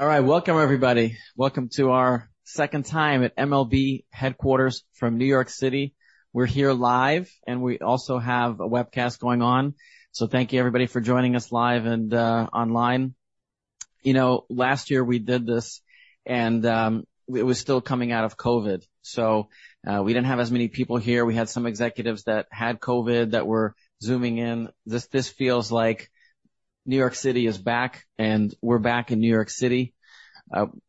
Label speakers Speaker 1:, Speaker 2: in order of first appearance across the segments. Speaker 1: All right. Welcome, everybody. Welcome to our second time at MLB headquarters from New York City. We're here live, and we also have a webcast going on. So thank you, everybody, for joining us live and, online. You know, last year we did this, and, we were still coming out of COVID, so, we didn't have as many people here. We had some executives that had COVID that were zooming in. This, this feels like New York City is back, and we're back in New York City.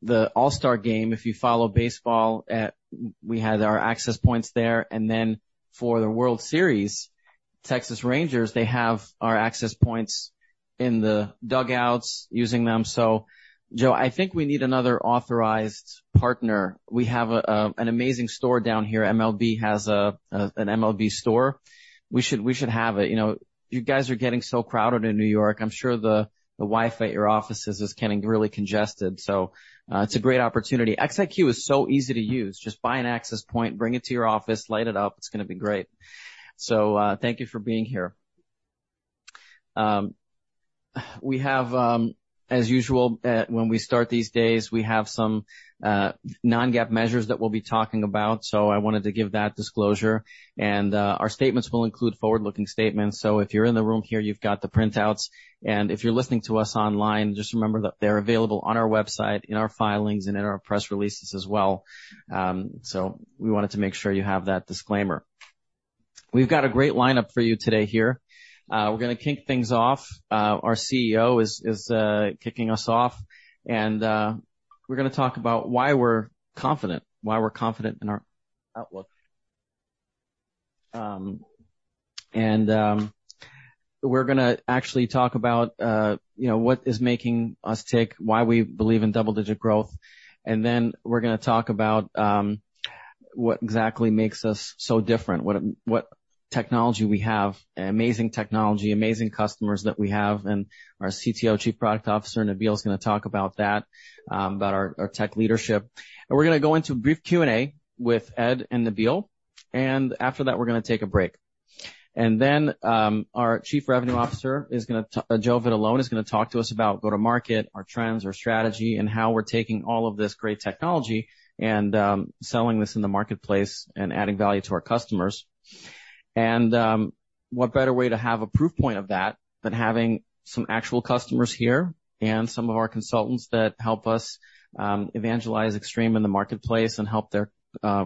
Speaker 1: The All-Star Game, if you follow baseball, at we had our access points there, and then for the World Series, Texas Rangers, they have our access points in the dugouts using them. So, Joe, I think we need another authorized partner. We have a, an amazing store down here. MLB has a, an MLB store. We should, we should have it. You know, you guys are getting so crowded in New York. I'm sure the, the Wi-Fi at your offices is getting really congested, so, it's a great opportunity. XIQ is so easy to use. Just buy an access point, bring it to your office, light it up. It's gonna be great. So, thank you for being here. We have, as usual, when we start these days, we have some, non-GAAP measures that we'll be talking about, so I wanted to give that disclosure. And, our statements will include forward-looking statements. So if you're in the room here, you've got the printouts, and if you're listening to us online, just remember that they're available on our website, in our filings, and in our press releases as well. So we wanted to make sure you have that disclaimer. We've got a great lineup for you today here. We're gonna kick things off. Our CEO is kicking us off, and we're gonna talk about why we're confident, why we're confident in our outlook. And we're gonna actually talk about, you know, what is making us tick, why we believe in double-digit growth, and then we're gonna talk about what exactly makes us so different, what technology we have, amazing technology, amazing customers that we have, and our CTO, Chief Product Officer, Nabil, is gonna talk about that, about our tech leadership. And we're gonna go into a brief Q&A with Ed and Nabil, and after that, we're gonna take a break. Then, our Chief Revenue Officer, Joe Vitalone, is gonna talk to us about go-to-market, our trends, our strategy, and how we're taking all of this great technology and selling this in the marketplace and adding value to our customers. What better way to have a proof point of that than having some actual customers here and some of our consultants that help us evangelize Extreme in the marketplace and help their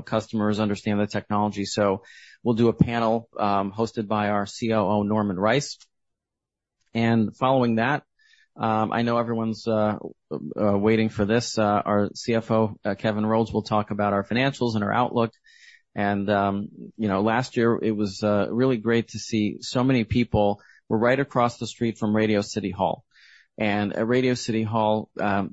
Speaker 1: customers understand the technology? So we'll do a panel hosted by our COO, Norman Rice. And following that, I know everyone's waiting for this, our CFO, Kevin Rhodes, will talk about our financials and our outlook. You know, last year it was really great to see so many people were right across the street from Radio City Music Hall. At Radio City Music Hall,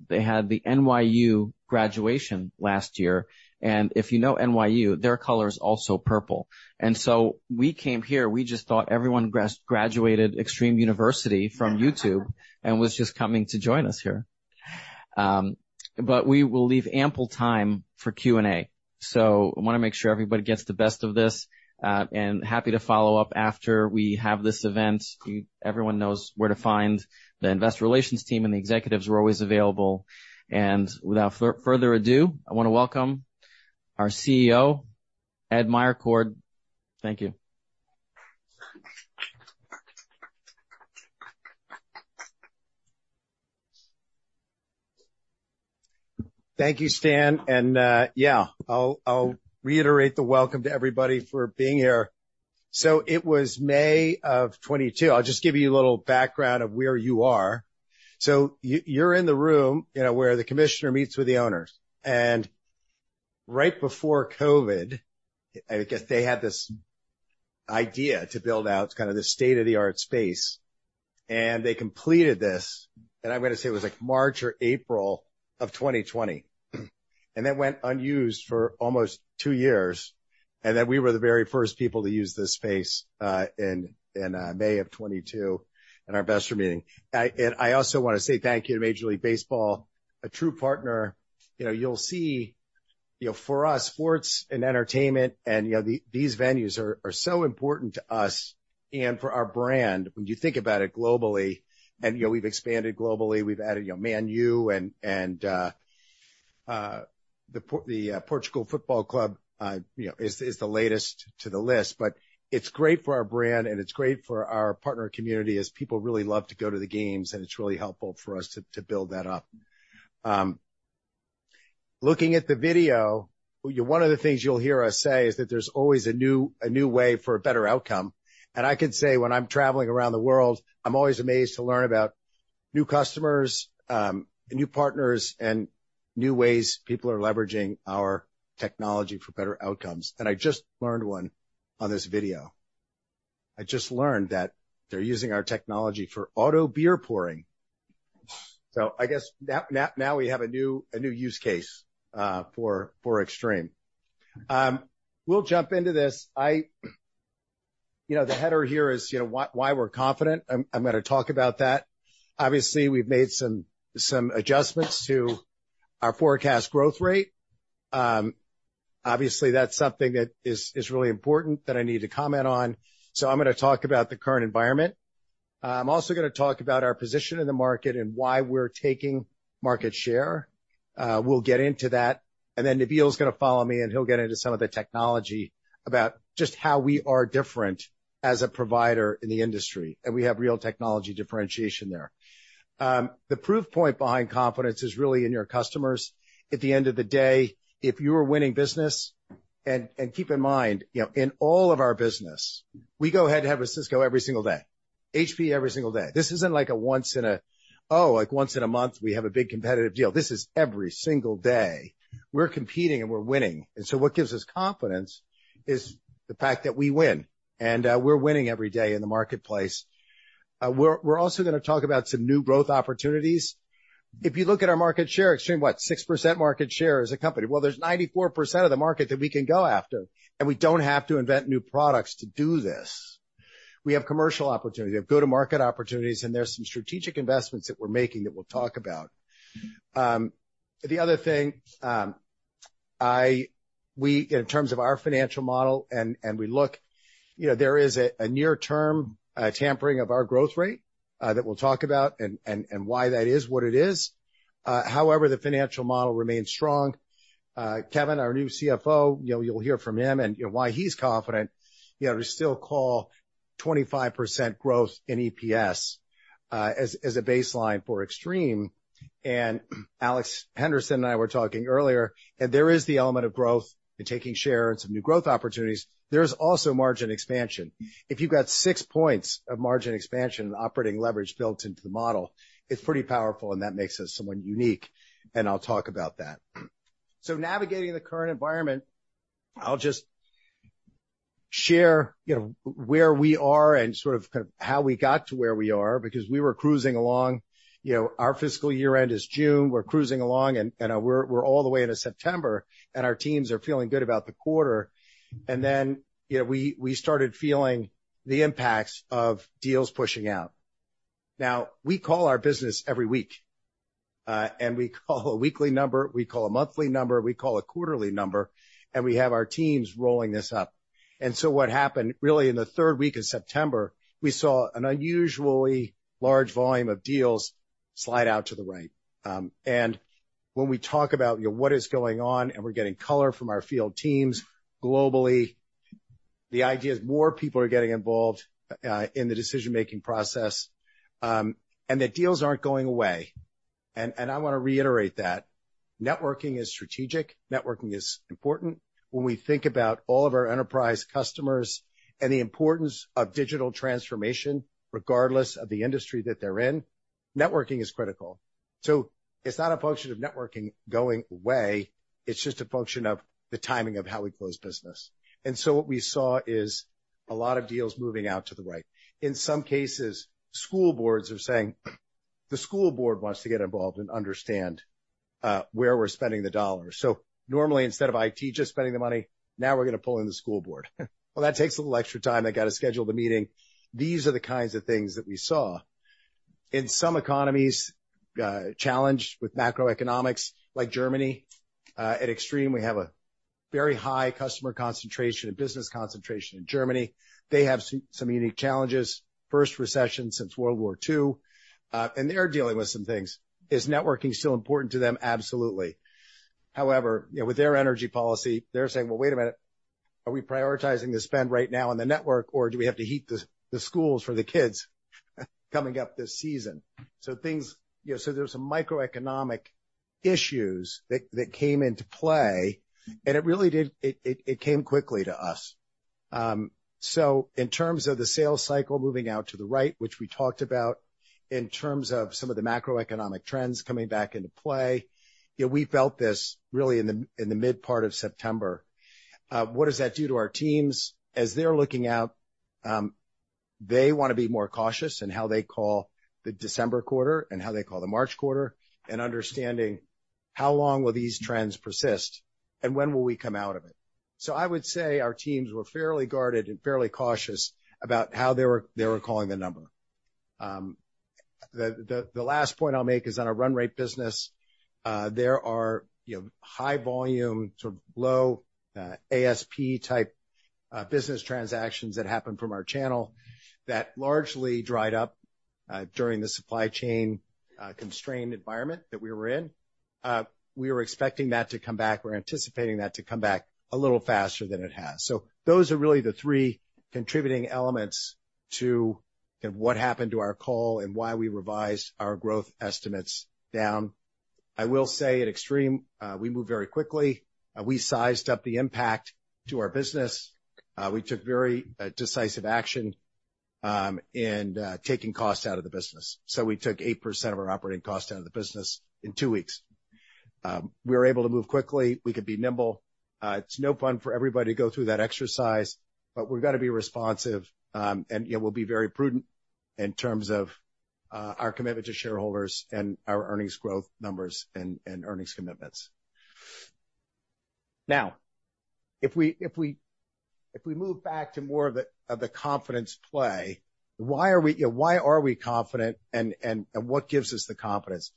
Speaker 1: they had the NYU graduation last year, and if you know NYU, their color is also purple. So we came here, we just thought everyone graduated Extreme University from YouTube and was just coming to join us here. But we will leave ample time for Q&A, so I wanna make sure everybody gets the best of this, and happy to follow up after we have this event. Everyone knows where to find the investor relations team, and the executives are always available. Without further ado, I want to welcome our CEO, Ed Meyercord. Thank you.
Speaker 2: Thank you, Stan. Yeah, I'll reiterate the welcome to everybody for being here. So it was May of 2022. I'll just give you a little background of where you are. So you, you're in the room, you know, where the commissioner meets with the owners. And right before COVID, I guess, they had this idea to build out kind of this state-of-the-art space, and they completed this, and I'm going to say it was like March or April of 2020, and that went unused for almost two years. And then we were the very first people to use this space in May of 2022 in our investor meeting. And I also want to say thank you to Major League Baseball, a true partner. You know, you'll see, you know, for us, sports and entertainment and, you know, these venues are so important to us and for our brand. When you think about it globally, and, you know, we've expanded globally, we've added, you know, Man U and the Portugal Football Club, you know, is the latest to the list. But it's great for our brand, and it's great for our partner community, as people really love to go to the games, and it's really helpful for us to build that up. Looking at the video, one of the things you'll hear us say is that there's always a new way for a better outcome. I can say when I'm traveling around the world, I'm always amazed to learn about new customers, new partners, and new ways people are leveraging our technology for better outcomes. I just learned one on this video. I just learned that they're using our technology for auto beer pouring. So I guess now we have a new use case for Extreme. We'll jump into this. You know, the header here is, you know, why we're confident. I'm gonna talk about that. Obviously, we've made some adjustments to our forecast growth rate. Obviously, that's something that is really important that I need to comment on. So I'm gonna talk about the current environment. I'm also gonna talk about our position in the market and why we're taking market share. We'll get into that, and then Nabil's gonna follow me, and he'll get into some of the technology about just how we are different as a provider in the industry, and we have real technology differentiation there. The proof point behind confidence is really in your customers. At the end of the day, if you are winning business, and keep in mind, you know, in all of our business, we go ahead and have a Cisco every single day, HP every single day. This isn't like once in a month we have a big competitive deal. This is every single day. We're competing, and we're winning. And so what gives us confidence is the fact that we win, and we're winning every day in the marketplace. We're also gonna talk about some new growth opportunities. If you look at our market share, Extreme, what, 6% market share as a company? Well, there's 94% of the market that we can go after, and we don't have to invent new products to do this. We have commercial opportunity, we have go-to-market opportunities, and there are some strategic investments that we're making that we'll talk about. The other thing, we, in terms of our financial model, and, and we look, you know, there is a near-term tampering of our growth rate that we'll talk about and, and, and why that is what it is. However, the financial model remains strong. Kevin, our new CFO, you know, you'll hear from him and, you know, why he's confident, you know, to still call 25% growth in EPS as a baseline for Extreme. Alex Henderson and I were talking earlier, and there is the element of growth and taking share and some new growth opportunities. There's also margin expansion. If you've got six points of margin expansion and operating leverage built into the model, it's pretty powerful, and that makes us somewhat unique, and I'll talk about that. So navigating the current environment, I'll just share, you know, where we are and sort of how we got to where we are, because we were cruising along. You know, our fiscal year end is June. We're cruising along, and we're all the way into September, and our teams are feeling good about the quarter. Then, you know, we started feeling the impacts of deals pushing out. Now, we call our business every week, and we call a weekly number, we call a monthly number, we call a quarterly number, and we have our teams rolling this up. And so what happened, really, in the third week of September, we saw an unusually large volume of deals slide out to the right. And when we talk about, you know, what is going on, and we're getting color from our field teams globally, the idea is more people are getting involved in the decision-making process, and that deals aren't going away. And I want to reiterate that networking is strategic, networking is important. When we think about all of our enterprise customers and the importance of digital transformation, regardless of the industry that they're in, networking is critical. So it's not a function of networking going away, it's just a function of the timing of how we close business. And so what we saw is a lot of deals moving out to the right. In some cases, school boards are saying the school board wants to get involved and understand where we're spending the dollars. So normally, instead of IT just spending the money, now we're gonna pull in the school board. Well, that takes a little extra time. They got to schedule the meeting. These are the kinds of things that we saw. In some economies challenged with macroeconomics, like Germany, at Extreme, we have a very high customer concentration and business concentration in Germany. They have some unique challenges. First recession since World War II, and they're dealing with some things. Is networking still important to them? Absolutely. However, you know, with their energy policy, they're saying: "Well, wait a minute, are we prioritizing the spend right now on the network, or do we have to heat the schools for the kids coming up this season?" So things... You know, so there were some microeconomic issues that came into play, and it really did—it came quickly to us. So in terms of the sales cycle moving out to the right, which we talked about, in terms of some of the macroeconomic trends coming back into play, you know, we felt this really in the mid part of September. What does that do to our teams? As they're looking out, they want to be more cautious in how they call the December quarter and how they call the March quarter, and understanding how long will these trends persist and when will we come out of it. So I would say our teams were fairly guarded and fairly cautious about how they were calling the number. The last point I'll make is, on a run rate business, there are, you know, high volume, sort of low, ASP-type, business transactions that happen from our channel that largely dried up, during the supply chain, constrained environment that we were in. We were expecting that to come back. We're anticipating that to come back a little faster than it has. So those are really the three contributing elements to what happened to our call and why we revised our growth estimates down. I will say at Extreme, we move very quickly. We sized up the impact to our business. We took very decisive action, in taking costs out of the business. So we took 8% of our operating costs out of the business in two weeks. We were able to move quickly. We could be nimble. It's no fun for everybody to go through that exercise, but we've got to be responsive, and, you know, we'll be very prudent in terms of, our commitment to shareholders and our earnings growth numbers and, and earnings commitments. Now, if we, if we-... If we move back to more of the confidence play, why are we, you know, why are we confident and what gives us the confidence?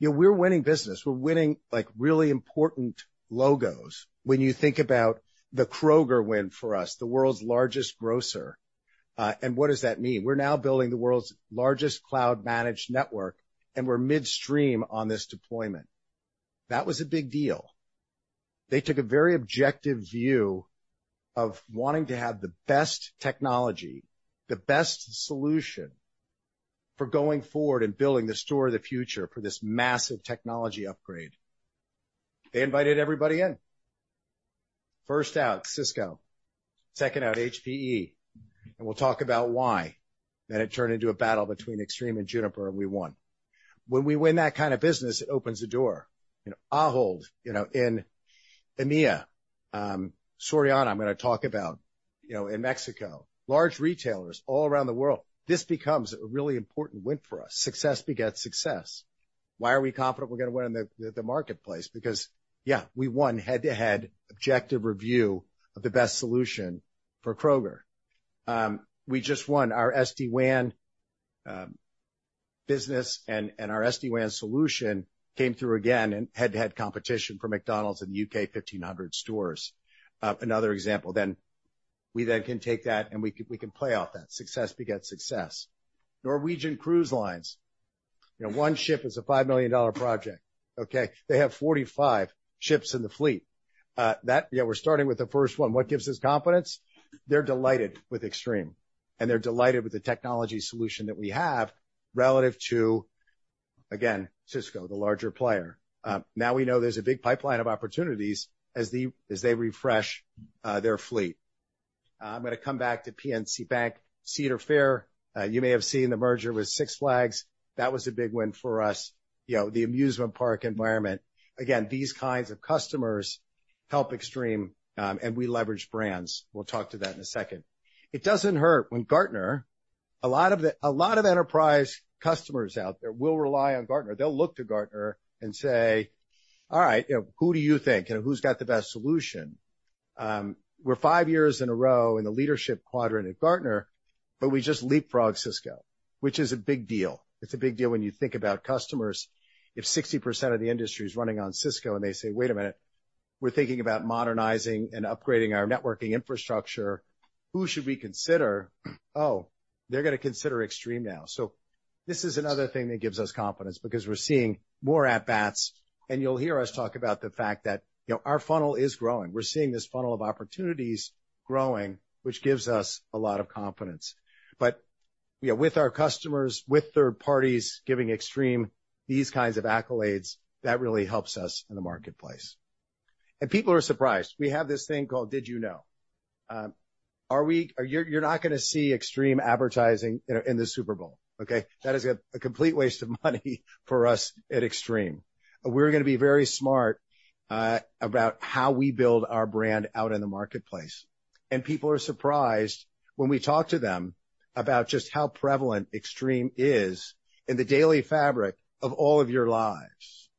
Speaker 2: You know, we're winning business. We're winning, like, really important logos. When you think about the Kroger win for us, the world's largest grocer, and what does that mean? We're now building the world's largest cloud-managed network, and we're midstream on this deployment. That was a big deal. They took a very objective view of wanting to have the best technology, the best solution for going forward and building the store of the future for this massive technology upgrade. They invited everybody in. First out, Cisco, second out, HPE, and we'll talk about why. Then it turned into a battle between Extreme and Juniper, and we won. When we win that kind of business, it opens the door. You know, Ahold, you know, in EMEA, Soriana, I'm gonna talk about, you know, in Mexico, large retailers all around the world, this becomes a really important win for us. Success begets success. Why are we confident we're gonna win in the, the marketplace? Because, yeah, we won head-to-head objective review of the best solution for Kroger. We just won our SD-WAN business, and, and our SD-WAN solution came through again in head-to-head competition for McDonald's in the UK, 1,500 stores. Another example, then we then can take that, and we can play off that. Success begets success. Norwegian Cruise Line, you know, one ship is a $5 million project, okay? They have 45 ships in the fleet. That... Yeah, we're starting with the first one. What gives us confidence? They're delighted with Extreme, and they're delighted with the technology solution that we have relative to, again, Cisco, the larger player. Now we know there's a big pipeline of opportunities as they refresh their fleet. I'm gonna come back to PNC Bank, Cedar Fair. You may have seen the merger with Six Flags. That was a big win for us, you know, the amusement park environment. Again, these kinds of customers help Extreme, and we leverage brands. We'll talk to that in a second. It doesn't hurt when Gartner, a lot of the- a lot of enterprise customers out there will rely on Gartner. They'll look to Gartner and say, "All right, you know, who do you think? Who's got the best solution?" We're five years in a row in the leadership quadrant at Gartner, but we just leapfrogged Cisco, which is a big deal. It's a big deal when you think about customers. If 60% of the industry is running on Cisco, and they say, "Wait a minute, we're thinking about modernizing and upgrading our networking infrastructure, who should we consider?" Oh, they're gonna consider Extreme now. So this is another thing that gives us confidence because we're seeing more at-bats, and you'll hear us talk about the fact that, you know, our funnel is growing. We're seeing this funnel of opportunities growing, which gives us a lot of confidence. But, you know, with our customers, with third parties giving Extreme these kinds of accolades, that really helps us in the marketplace. People are surprised. We have this thing called Did You Know? You're not gonna see Extreme advertising in the Super Bowl, okay? That is a complete waste of money for us at Extreme. We're gonna be very smart about how we build our brand out in the marketplace. And people are surprised when we talk to them about just how prevalent Extreme is in the daily fabric of all of your lives.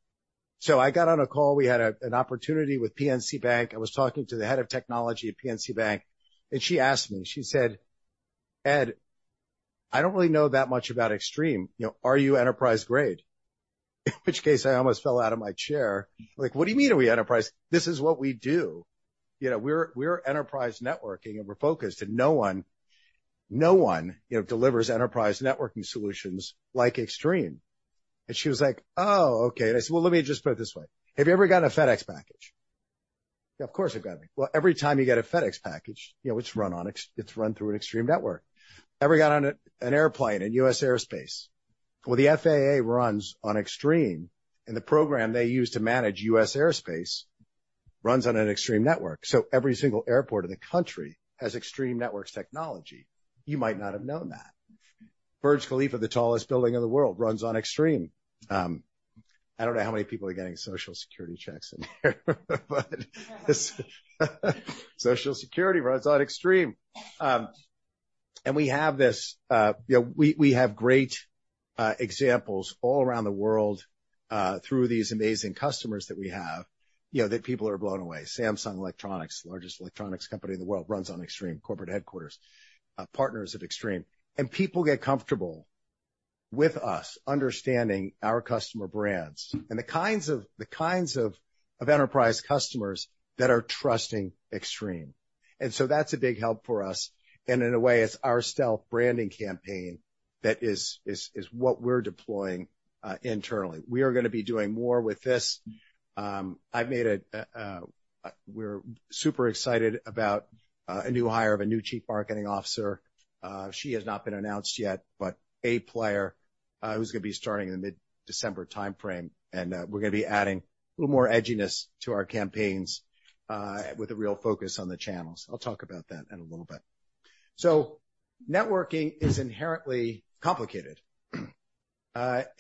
Speaker 2: So I got on a call. We had an opportunity with PNC Bank. I was talking to the head of technology at PNC Bank, and she asked me, she said, "Ed, I don't really know that much about Extreme. You know, are you enterprise-grade?" In which case, I almost fell out of my chair. Like, "What do you mean, are we enterprise? This is what we do. You know, we're, we're enterprise networking, and we're focused, and no one, no one, you know, delivers enterprise networking solutions like Extreme. And she was like, "Oh, okay." And I said, "Well, let me just put it this way. Have you ever gotten a FedEx package?" "Of course, I've got them." "Well, every time you get a FedEx package, you know, it's run through an Extreme network. Ever got on an airplane in U.S. airspace? Well, the FAA runs on Extreme, and the program they use to manage U.S. airspace runs on an Extreme network. So every single airport in the country has Extreme Networks technology. You might not have known that." Burj Khalifa, the tallest building in the world, runs on Extreme. I don't know how many people are getting Social Security checks in there, but Social Security runs on Extreme. And we have this, you know, we have great examples all around the world through these amazing customers that we have, you know, that people are blown away. Samsung Electronics, the largest electronics company in the world, runs on Extreme, corporate headquarters, partners with Extreme. And people get comfortable with us understanding our customer brands and the kinds of enterprise customers that are trusting Extreme. And so that's a big help for us, and in a way, it's our stealth branding campaign that is what we're deploying internally. We are gonna be doing more with this. We're super excited about a new hire of a new Chief Marketing Officer. She has not been announced yet, but a player, who's gonna be starting in the mid-December timeframe, and, we're gonna be adding a little more edginess to our campaigns, with a real focus on the channels. I'll talk about that in a little bit. So networking is inherently complicated.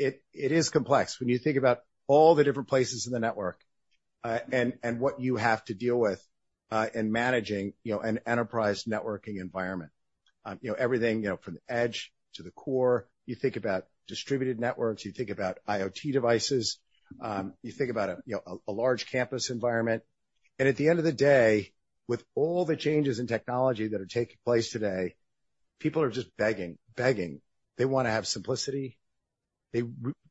Speaker 2: It, it is complex when you think about all the different places in the network, and, and what you have to deal with, in managing, you know, an enterprise networking environment. You know, everything, you know, from the edge to the core. You think about distributed networks, you think about IoT devices. You think about a, you know, a, a large campus environment, and at the end of the day, with all the changes in technology that are taking place today, people are just begging, begging. They wanna have simplicity. They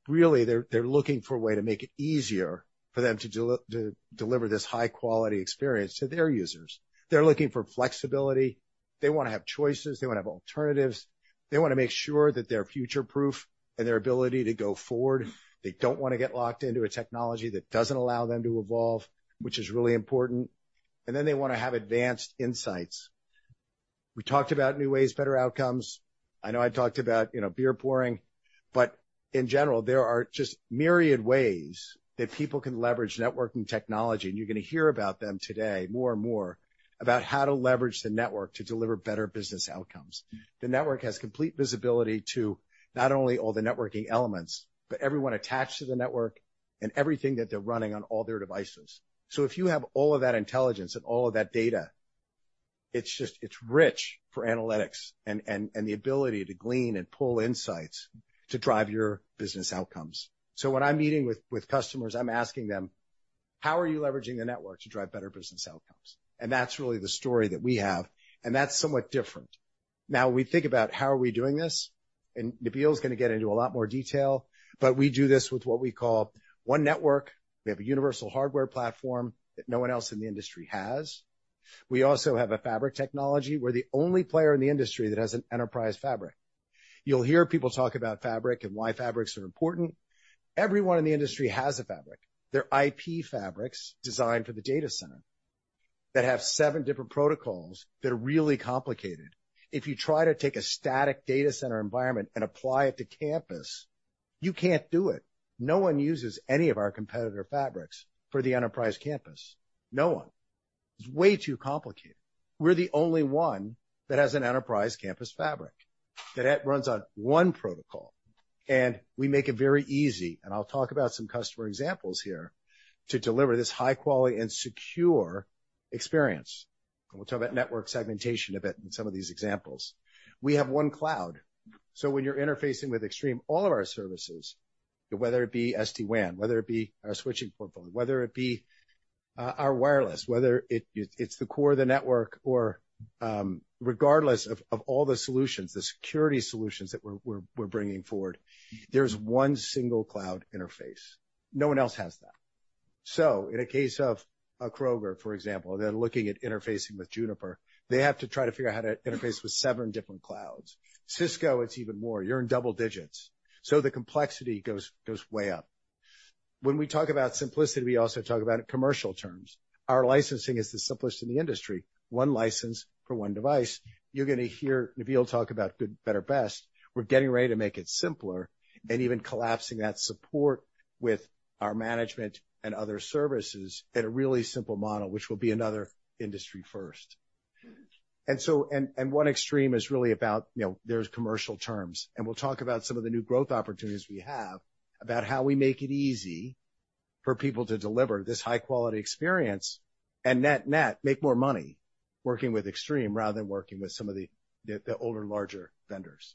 Speaker 2: really, they're looking for a way to make it easier for them to deliver this high-quality experience to their users. They're looking for flexibility. They wanna have choices. They wanna have alternatives. They wanna make sure that they're future-proof in their ability to go forward. They don't wanna get locked into a technology that doesn't allow them to evolve, which is really important. And then they wanna have advanced insights. We talked about new ways, better outcomes. I know I talked about, you know, beer pouring, but in general, there are just myriad ways that people can leverage networking technology, and you're gonna hear about them today, more and more, about how to leverage the network to deliver better business outcomes. The network has complete visibility to not only all the networking elements, but everyone attached to the network and everything that they're running on all their devices. So if you have all of that intelligence and all of that data, it's just, it's rich for analytics and the ability to glean and pull insights to drive your business outcomes. So when I'm meeting with customers, I'm asking them: "How are you leveraging the network to drive better business outcomes?" And that's really the story that we have, and that's somewhat different. Now, we think about how are we doing this, and Nabil's gonna get into a lot more detail, but we do this with what we call One Network. We have a Universal Hardware platform that no one else in the industry has. We also have a fabric technology. We're the only player in the industry that has an enterprise fabric. You'll hear people talk about fabric and why fabrics are important. Everyone in the industry has a fabric. They're IP fabrics designed for the data center, that have seven different protocols that are really complicated. If you try to take a static data center environment and apply it to campus, you can't do it. No one uses any of our competitor fabrics for the enterprise campus. No one. It's way too complicated. We're the only one that has an enterprise campus fabric, that it runs on one protocol, and we make it very easy, and I'll talk about some customer examples here, to deliver this high quality and secure experience. We'll talk about network segmentation a bit in some of these examples. We have one cloud, so when you're interfacing with Extreme, all of our services, whether it be SD-WAN, whether it be our switching portfolio, whether it be our wireless, whether it it's the core of the network or regardless of all the solutions, the security solutions that we're bringing forward, there's one single cloud interface. No one else has that. So in the case of a Kroger, for example, they're looking at interfacing with Juniper. They have to try to figure out how to interface with seven different clouds. Cisco, it's even more. You're in double digits, so the complexity goes way up. When we talk about simplicity, we also talk about it in commercial terms. Our licensing is the simplest in the industry. One license for one device. You're gonna hear Nabil talk about good, better, best. We're getting ready to make it simpler and even collapsing that support with our management and other services in a really simple model, which will be another industry first. And one Extreme is really about, you know, there's commercial terms, and we'll talk about some of the new growth opportunities we have, about how we make it easy for people to deliver this high-quality experience and net-net, make more money working with Extreme rather than working with some of the older, larger vendors.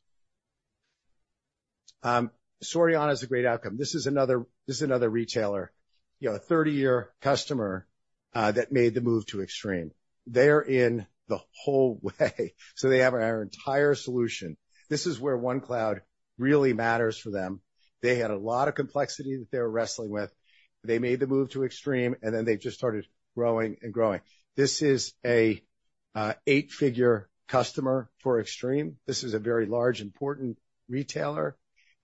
Speaker 2: Soriana is a great outcome. This is another, this is another retailer, you know, a 30-year customer that made the move to Extreme. They're in the whole way, so they have our entire solution. This is where One Cloud really matters for them. They had a lot of complexity that they were wrestling with. They made the move to Extreme, and then they've just started growing and growing. This is a eight-figure customer for Extreme. This is a very large, important retailer,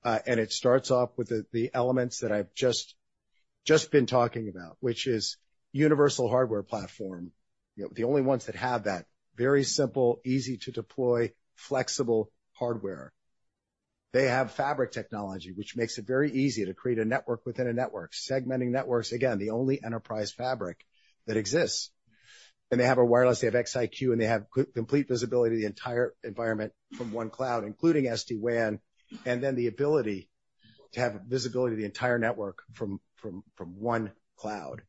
Speaker 2: and it starts off with the elements that I've just been talking about, which is Universal Hardware platform. You know, the only ones that have that. Very simple, easy to deploy, flexible hardware. They have fabric technology, which makes it very easy to create a network within a network, segmenting networks. Again, the only enterprise fabric that exists. And they have a wireless, they have XIQ, and they have complete visibility of the entire environment from one cloud, including SD-WAN, and then the ability to have visibility of the entire network from one cloud.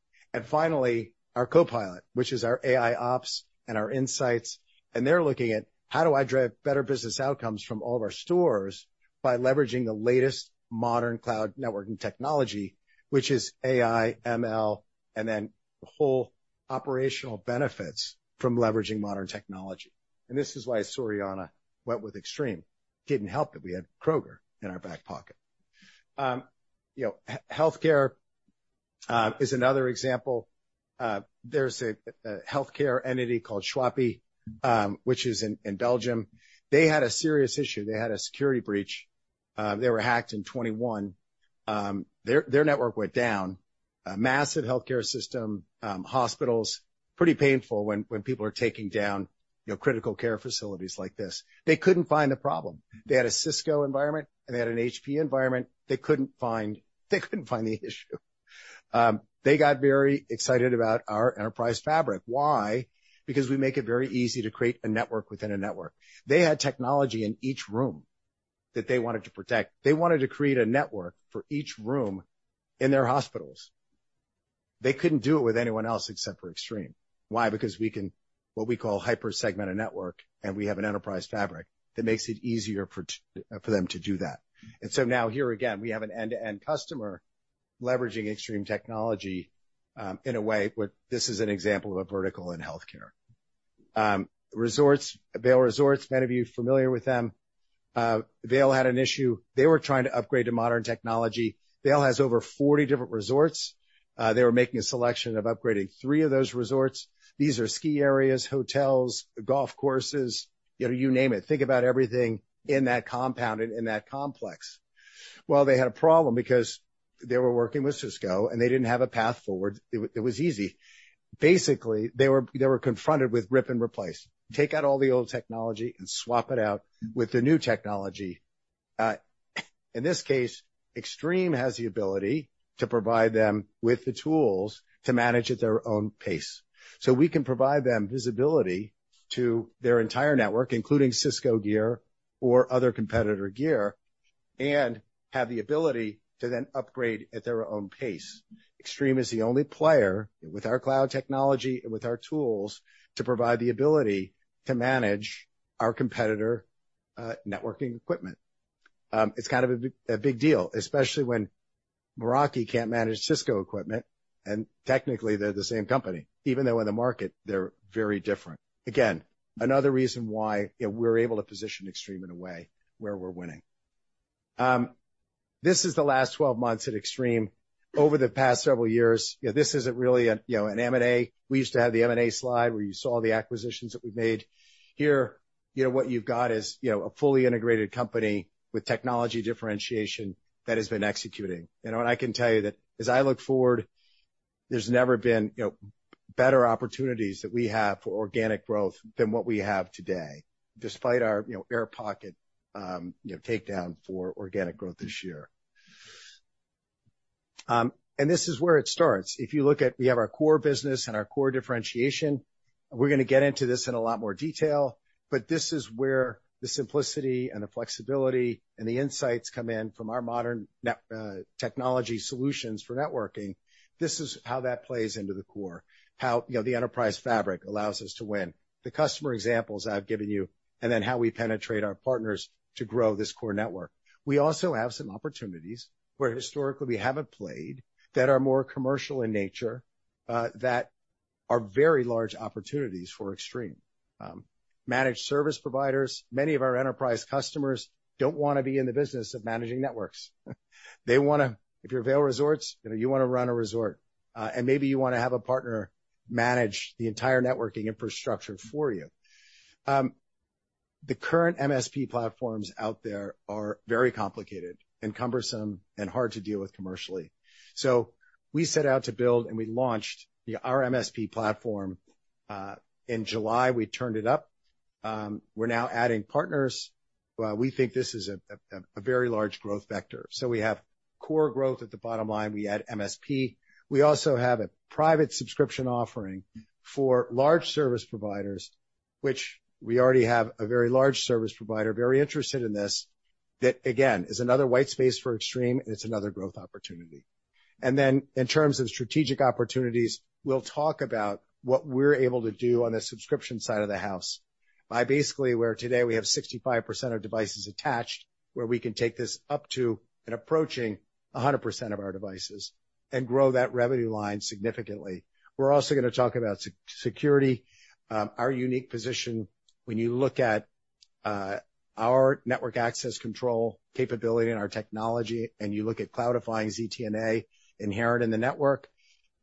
Speaker 2: Finally, our Copilot, which is our AIOps and our insights, and they're looking at: How do I drive better business outcomes from all of our stores by leveraging the latest modern cloud networking technology, which is AI, ML, and then the whole operational benefits from leveraging modern technology? And this is why Soriana went with Extreme. Didn't help that we had Kroger in our back pocket. You know, healthcare is another example. There's a healthcare entity called Zwijnaarde, which is in Belgium. They had a serious issue. They had a security breach. They were hacked in 2021. Their network went down. A massive healthcare system, hospitals. Pretty painful when people are taking down, you know, critical care facilities like this. They couldn't find the problem. They had a Cisco environment, and they had an HP environment. They couldn't find, they couldn't find the issue. They got very excited about our enterprise fabric. Why? Because we make it very easy to create a network within a network. They had technology in each room that they wanted to protect. They wanted to create a network for each room in their hospitals. They couldn't do it with anyone else except for Extreme. Why? Because we can, what we call hyper-segmented network, and we have an enterprise fabric that makes it easier for for them to do that. And so now, here again, we have an end-to-end customer leveraging Extreme technology, in a way where this is an example of a vertical in healthcare. Resorts, Vail Resorts, many of you familiar with them. Vail had an issue. They were trying to upgrade to modern technology. Vail has over 40 different resorts. They were making a selection of upgrading three of those resorts. These are ski areas, hotels, golf courses, you know, you name it. Think about everything in that compound and in that complex. Well, they had a problem because they were working with Cisco, and they didn't have a path forward. It was easy. Basically, they were confronted with rip and replace, take out all the old technology and swap it out with the new technology. In this case, Extreme has the ability to provide them with the tools to manage at their own pace. So we can provide them visibility to their entire network, including Cisco gear or other competitor gear, and have the ability to then upgrade at their own pace. Extreme is the only player, with our cloud technology and with our tools, to provide the ability to manage our competitor networking equipment. It's kind of a big deal, especially when Meraki can't manage Cisco equipment, and technically, they're the same company, even though in the market they're very different. Again, another reason why, you know, we're able to position Extreme in a way where we're winning. This is the last 12 months at Extreme. Over the past several years, you know, this isn't really, you know, an M&A. We used to have the M&A slide, where you saw the acquisitions that we've made. Here, you know, what you've got is, you know, a fully integrated company with technology differentiation that has been executing. You know, and I can tell you that as I look forward, there's never been, you know, better opportunities that we have for organic growth than what we have today, despite our, you know, air pocket, you know, takedown for organic growth this year. And this is where it starts. If you look at, we have our core business and our core differentiation, we're gonna get into this in a lot more detail, but this is where the simplicity and the flexibility, and the insights come in from our modern net, technology solutions for networking. This is how that plays into the core, how, you know, the Enterprise Fabric allows us to win. The customer examples I've given you, and then how we penetrate our partners to grow this core network. We also have some opportunities where historically we haven't played, that are more commercial in nature, that are very large opportunities for Extreme. Managed service providers, many of our enterprise customers don't want to be in the business of managing networks. They wanna... If you're Vail Resorts, you know, you wanna run a resort, and maybe you wanna have a partner manage the entire networking infrastructure for you. The current MSP platforms out there are very complicated, and cumbersome, and hard to deal with commercially. So we set out to build, and we launched our MSP platform, in July, we turned it up. We're now adding partners. We think this is a very large growth vector. So we have core growth at the bottom line, we add MSP. We also have a private subscription offering for large service providers, which we already have a very large service provider very interested in this. That, again, is another white space for Extreme, and it's another growth opportunity. Then in terms of strategic opportunities, we'll talk about what we're able to do on the subscription side of the house by basically, where today we have 65% of devices attached, where we can take this up to and approaching 100% of our devices and grow that revenue line significantly. We're also gonna talk about security, our unique position. When you look at our network access control capability and our technology, and you look at cloudifying ZTNA inherent in the network,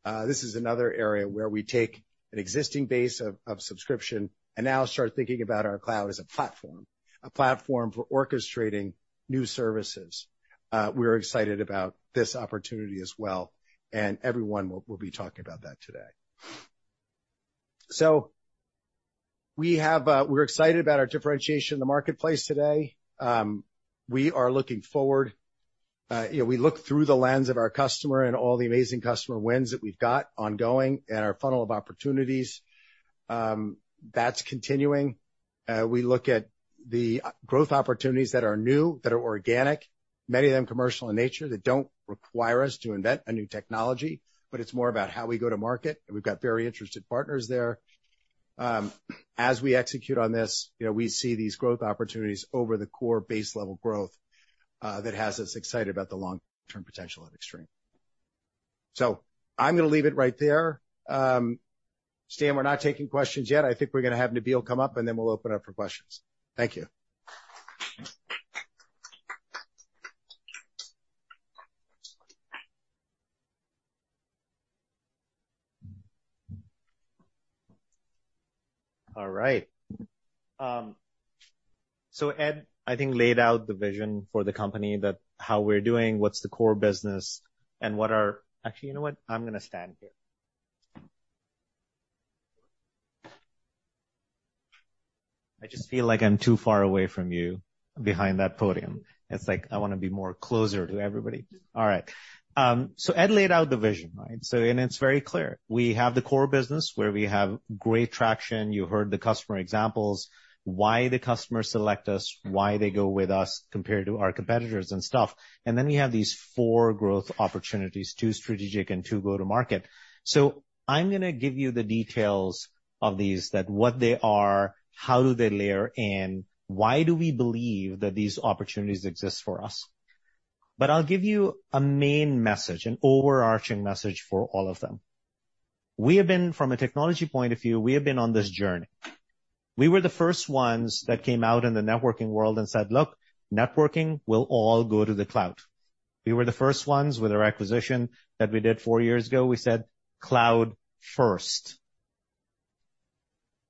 Speaker 2: this is another area where we take an existing base of subscription and now start thinking about our cloud as a platform, a platform for orchestrating new services. We're excited about this opportunity as well, and everyone will be talking about that today. So we're excited about our differentiation in the marketplace today. We are looking forward, you know, we look through the lens of our customer and all the amazing customer wins that we've got ongoing and our funnel of opportunities, that's continuing. We look at the growth opportunities that are new, that are organic, many of them commercial in nature, that don't require us to invent a new technology, but it's more about how we go to market, and we've got very interested partners there. As we execute on this, you know, we see these growth opportunities over the core base level growth that has us excited about the long-term potential of Extreme. So I'm gonna leave it right there. Stan, we're not taking questions yet. I think we're gonna have Nabil come up, and then we'll open up for questions. Thank you.
Speaker 3: All right. So Ed, I think, laid out the vision for the company, that, how we're doing, what's the core business. Actually, you know what? I'm gonna stand here.... I just feel like I'm too far away from you behind that podium. It's like, I wanna be more closer to everybody. All right. So Ed laid out the vision, right? So and it's very clear. We have the core business, where we have great traction. You heard the customer examples, why the customers select us, why they go with us compared to our competitors and stuff. And then we have these four growth opportunities, two strategic and two go-to-market. So I'm gonna give you the details of these, that what they are, how do they layer in, why do we believe that these opportunities exist for us? But I'll give you a main message, an overarching message for all of them. We have been, from a technology point of view, we have been on this journey. We were the first ones that came out in the networking world and said, "Look, networking will all go to the cloud." We were the first ones with our acquisition that we did 4 years ago. We said, "Cloud first."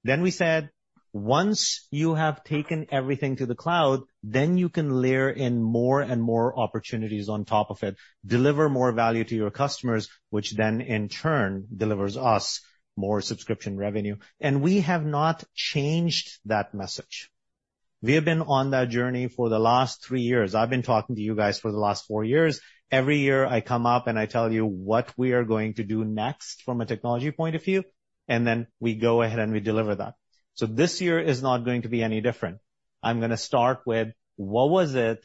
Speaker 3: Then we said, "Once you have taken everything to the cloud, then you can layer in more and more opportunities on top of it, deliver more value to your customers, which then, in turn, delivers us more subscription revenue." We have not changed that message. We have been on that journey for the last 3 years. I've been talking to you guys for the last 4 years. Every year, I come up, and I tell you what we are going to do next from a technology point of view, and then we go ahead, and we deliver that. This year is not going to be any different. I'm gonna start with what was it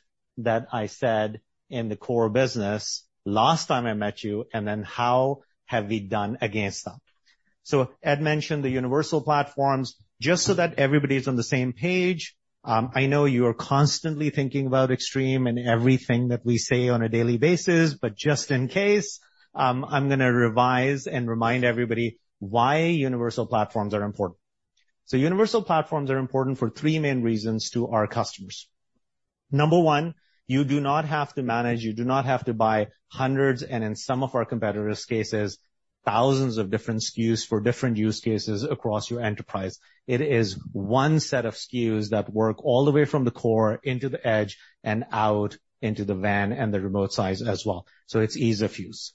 Speaker 3: that I said in the core business last time I met you, and then how have we done against that? So Ed mentioned the universal platforms. Just so that everybody's on the same page, I know you are constantly thinking about Extreme and everything that we say on a daily basis, but just in case, I'm gonna revise and remind everybody why universal platforms are important. So universal platforms are important for three main reasons to our customers. Number one, you do not have to manage, you do not have to buy hundreds, and in some of our competitors' cases, thousands of different SKUs for different use cases across your enterprise. It is one set of SKUs that work all the way from the core into the edge and out into the WAN and the remote sites as well. So it's ease of use.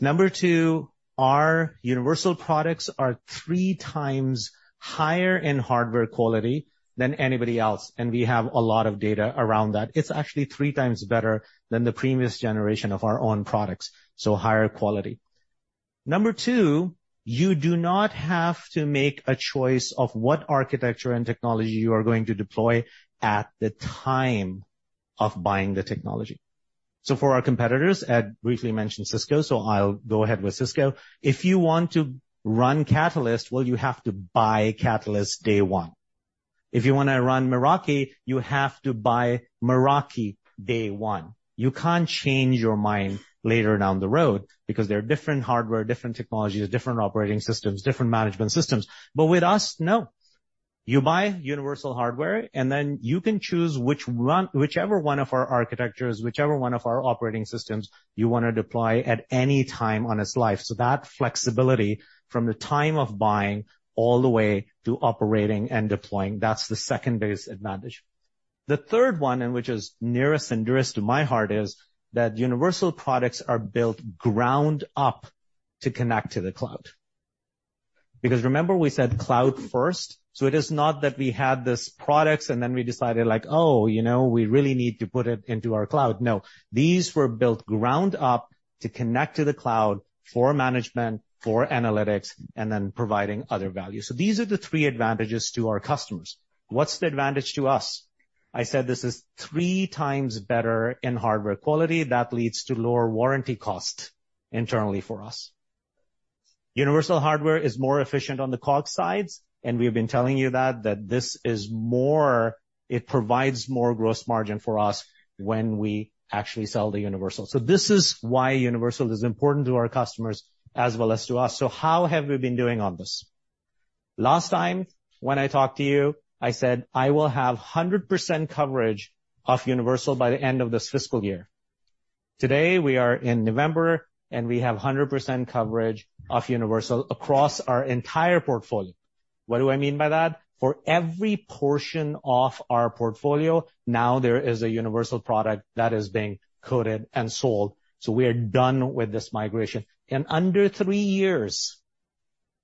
Speaker 3: Number 2, our universal products are 3 times higher in hardware quality than anybody else, and we have a lot of data around that. It's actually 3 times better than the previous generation of our own products, so higher quality. Number 2, you do not have to make a choice of what architecture and technology you are going to deploy at the time of buying the technology. So for our competitors, Ed briefly mentioned Cisco, so I'll go ahead with Cisco. If you want to run Catalyst, well, you have to buy Catalyst day one. If you wanna run Meraki, you have to buy Meraki day one. You can't change your mind later down the road because they're different hardware, different technologies, different operating systems, different management systems. But with us, no. You buy Universal Hardware, and then you can choose which one, whichever one of our architectures, whichever one of our operating systems you wanna deploy at any time on its life. So that flexibility from the time of buying all the way to operating and deploying, that's the second biggest advantage. The third one, and which is nearest and dearest to my heart, is that universal products are built ground up to connect to the cloud. Because remember we said cloud first? So it is not that we had these products, and then we decided, like, "Oh, you know, we really need to put it into our cloud." No, these were built ground up to connect to the cloud for management, for analytics, and then providing other value. So these are the three advantages to our customers. What's the advantage to us? I said this is three times better in hardware quality. That leads to lower warranty costs internally for us. Universal Hardware is more efficient on the COGS side, and we have been telling you that, that this is more. It provides more gross margin for us when we actually sell the Universal. So this is why Universal is important to our customers as well as to us. So how have we been doing on this? Last time when I talked to you, I said I will have 100% coverage of Universal by the end of this fiscal year. Today, we are in November, and we have 100% coverage of Universal across our entire portfolio. What do I mean by that? For every portion of our portfolio, now there is a Universal product that is being quoted and sold. So we are done with this migration. In under three years,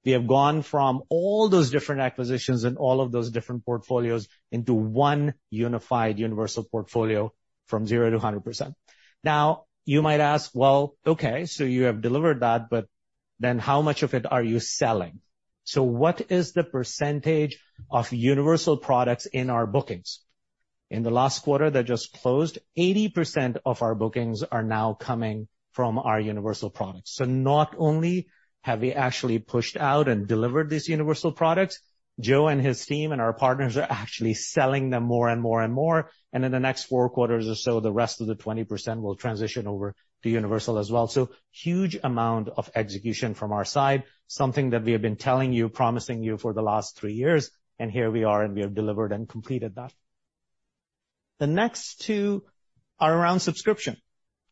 Speaker 3: we have gone from all those different acquisitions and all of those different portfolios into one unified Universal Portfolio from zero to 100%. Now, you might ask: "Well, okay, so you have delivered that, but then how much of it are you selling?" So what is the percentage of universal products in our bookings? In the last quarter that just closed, 80% of our bookings are now coming from our universal products. So not only have we actually pushed out and delivered these universal products, Joe and his team and our partners are actually selling them more and more and more, and in the next four quarters or so, the rest of the 20% will transition over to universal as well. So huge amount of execution from our side, something that we have been telling you, promising you for the last three years, and here we are, and we have delivered and completed that. The next two are around subscription.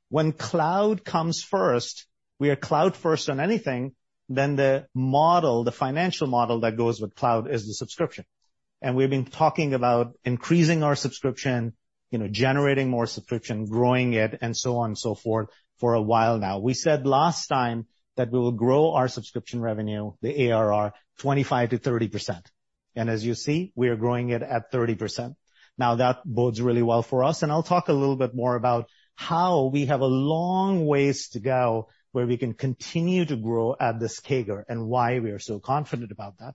Speaker 3: When cloud comes first, we are cloud first on anything, then the model, the financial model that goes with cloud, is the subscription. And we've been talking about increasing our subscription... you know, generating more subscription, growing it, and so on and so forth for a while now. We said last time that we will grow our subscription revenue, the ARR, 25%-30%, and as you see, we are growing it at 30%. Now, that bodes really well for us, and I'll talk a little bit more about how we have a long ways to go, where we can continue to grow at this CAGR and why we are so confident about that.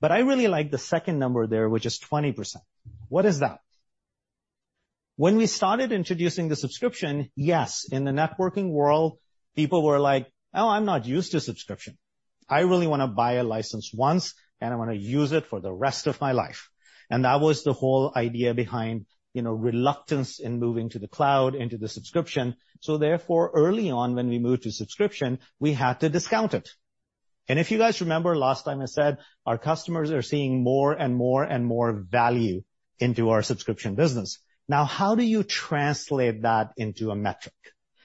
Speaker 3: But I really like the second number there, which is 20%. What is that? When we started introducing the subscription, yes, in the networking world, people were like: "Oh, I'm not used to subscription. I really wanna buy a license once, and I wanna use it for the rest of my life." And that was the whole idea behind, you know, reluctance in moving to the cloud, into the subscription. So therefore, early on, when we moved to subscription, we had to discount it. And if you guys remember, last time I said our customers are seeing more and more and more value into our subscription business. Now, how do you translate that into a metric?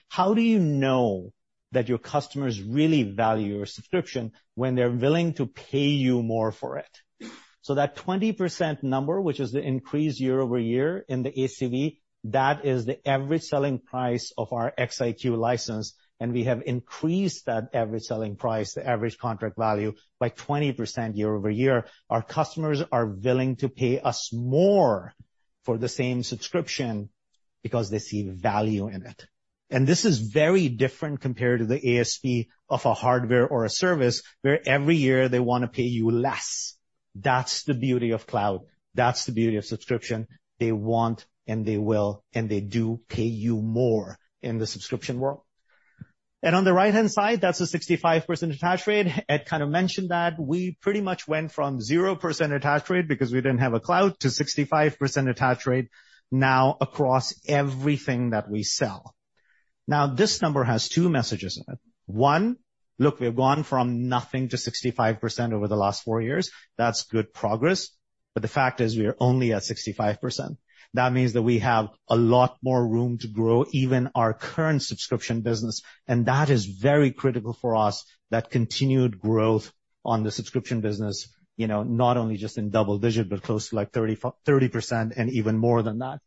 Speaker 3: How do you know that your customers really value your subscription when they're willing to pay you more for it? So that 20% number, which is the increase year-over-year in the ACV, that is the average selling price of our XIQ license, and we have increased that average selling price, the average contract value, by 20% year-over-year. Our customers are willing to pay us more for the same subscription because they see value in it. And this is very different compared to the ASP of a hardware or a service, where every year they wanna pay you less. That's the beauty of cloud. That's the beauty of subscription. They want, and they will, and they do pay you more in the subscription world. And on the right-hand side, that's a 65% attach rate. Ed kind of mentioned that. We pretty much went from 0% attach rate because we didn't have a cloud, to 65% attach rate now across everything that we sell. Now, this number has two messages in it. One, look, we've gone from nothing to 65% over the last four years. That's good progress, but the fact is we are only at 65%. That means that we have a lot more room to grow, even our current subscription business, and that is very critical for us, that continued growth on the subscription business, you know, not only just in double digit, but close to, like, 30% and even more than that.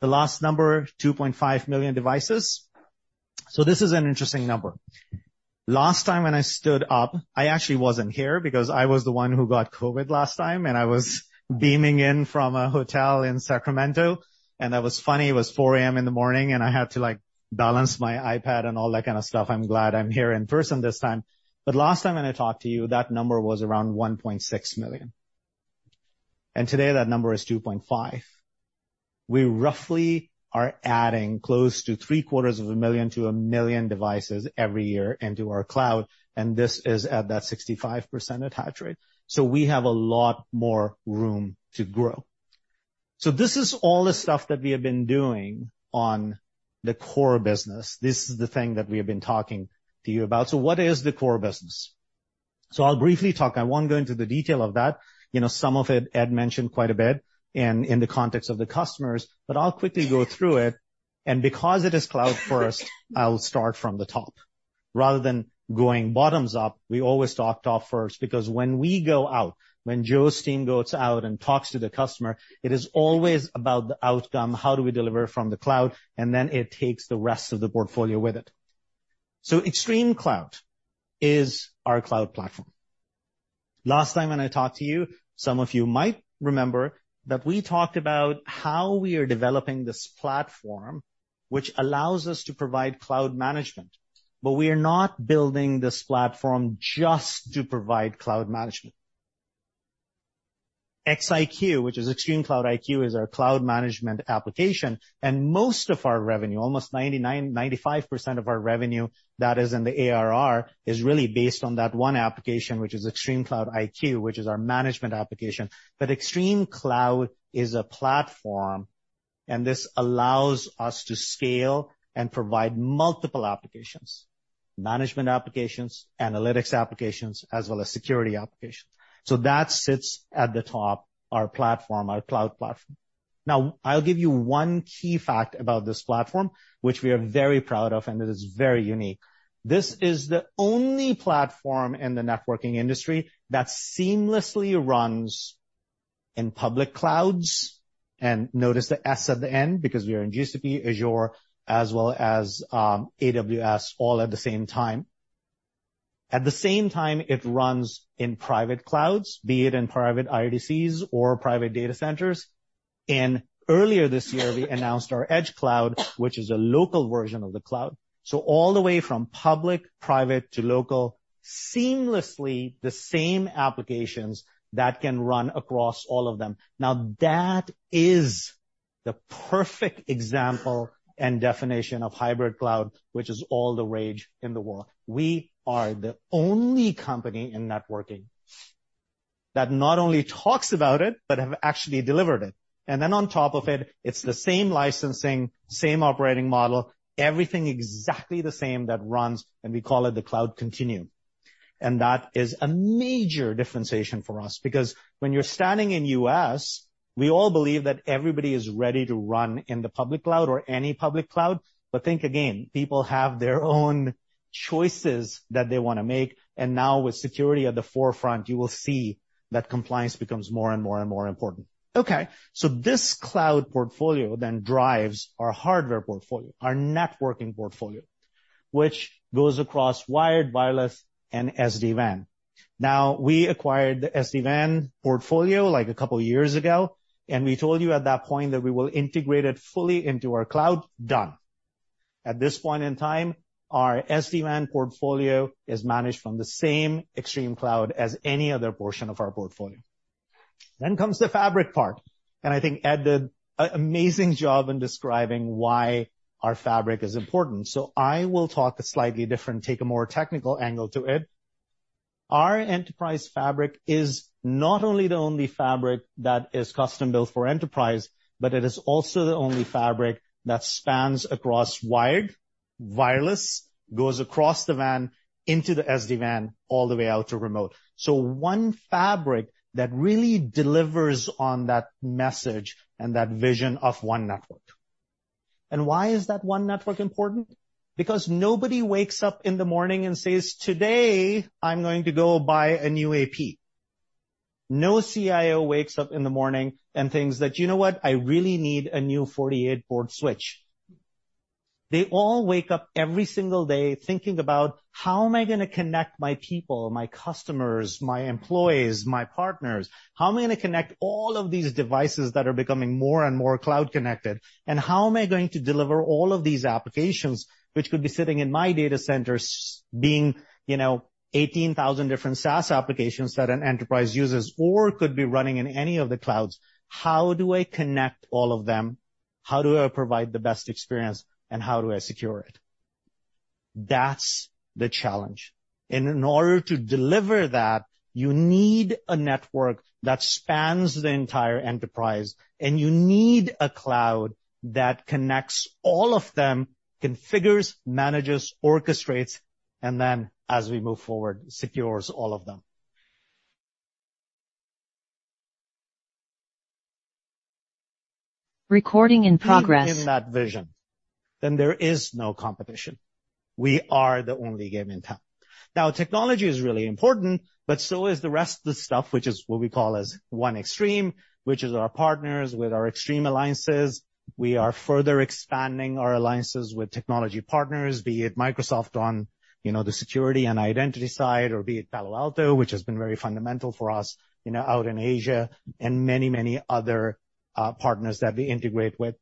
Speaker 3: The last number, 2.5 million devices. So this is an interesting number. Last time when I stood up, I actually wasn't here because I was the one who got COVID last time, and I was beaming in from a hotel in Sacramento, and that was funny. It was 4:00 A.M. in the morning, and I had to, like, balance my iPad and all that kind of stuff. I'm glad I'm here in person this time. But last time when I talked to you, that number was around 1.6 million, and today that number is 2.5 million. We roughly are adding close to 750,000-1 million devices every year into our cloud, and this is at that 65% attach rate. So we have a lot more room to grow. So this is all the stuff that we have been doing on the core business. This is the thing that we have been talking to you about. So what is the core business? So I'll briefly talk. I won't go into the detail of that. You know, some of it Ed mentioned quite a bit and in the context of the customers, but I'll quickly go through it. Because it is cloud first, I'll start from the top. Rather than going bottoms up, we always start top first, because when we go out, when Joe's team goes out and talks to the customer, it is always about the outcome, how do we deliver from the cloud? And then it takes the rest of the portfolio with it. So ExtremeCloud is our cloud platform. Last time when I talked to you, some of you might remember that we talked about how we are developing this platform, which allows us to provide cloud management, but we are not building this platform just to provide cloud management. XIQ, which is ExtremeCloud IQ, is our cloud management application, and most of our revenue, almost 99--95% of our revenue, that is in the ARR, is really based on that one application, which is ExtremeCloud IQ, which is our management application. But ExtremeCloud is a platform, and this allows us to scale and provide multiple applications, management applications, analytics applications, as well as security applications. So that sits at the top, our platform, our cloud platform. Now, I'll give you one key fact about this platform, which we are very proud of and it is very unique. This is the only platform in the networking industry that seamlessly runs in public clouds. And notice the S at the end, because we are in GCP, Azure, as well as, AWS, all at the same time. At the same time, it runs in private clouds, be it in private IoTCs or private data centers. And earlier this year, we announced our Edge Cloud, which is a local version of the cloud. So all the way from public, private, to local, seamlessly, the same applications that can run across all of them. Now, that is the perfect example and definition of hybrid cloud, which is all the rage in the world. We are the only company in networking that not only talks about it, but have actually delivered it. And then on top of it, it's the same licensing, same operating model, everything exactly the same that runs, and we call it the Cloud Continuum. And that is a major differentiation for us because when you're standing in U.S., we all believe that everybody is ready to run in the public cloud or any public cloud. But think again, people have their own choices that they wanna make, and now with security at the forefront, you will see that compliance becomes more and more and more important. Okay, so this cloud portfolio then drives our hardware portfolio, our networking portfolio, which goes across wired, wireless, and SD-WAN. Now, we acquired the SD-WAN portfolio, like, a couple years ago, and we told you at that point that we will integrate it fully into our cloud. Done. At this point in time, our SD-WAN portfolio is managed from the same ExtremeCloud as any other portion of our portfolio. Then comes the fabric part, and I think Ed did an amazing job in describing why our fabric is important. So I will talk a slightly different, take a more technical angle to it. Our enterprise fabric is not only the only fabric that is custom-built for enterprise, but it is also the only fabric that spans across wired, wireless, goes across the WAN into the SD-WAN, all the way out to remote. So one fabric that really delivers on that message and that vision of one network. And why is that one network important? Because nobody wakes up in the morning and says, "Today, I'm going to go buy a new AP." No CIO wakes up in the morning and thinks that, you know what? I really need a new 48-port switch. They all wake up every single day thinking about: How am I gonna connect my people, my customers, my employees, my partners? How am I gonna connect all of these devices that are becoming more and more cloud-connected? And how am I going to deliver all of these applications, which could be sitting in my data centers, being, you know, 18,000 different SaaS applications that an enterprise uses or could be running in any of the clouds? How do I connect all of them? How do I provide the best experience, and how do I secure it? That's the challenge. And in order to deliver that, you need a network that spans the entire enterprise, and you need a cloud that connects all of them, configures, manages, orchestrates, and then, as we move forward, secures all of them.
Speaker 4: Recording in progress.
Speaker 3: In that vision, then there is no competition. We are the only game in town. Now, technology is really important, but so is the rest of the stuff, which is what we call as One Extreme, which is our partners with our Extreme Alliances. We are further expanding our alliances with technology partners, be it Microsoft on, you know, the security and identity side, or be it Palo Alto, which has been very fundamental for us, you know, out in Asia, and many, many other partners that we integrate with.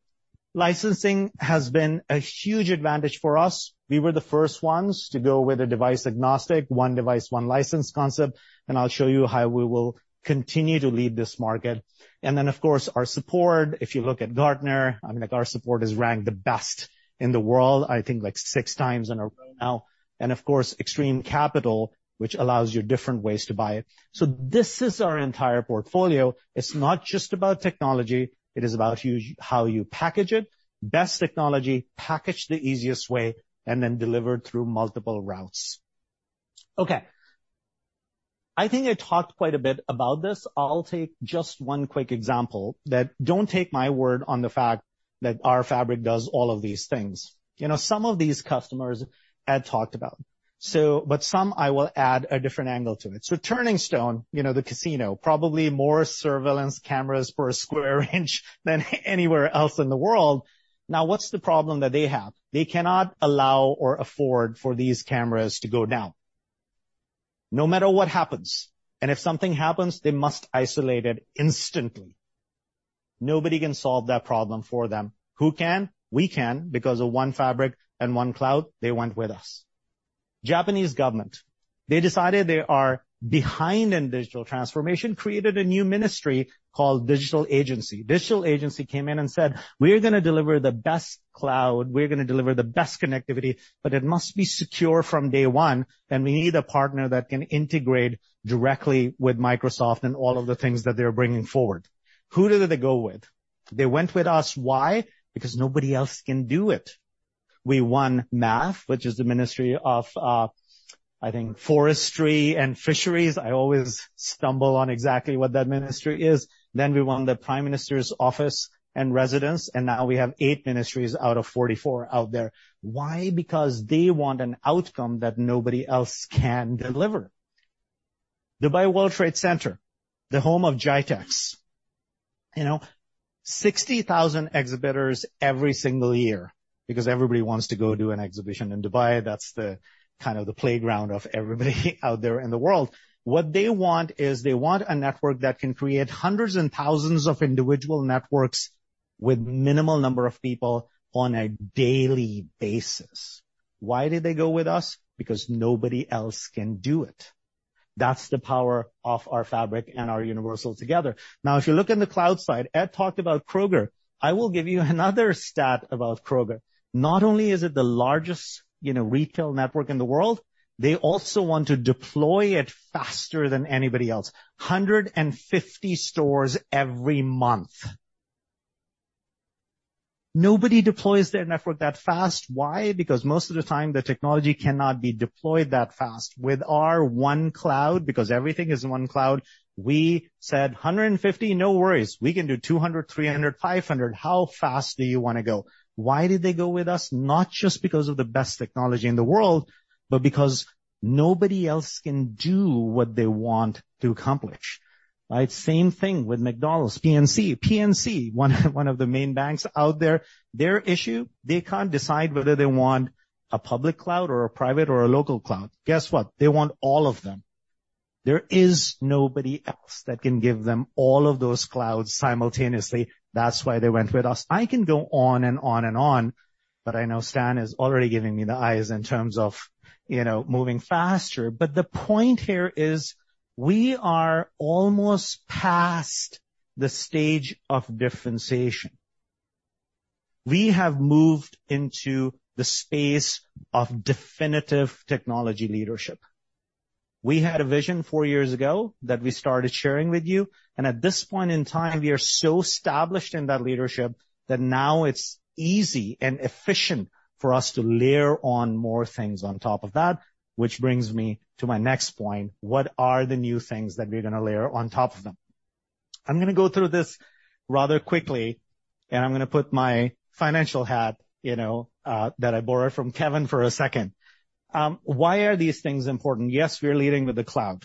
Speaker 3: Licensing has been a huge advantage for us. We were the first ones to go with a device-agnostic, one device, one license concept, and I'll show you how we will continue to lead this market. And then, of course, our support. If you look at Gartner, I mean, like, our support is ranked the best in the world, I think, like, six times in a row now, and of course, Extreme Capital, which allows you different ways to buy it. So this is our entire portfolio. It's not just about technology, it is about us, how you package it, best technology, packaged the easiest way, and then delivered through multiple routes. Okay. I think I talked quite a bit about this. I'll take just one quick example that... Don't take my word on the fact that our fabric does all of these things. You know, some of these customers Ed talked about. So, but some I will add a different angle to it. So Turning Stone, you know, the casino, probably more surveillance cameras per square inch than anywhere else in the world. Now, what's the problem that they have? They cannot allow or afford for these cameras to go down, no matter what happens, and if something happens, they must isolate it instantly. Nobody can solve that problem for them. Who can? We can, because of one fabric and one cloud, they went with us. Japanese government, they decided they are behind in digital transformation, created a new ministry called Digital Agency. Digital Agency came in and said: We're gonna deliver the best cloud. We're gonna deliver the best connectivity, but it must be secure from day one, and we need a partner that can integrate directly with Microsoft and all of the things that they're bringing forward. Who did they go with? They went with us. Why? Because nobody else can do it. We won MAFF, which is the Ministry of, I think, Forestry and Fisheries. I always stumble on exactly what that ministry is. Then we won the Prime Minister's office and residence, and now we have 8 ministries out of 44 out there. Why? Because they want an outcome that nobody else can deliver. Dubai World Trade Center, the home of GITEX. You know, 60,000 exhibitors every single year because everybody wants to go do an exhibition in Dubai. That's the kind of the playground of everybody out there in the world. What they want is, they want a network that can create hundreds and thousands of individual networks with minimal number of people on a daily basis. Why did they go with us? Because nobody else can do it. That's the power of our Fabric and our Universal together. Now, if you look in the cloud side, Ed talked about Kroger. I will give you another stat about Kroger. Not only is it the largest, you know, retail network in the world, they also want to deploy it faster than anybody else. 150 stores every month.... Nobody deploys their network that fast. Why? Because most of the time, the technology cannot be deployed that fast. With our One Cloud, because everything is One Cloud, we said, "150, no worries. We can do 200, 300, 500. How fast do you wanna go?" Why did they go with us? Not just because of the best technology in the world, but because nobody else can do what they want to accomplish, right? Same thing with McDonald's, PNC. PNC, one, one of the main banks out there, their issue, they can't decide whether they want a public cloud or a private or a local cloud. Guess what? They want all of them. There is nobody else that can give them all of those clouds simultaneously. That's why they went with us. I can go on and on and on, but I know Stan is already giving me the eyes in terms of, you know, moving faster. But the point here is we are almost past the stage of differentiation. We have moved into the space of definitive technology leadership. We had a vision four years ago that we started sharing with you, and at this point in time, we are so established in that leadership that now it's easy and efficient for us to layer on more things on top of that, which brings me to my next point: What are the new things that we're gonna layer on top of them? I'm gonna go through this rather quickly, and I'm gonna put my financial hat, you know, that I borrowed from Kevin for a second. Why are these things important? Yes, we are leading with the cloud.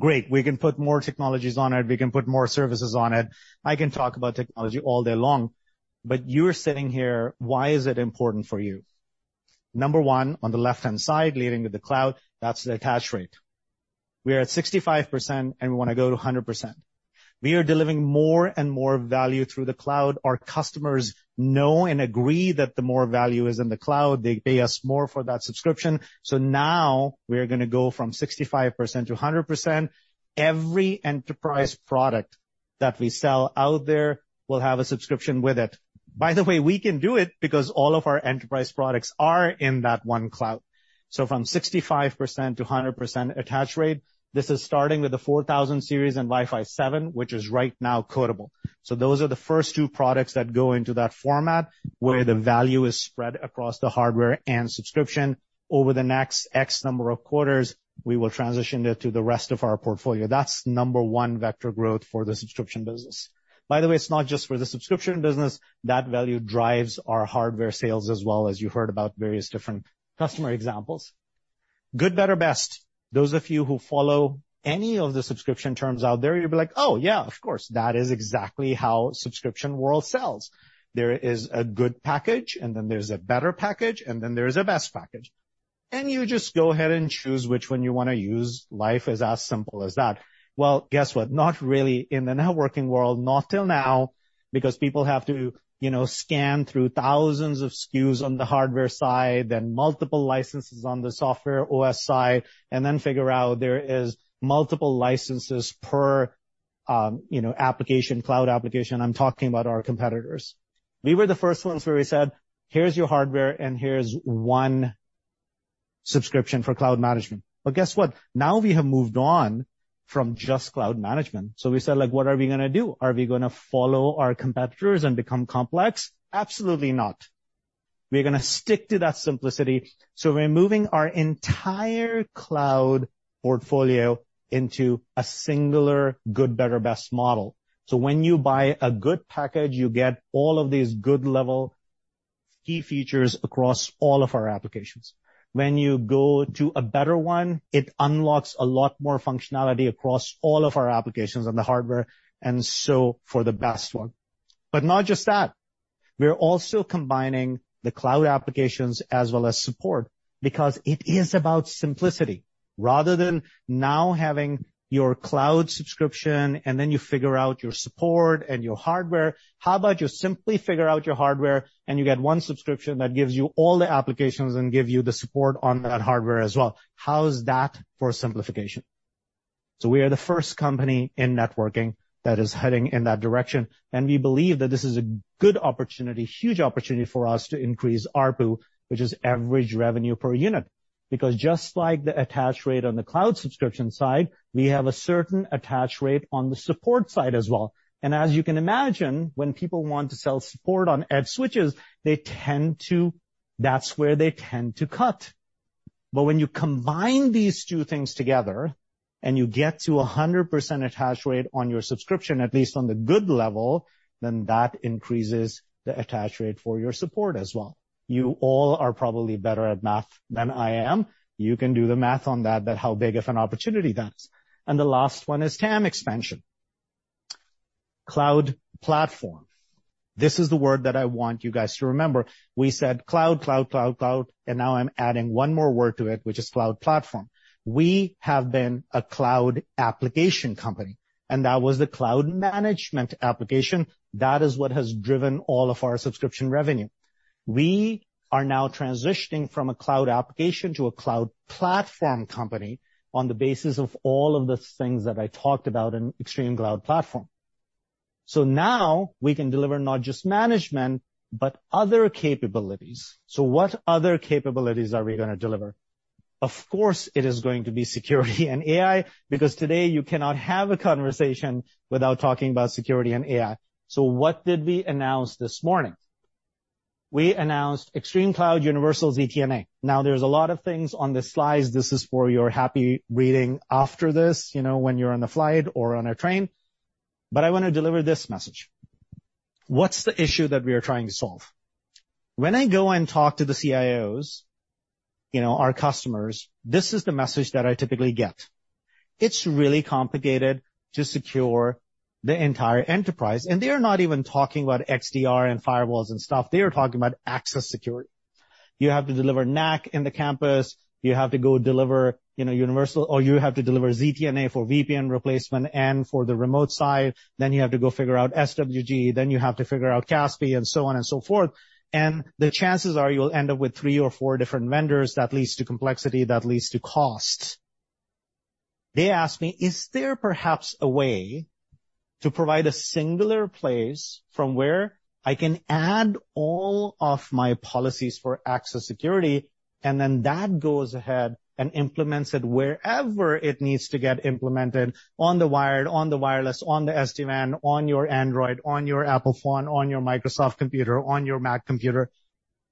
Speaker 3: Great. We can put more technologies on it. We can put more services on it. I can talk about technology all day long, but you're sitting here, why is it important for you? Number one, on the left-hand side, leading with the cloud, that's the attach rate. We are at 65%, and we wanna go to 100%. We are delivering more and more value through the cloud. Our customers know and agree that the more value is in the cloud, they pay us more for that subscription. So now we are gonna go from 65% to 100%. Every enterprise product that we sell out there will have a subscription with it. By the way, we can do it because all of our enterprise products are in that One Cloud. So from 65% to 100% attach rate, this is starting with the 4,000 series and Wi-Fi 7, which is right now quotable. So those are the first two products that go into that format, where the value is spread across the hardware and subscription. Over the next X number of quarters, we will transition it to the rest of our portfolio. That's number one vector growth for the subscription business. By the way, it's not just for the subscription business. That value drives our hardware sales as well as you heard about various different customer examples. Good, better, best. Those of you who follow any of the subscription terms out there, you'll be like, "Oh, yeah, of course, that is exactly how subscription world sells." There is a good package, and then there's a better package, and then there's a best package. And you just go ahead and choose which one you wanna use. Life is as simple as that. Well, guess what? Not really in the networking world, not till now, because people have to, you know, scan through thousands of SKUs on the hardware side, then multiple licenses on the software OS side, and then figure out there is multiple licenses per, you know, application, cloud application. I'm talking about our competitors. We were the first ones where we said, "Here's your hardware, and here's one subscription for cloud management." But guess what? Now we have moved on from just cloud management. So we said, like, "What are we gonna do? Are we gonna follow our competitors and become complex?" Absolutely not. We're gonna stick to that simplicity. So we're moving our entire cloud portfolio into a singular good, better, best model. So when you buy a good package, you get all of these good level key features across all of our applications. When you go to a better one, it unlocks a lot more functionality across all of our applications on the hardware, and so for the best one. But not just that, we are also combining the cloud applications as well as support, because it is about simplicity. Rather than now having your cloud subscription, and then you figure out your support and your hardware, how about you simply figure out your hardware, and you get one subscription that gives you all the applications and give you the support on that hardware as well? How's that for simplification? So we are the first company in networking that is heading in that direction, and we believe that this is a good opportunity, huge opportunity for us to increase ARPU, which is average revenue per unit, because just like the attach rate on the cloud subscription side, we have a certain attach rate on the support side as well. And as you can imagine, when people want to sell support on edge switches, they tend to... That's where they tend to cut. But when you combine these two things together and you get to 100% attach rate on your subscription, at least on the good level, then that increases the attach rate for your support as well. You all are probably better at math than I am. You can do the math on that, but how big of an opportunity that is. And the last one is TAM expansion. Cloud platform. This is the word that I want you guys to remember. We said cloud, cloud, cloud, cloud, and now I'm adding one more word to it, which is cloud platform. We have been a cloud application company, and that was the cloud management application. That is what has driven all of our subscription revenue. We are now transitioning from a cloud application to a cloud platform company on the basis of all of the things that I talked about in Extreme Cloud platform. So now we can deliver not just management, but other capabilities. So what other capabilities are we gonna deliver?... Of course, it is going to be security and AI, because today you cannot have a conversation without talking about security and AI. So what did we announce this morning? We announced ExtremeCloud Universal ZTNA. Now, there's a lot of things on the slides. This is for your happy reading after this, you know, when you're on a flight or on a train. But I wanna deliver this message: What's the issue that we are trying to solve? When I go and talk to the CIOs, you know, our customers, this is the message that I typically get. It's really complicated to secure the entire enterprise." They are not even talking about XDR and firewalls and stuff. They are talking about access security. You have to deliver NAC in the campus, you have to go deliver, you know, universal - or you have to deliver ZTNA for VPN replacement and for the remote site, then you have to go figure out SWG, then you have to figure out CASB, and so on and so forth. The chances are you'll end up with three or four different vendors. That leads to complexity, that leads to cost. They ask me: "Is there perhaps a way to provide a singular place from where I can add all of my policies for access security, and then that goes ahead and implements it wherever it needs to get implemented, on the wired, on the wireless, on the SD-WAN, on your Android, on your Apple phone, on your Microsoft computer, on your Mac computer?"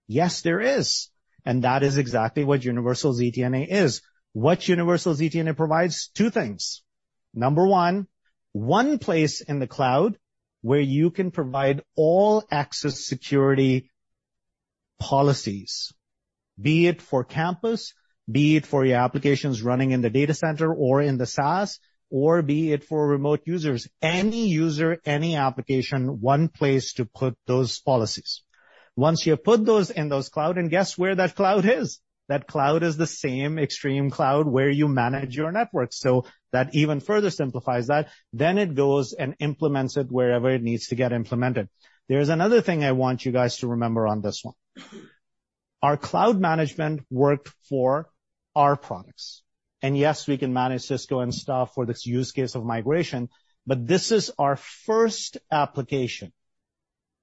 Speaker 3: Yes, there is, and that is exactly what Universal ZTNA is. What Universal ZTNA provides? Two things. Number one, one place in the cloud where you can provide all access security policies, be it for campus, be it for your applications running in the data center or in the SaaS, or be it for remote users. Any user, any application, one place to put those policies. Once you have put those in those cloud, and guess where that cloud is? That cloud is the same ExtremeCloud where you manage your network. So that even further simplifies that. Then it goes and implements it wherever it needs to get implemented. There is another thing I want you guys to remember on this one. Our cloud management worked for our products, and yes, we can manage Cisco and stuff for this use case of migration, but this is our first application,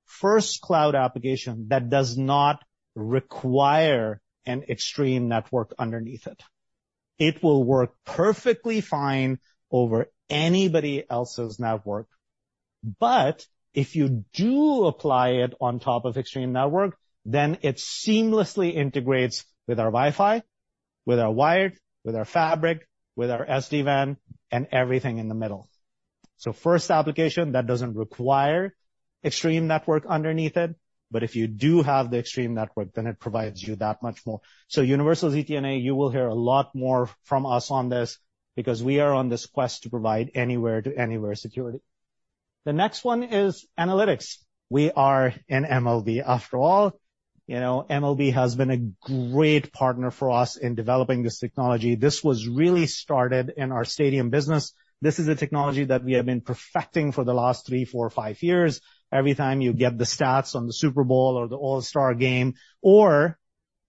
Speaker 3: first cloud application that does not require an Extreme network underneath it. It will work perfectly fine over anybody else's network. But if you do apply it on top of Extreme network, then it seamlessly integrates with our Wi-Fi, with our wired, with our fabric, with our SD-WAN, and everything in the middle. So first application that doesn't require Extreme network underneath it, but if you do have the Extreme network, then it provides you that much more. So Universal ZTNA, you will hear a lot more from us on this because we are on this quest to provide anywhere to anywhere security. The next one is analytics. We are in MLB, after all. You know, MLB has been a great partner for us in developing this technology. This was really started in our stadium business. This is a technology that we have been perfecting for the last 3, 4, or 5 years. Every time you get the stats on the Super Bowl or the All-Star Game or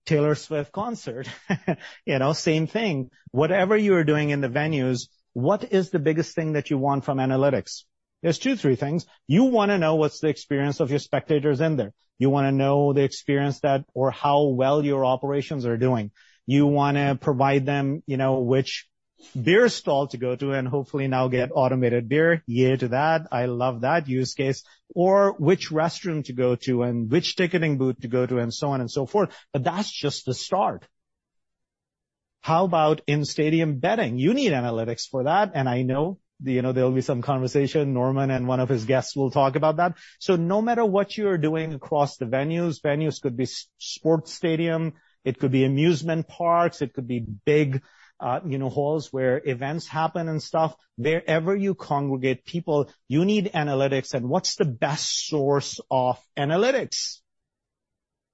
Speaker 3: Taylor Swift concert, you know, same thing. Whatever you are doing in the venues, what is the biggest thing that you want from analytics? There's 2, 3 things. You wanna know what's the experience of your spectators in there. You wanna know the experience that... or how well your operations are doing. You wanna provide them, you know, which beer stall to go to, and hopefully now get automated beer. Yay to that. I love that use case. Or which restroom to go to and which ticketing booth to go to, and so on and so forth. But that's just the start. How about in-stadium betting? You need analytics for that, and I know, you know, there'll be some conversation. Norman and one of his guests will talk about that. So no matter what you are doing across the venues, venues could be sports stadium, it could be amusement parks, it could be big, you know, halls where events happen and stuff. Wherever you congregate people, you need analytics. And what's the best source of analytics?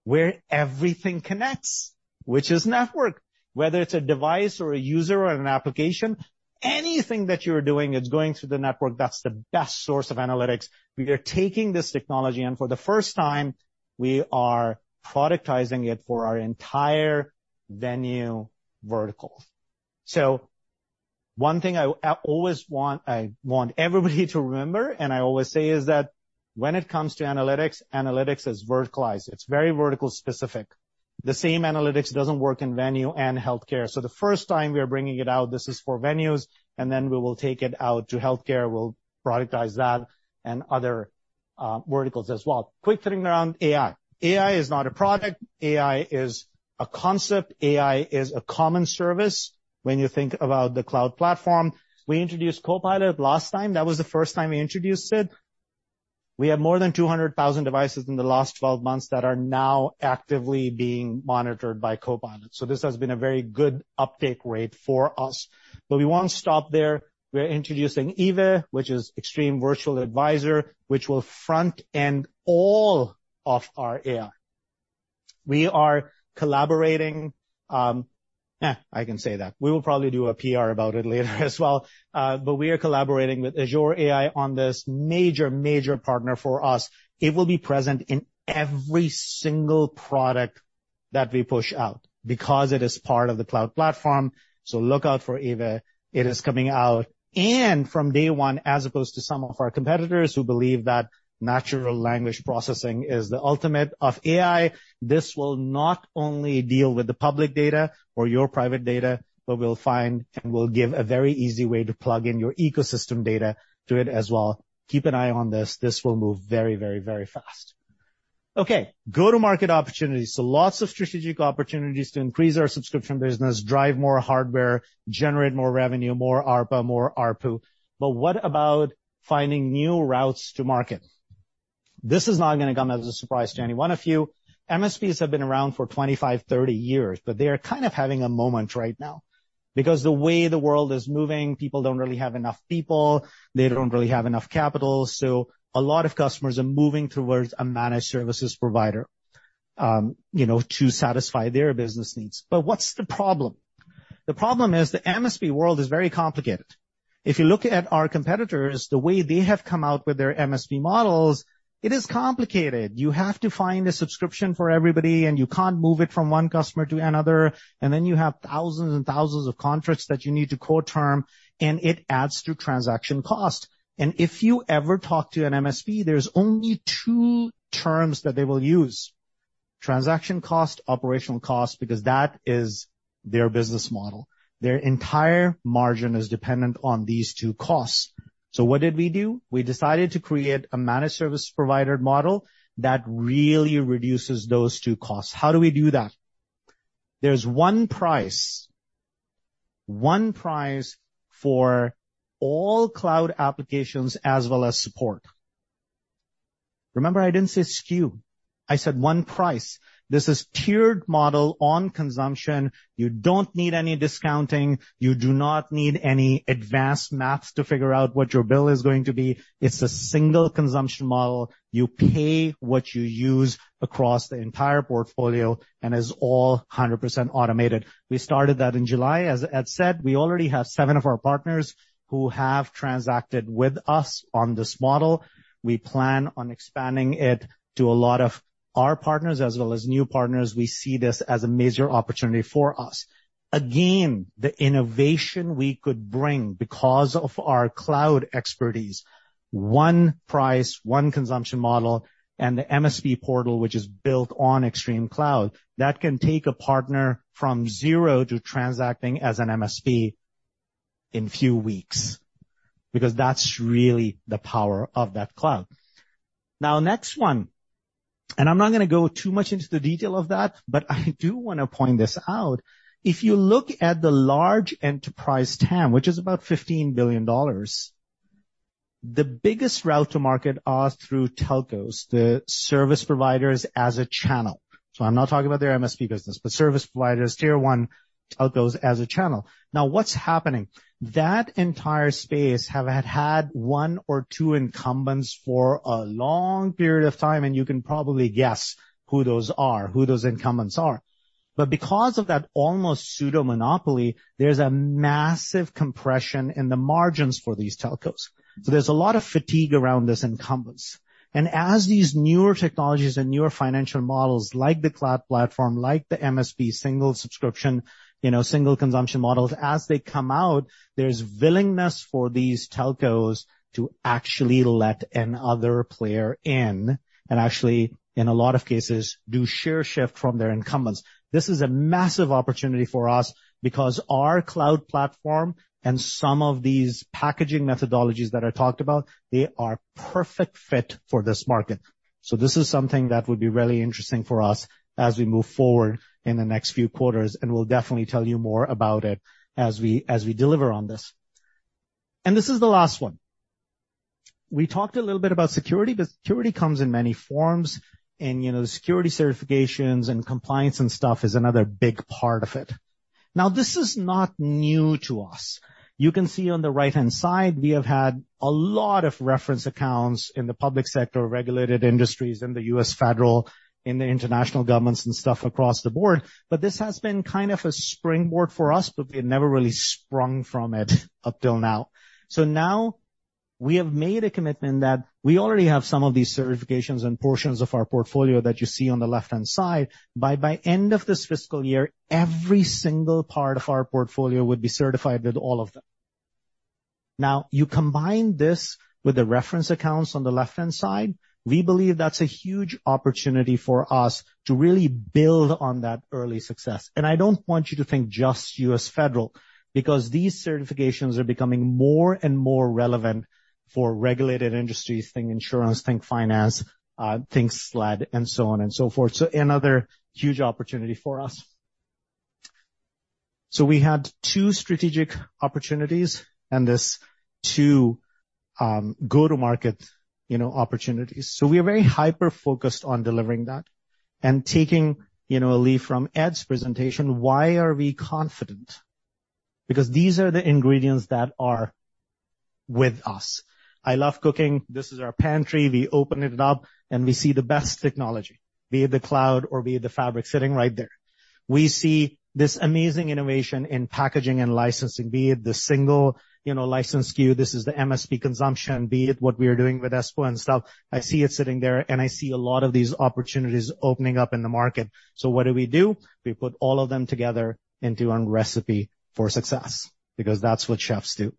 Speaker 3: Where everything connects, which is network. Whether it's a device, or a user, or an application, anything that you're doing, it's going through the network. That's the best source of analytics. We are taking this technology, and for the first time, we are productizing it for our entire venue vertical. So one thing I always want, I want everybody to remember and I always say, is that when it comes to analytics, analytics is verticalized. It's very vertical specific. The same analytics doesn't work in venue and healthcare. So the first time we are bringing it out, this is for venues, and then we will take it out to healthcare. We'll productize that and other verticals as well. Quick thing around AI. AI is not a product, AI is a concept, AI is a common service when you think about the cloud platform. We introduced Copilot last time. That was the first time we introduced it. We have more than 200,000 devices in the last 12 months that are now actively being monitored by Copilot, so this has been a very good uptake rate for us. But we won't stop there. We're introducing EVA, which is Extreme Virtual Advisor, which will front-end all of our AI. We are collaborating, I can say that. We will probably do a PR about it later as well. But we are collaborating with Azure AI on this. Major, major partner for us. It will be present in every single product that we push out because it is part of the cloud platform. So look out for EVA, it is coming out. And from day one, as opposed to some of our competitors who believe that natural language processing is the ultimate of AI, this will not only deal with the public data or your private data, but will find and will give a very easy way to plug in your ecosystem data to it as well. Keep an eye on this. This will move very, very, very fast. Okay, go-to-market opportunities. So lots of strategic opportunities to increase our subscription business, drive more hardware, generate more revenue, more ARPA, more ARPU. But what about finding new routes to market? This is not gonna come as a surprise to any one of you. MSPs have been around for 25, 30 years, but they are kind of having a moment right now. Because the way the world is moving, people don't really have enough people, they don't really have enough capital, so a lot of customers are moving towards a managed services provider, you know, to satisfy their business needs. But what's the problem? The problem is the MSP world is very complicated. If you look at our competitors, the way they have come out with their MSP models, it is complicated. You have to find a subscription for everybody, and you can't move it from one customer to another, and then you have thousands and thousands of contracts that you need to quote term, and it adds to transaction cost. And if you ever talk to an MSP, there's only two terms that they will use: transaction cost, operational cost, because that is their business model. Their entire margin is dependent on these two costs. So what did we do? We decided to create a managed service provider model that really reduces those two costs. How do we do that? There's one price, one price for all cloud applications as well as support. Remember, I didn't say SKU, I said one price. This is tiered model on consumption. You don't need any discounting. You do not need any advanced math to figure out what your bill is going to be. It's a single consumption model. You pay what you use across the entire portfolio, and it's all 100% automated. We started that in July. As Ed said, we already have seven of our partners who have transacted with us on this model. We plan on expanding it to a lot of our partners as well as new partners. We see this as a major opportunity for us. Again, the innovation we could bring because of our cloud expertise, one price, one consumption model, and the MSP portal, which is built on Extreme Cloud, that can take a partner from zero to transacting as an MSP in few weeks, because that's really the power of that cloud. Now, next one, and I'm not gonna go too much into the detail of that, but I do wanna point this out. If you look at the large enterprise TAM, which is about $15 billion, the biggest route to market are through telcos, the service providers as a channel. So I'm not talking about their MSP business, but service providers, tier one telcos as a channel. Now, what's happening? That entire space have had, had one or two incumbents for a long period of time, and you can probably guess who those are, who those incumbents are. But because of that almost pseudo monopoly, there's a massive compression in the margins for these telcos. So there's a lot of fatigue around these incumbents. And as these newer technologies and newer financial models, like the cloud platform, like the MSP, single subscription, you know, single consumption models, as they come out, there's willingness for these telcos to actually let another player in, and actually, in a lot of cases, do share shift from their incumbents. This is a massive opportunity for us because our cloud platform and some of these packaging methodologies that I talked about, they are perfect fit for this market. So this is something that would be really interesting for us as we move forward in the next few quarters, and we'll definitely tell you more about it as we, as we deliver on this. And this is the last one. We talked a little bit about security, but security comes in many forms, and, you know, security certifications and compliance and stuff is another big part of it. Now, this is not new to us. You can see on the right-hand side, we have had a lot of reference accounts in the public sector, regulated industries, in the U.S. federal, in the international governments and stuff across the board. But this has been kind of a springboard for us, but we never really sprung from it up till now. So now we have made a commitment that we already have some of these certifications and portions of our portfolio that you see on the left-hand side. By end of this fiscal year, every single part of our portfolio would be certified with all of them. Now, you combine this with the reference accounts on the left-hand side, we believe that's a huge opportunity for us to really build on that early success. And I don't want you to think just U.S. federal, because these certifications are becoming more and more relevant for regulated industries, think insurance, think finance, think SLED, and so on and so forth. So another huge opportunity for us. So we had two strategic opportunities and these two, go-to-market, you know, opportunities. So we are very hyper-focused on delivering that and taking a leaf from Ed's presentation, why are we confident? Because these are the ingredients that are with us. I love cooking. This is our pantry. We open it up, and we see the best technology, be it the cloud or be it the fabric, sitting right there. We see this amazing innovation in packaging and licensing, be it the single, you know, license SKU. This is the MSP consumption, be it what we are doing with Espo and stuff. I see it sitting there, and I see a lot of these opportunities opening up in the market. So what do we do? We put all of them together into one recipe for success, because that's what chefs do.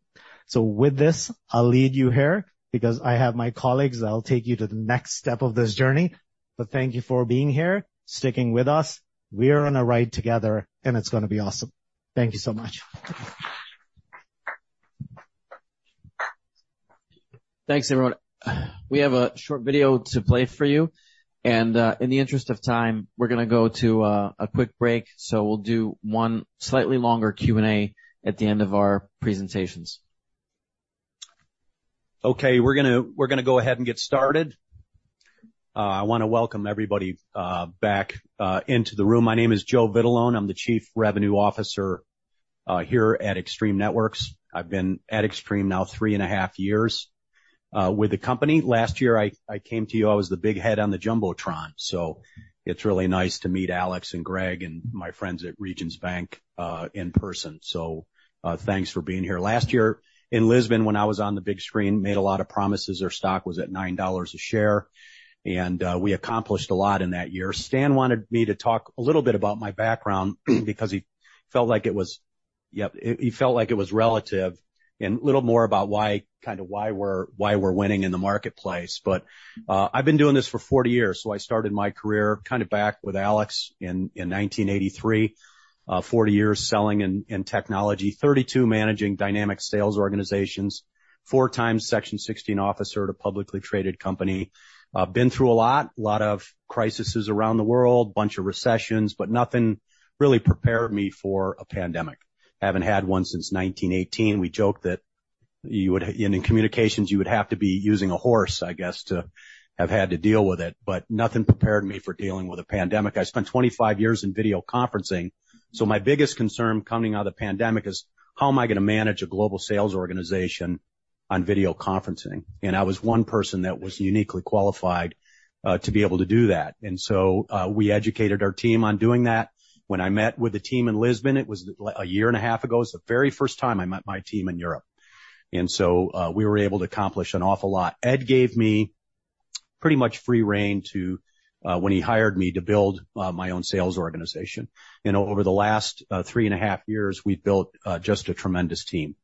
Speaker 3: So with this, I'll lead you here because I have my colleagues that'll take you to the next step of this journey. But thank you for being here, sticking with us. We are on a ride together, and it's gonna be awesome. Thank you so much.
Speaker 1: Thanks, everyone. We have a short video to play for you, and, in the interest of time, we're gonna go to a quick break, so we'll do one slightly longer Q&A at the end of our presentations.
Speaker 5: Okay, we're gonna, we're gonna go ahead and get started. I wanna welcome everybody back into the room. My name is Joe Vitalone. I'm the Chief Revenue Officer here at Extreme Networks. I've been at Extreme now three and a half years with the company. Last year, I came to you, I was the big head on the jumbotron, so it's really nice to meet Alex and Greg and my friends at Regions Bank in person. So, thanks for being here. Last year in Lisbon, when I was on the big screen, made a lot of promises. Our stock was at $9 a share, and we accomplished a lot in that year. Stan wanted me to talk a little bit about my background, because he felt like it was... Yep, he felt like it was relative, and a little more about why, kind of, why we're winning in the marketplace. But I've been doing this for 40 years, so I started my career kind of back with Alex in 1983. Forty years selling in technology, 32 managing dynamic sales organizations, 4 times Section 16 officer at a publicly traded company. I've been through a lot, a lot of crises around the world, bunch of recessions, but nothing really prepared me for a pandemic. Haven't had one since 1918. We joked that you would, in communications, you would have to be using a horse, I guess, to have had to deal with it, but nothing prepared me for dealing with a pandemic. I spent 25 years in video conferencing, so my biggest concern coming out of the pandemic is: How am I gonna manage a global sales organization on video conferencing? And I was one person that was uniquely qualified to be able to do that. And so, we educated our team on doing that. When I met with the team in Lisbon, it was a year and a half ago. It's the very first time I met my team in Europe, and so, we were able to accomplish an awful lot. Ed gave me pretty much free rein to, when he hired me, to build my own sales organization. And over the last 3.5 years, we've built just a tremendous team.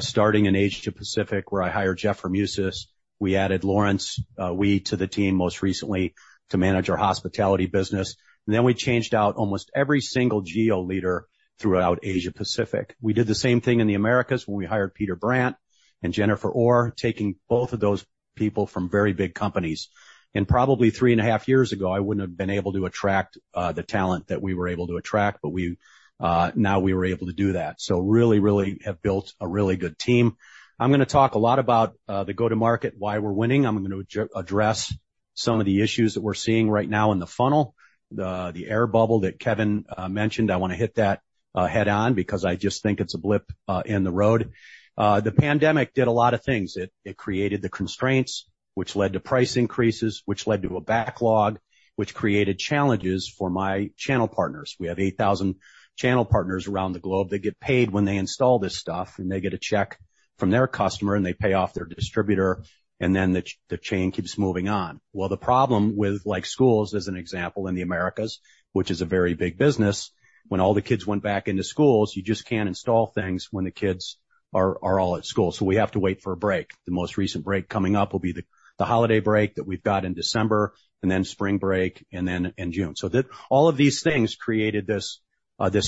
Speaker 5: Starting in Asia Pacific, where I hired Jeff Remis, we added Lawrence to the team most recently to manage our hospitality business. And then we changed out almost every single geo leader throughout Asia Pacific. We did the same thing in the Americas when we hired Peter Brandt and Jennifer Orr, taking both of those people from very big companies. And probably 3.5 years ago, I wouldn't have been able to attract the talent that we were able to attract, but we now were able to do that. So really, really have built a really good team. I'm gonna talk a lot about the go-to-market, why we're winning. I'm gonna address some of the issues that we're seeing right now in the funnel. The air bubble that Kevin mentioned, I wanna hit that head on because I just think it's a blip in the road. The pandemic did a lot of things. It created the constraints, which led to price increases, which led to a backlog, which created challenges for my channel partners. We have 8,000 channel partners around the globe. They get paid when they install this stuff, and they get a check from their customer, and they pay off their distributor, and then the chain keeps moving on. Well, the problem with, like, schools, as an example, in the Americas, which is a very big business, when all the kids went back into schools, you just can't install things when the kids are all at school. So we have to wait for a break. The most recent break coming up will be the holiday break that we've got in December, and then spring break, and then in June. So all of these things created this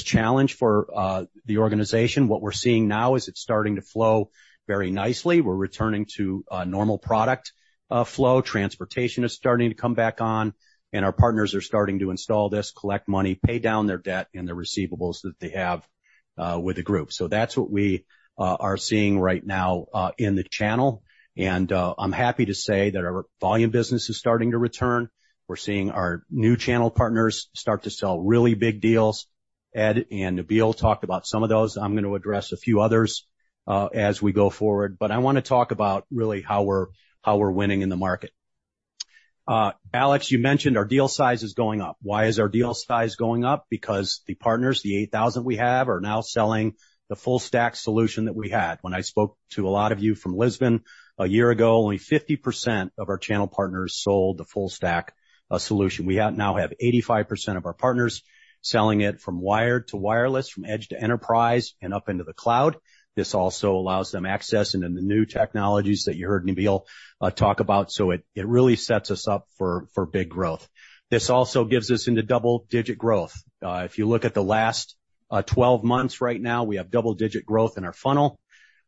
Speaker 5: challenge for the organization. What we're seeing now is it's starting to flow very nicely. We're returning to normal product flow. Transportation is starting to come back on, and our partners are starting to install this, collect money, pay down their debt and the receivables that they have with the group. So that's what we are seeing right now in the channel, and I'm happy to say that our volume business is starting to return. We're seeing our new channel partners start to sell really big deals. Ed and Nabil talked about some of those. I'm gonna address a few others as we go forward, but I wanna talk about really how we're winning in the market. Alex, you mentioned our deal size is going up. Why is our deal size going up? Because the partners, the 8,000 we have, are now selling the full stack solution that we had. When I spoke to a lot of you from Lisbon a year ago, only 50% of our channel partners sold the full stack solution. We now have 85% of our partners selling it from wired to wireless, from edge to enterprise, and up into the cloud. This also allows them access into the new technologies that you heard Nabil talk about, so it really sets us up for big growth. This also gives us into double-digit growth. If you look at the last 12 months, right now, we have double-digit growth in our funnel.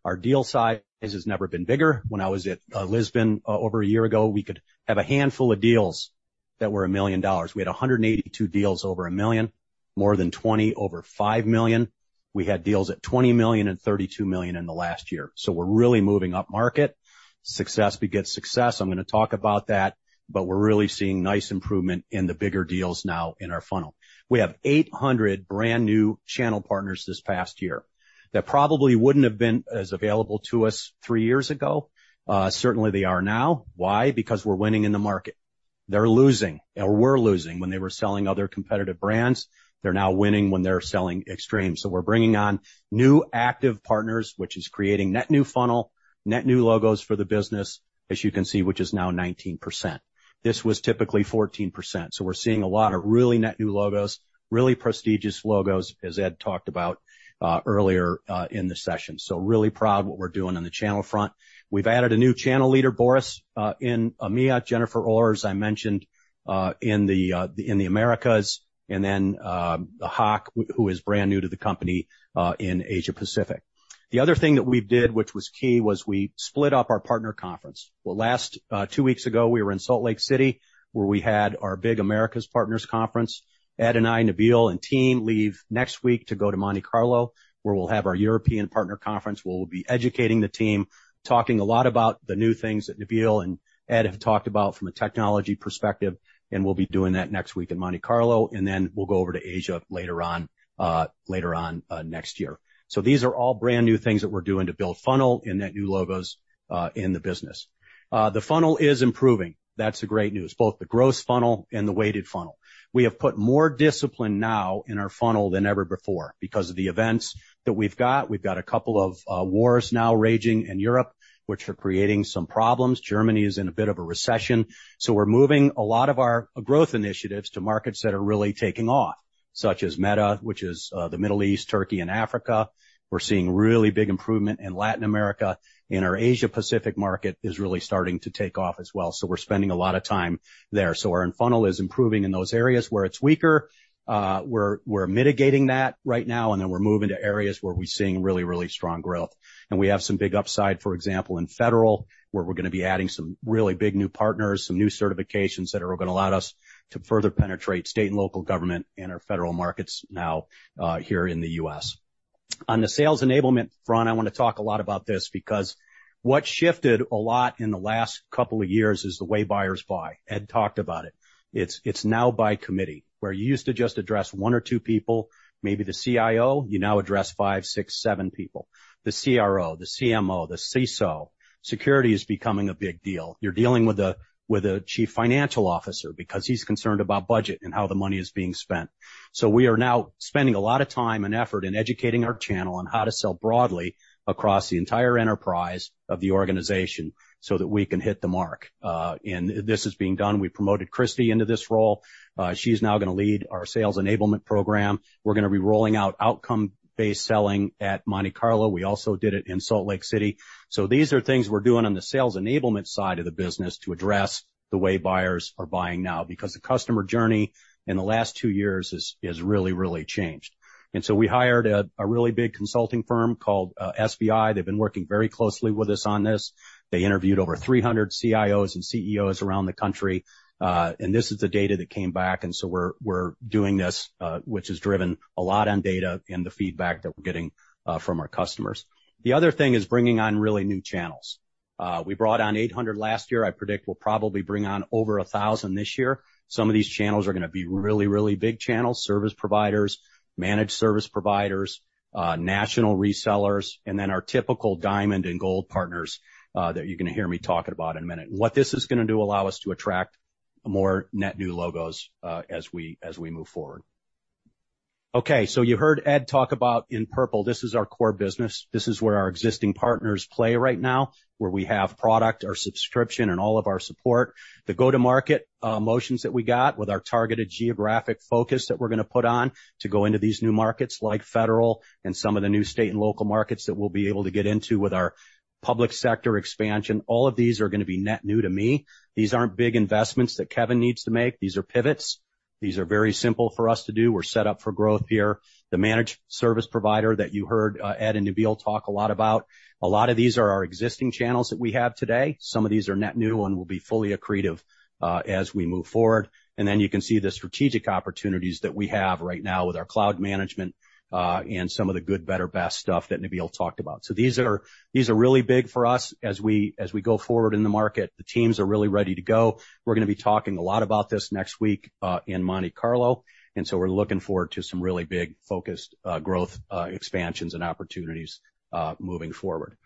Speaker 5: Our deal size has never been bigger. When I was at Lisbon over a year ago, we could have a handful of deals that were $1 million. We had 182 deals over $1 million, more than 20 over $5 million. We had deals at $20 million and $32 million in the last year, so we're really moving upmarket. Success begets success. I'm gonna talk about that, but we're really seeing nice improvement in the bigger deals now in our funnel. We have 800 brand-new channel partners this past year that probably wouldn't have been as available to us 3 years ago. Certainly, they are now. Why? Because we're winning in the market... They're losing, or were losing when they were selling other competitive brands. They're now winning when they're selling Extreme. So we're bringing on new active partners, which is creating net new funnel, net new logos for the business, as you can see, which is now 19%. This was typically 14%. So we're seeing a lot of really net new logos, really prestigious logos, as Ed talked about, earlier, in the session. So really proud of what we're doing on the channel front. We've added a new channel leader, Boris, in EMEA, Jennifer Orr, as I mentioned, in the Americas, and then, Hawk, who is brand new to the company, in Asia Pacific. The other thing that we did, which was key, was we split up our partner conference. Well, last two weeks ago, we were in Salt Lake City, where we had our big Americas Partners Conference. Ed and I, Nabil, and team leave next week to go to Monte Carlo, where we'll have our European Partner Conference, where we'll be educating the team, talking a lot about the new things that Nabil and Ed have talked about from a technology perspective, and we'll be doing that next week in Monte Carlo, and then we'll go over to Asia later on, later on, next year. So these are all brand-new things that we're doing to build funnel and net new logos in the business. The funnel is improving. That's the great news, both the gross funnel and the weighted funnel. We have put more discipline now in our funnel than ever before because of the events that we've got. We've got a couple of wars now raging in Europe, which are creating some problems. Germany is in a bit of a recession, so we're moving a lot of our growth initiatives to markets that are really taking off, such as MENA, which is the Middle East, Turkey, and Africa. We're seeing really big improvement in Latin America, and our Asia Pacific market is really starting to take off as well, so we're spending a lot of time there. So our funnel is improving in those areas where it's weaker, we're mitigating that right now, and then we're moving to areas where we're seeing really, really strong growth. We have some big upside, for example, in federal, where we're gonna be adding some really big new partners, some new certifications that are gonna allow us to further penetrate state and local government and our federal markets now here in the US. On the sales enablement front, I want to talk a lot about this because what shifted a lot in the last couple of years is the way buyers buy. Ed talked about it. It's now by committee, where you used to just address one or two people, maybe the CIO, you now address five, six, seven people, the CRO, the CMO, the CISO. Security is becoming a big deal. You're dealing with a chief financial officer because he's concerned about budget and how the money is being spent. So we are now spending a lot of time and effort in educating our channel on how to sell broadly across the entire enterprise of the organization so that we can hit the mark. And this is being done. We promoted Christie into this role. She's now gonna lead our sales enablement program. We're gonna be rolling out outcome-based selling at Monte Carlo. We also did it in Salt Lake City. So these are things we're doing on the sales enablement side of the business to address the way buyers are buying now, because the customer journey in the last two years has, has really, really changed. And so we hired a really big consulting firm called SBI. They've been working very closely with us on this. They interviewed over 300 CIOs and CEOs around the country, and this is the data that came back, and so we're doing this, which is driven a lot on data and the feedback that we're getting from our customers. The other thing is bringing on really new channels. We brought on 800 last year. I predict we'll probably bring on over 1,000 this year. Some of these channels are gonna be really, really big channels, service providers, managed service providers, national resellers, and then our typical diamond and gold partners that you're gonna hear me talking about in a minute. What this is gonna do, allow us to attract more net new logos as we move forward. Okay, so you heard Ed talk about in purple. This is our core business. This is where our existing partners play right now, where we have product or subscription and all of our support. The go-to-market motions that we got with our targeted geographic focus that we're gonna put on to go into these new markets, like federal and some of the new state and local markets that we'll be able to get into with our public sector expansion. All of these are gonna be net new to me. These aren't big investments that Kevin needs to make. These are pivots. These are very simple for us to do. We're set up for growth here. The managed service provider that you heard Ed and Nabil talk a lot about, a lot of these are our existing channels that we have today. Some of these are net new and will be fully accretive as we move forward. And then you can see the strategic opportunities that we have right now with our cloud management, and some of the good, better, best stuff that Nabil talked about. So these are, these are really big for us as we, as we go forward in the market. The teams are really ready to go. We're gonna be talking a lot about this next week, in Monte Carlo, and so we're looking forward to some really big, focused, growth, expansions and opportunities, moving forward.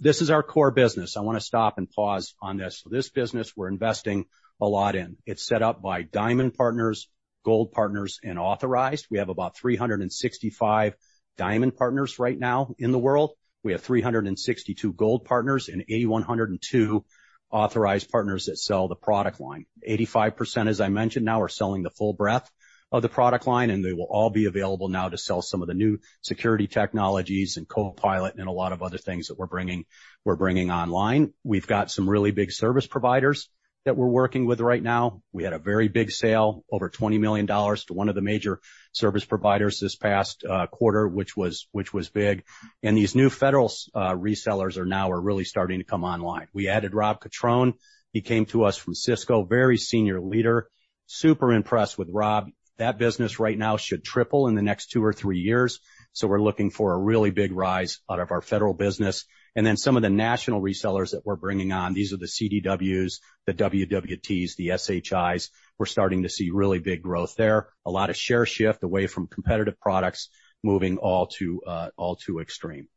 Speaker 5: This is our core business. I want to stop and pause on this. So this business, we're investing a lot in. It's set up by diamond partners, gold partners, and authorized. We have about 365 diamond partners right now in the world. We have 362 gold partners and 8,102 authorized partners that sell the product line. 85%, as I mentioned, now, are selling the full breadth of the product line, and they will all be available now to sell some of the new security technologies and Copilot and a lot of other things that we're bringing, we're bringing online. We've got some really big service providers that we're working with right now. We had a very big sale, over $20 million, to one of the major service providers this past quarter, which was, which was big. These new federal resellers are really starting to come online. We added Rob Cottrone. He came to us from Cisco, very senior leader. Super impressed with Rob. That business right now should triple in the next two or three years, so we're looking for a really big rise out of our federal business. And then some of the national resellers that we're bringing on, these are the CDWs, the WWTs, the SHIs. We're starting to see really big growth there. A lot of share shift away from competitive products, moving all to, all to Extreme....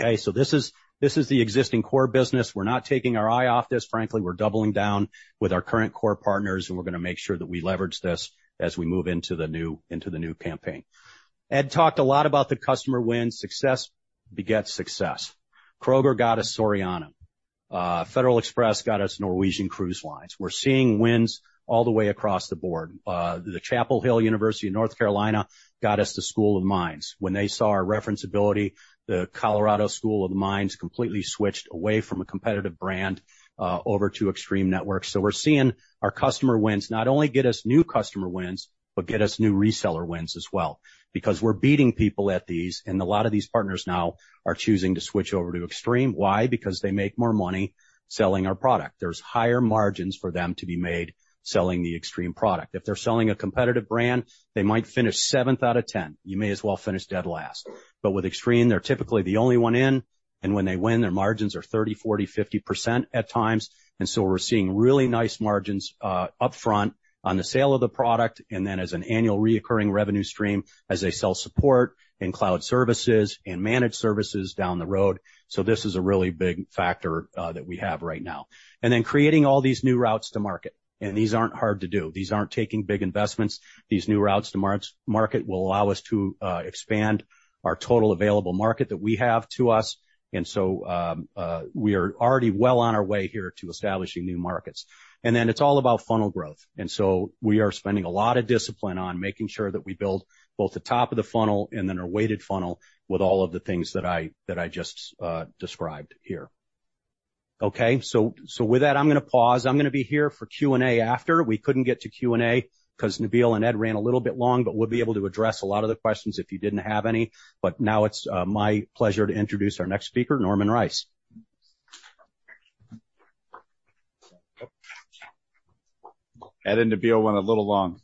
Speaker 5: Okay, so this is, this is the existing core business. We're not taking our eye off this. Frankly, we're doubling down with our current core partners, and we're gonna make sure that we leverage this as we move into the new, into the new campaign. Ed talked a lot about the customer wins. Success begets success. Kroger got us Soriana. Federal Express got us Norwegian Cruise Lines. We're seeing wins all the way across the board. The University of North Carolina at Chapel Hill got us the School of Mines. When they saw our reference ability, the Colorado School of Mines completely switched away from a competitive brand over to Extreme Networks. We're seeing our customer wins not only get us new customer wins, but get us new reseller wins as well, because we're beating people at these, and a lot of these partners now are choosing to switch over to Extreme. Why? Because they make more money selling our product. There's higher margins for them to be made selling the Extreme product. If they're selling a competitive brand, they might finish seventh out of 10. You may as well finish dead last. But with Extreme, they're typically the only one in, and when they win, their margins are 30, 40, 50% at times. We're seeing really nice margins upfront on the sale of the product, and then as an annual recurring revenue stream as they sell support and cloud services and managed services down the road. So this is a really big factor that we have right now. Then creating all these new routes to market. These aren't hard to do. These aren't taking big investments. These new routes to market will allow us to expand our total available market that we have to us. So we are already well on our way here to establishing new markets. Then it's all about funnel growth. So we are spending a lot of discipline on making sure that we build both the top of the funnel and then our weighted funnel with all of the things that I just described here. Okay, so with that, I'm gonna pause. I'm gonna be here for Q&A after. We couldn't get to Q&A 'cause Nabil and Ed ran a little bit long, but we'll be able to address a lot of the questions if you didn't have any. But now it's my pleasure to introduce our next speaker, Norman Rice. Ed and Nabil went a little long.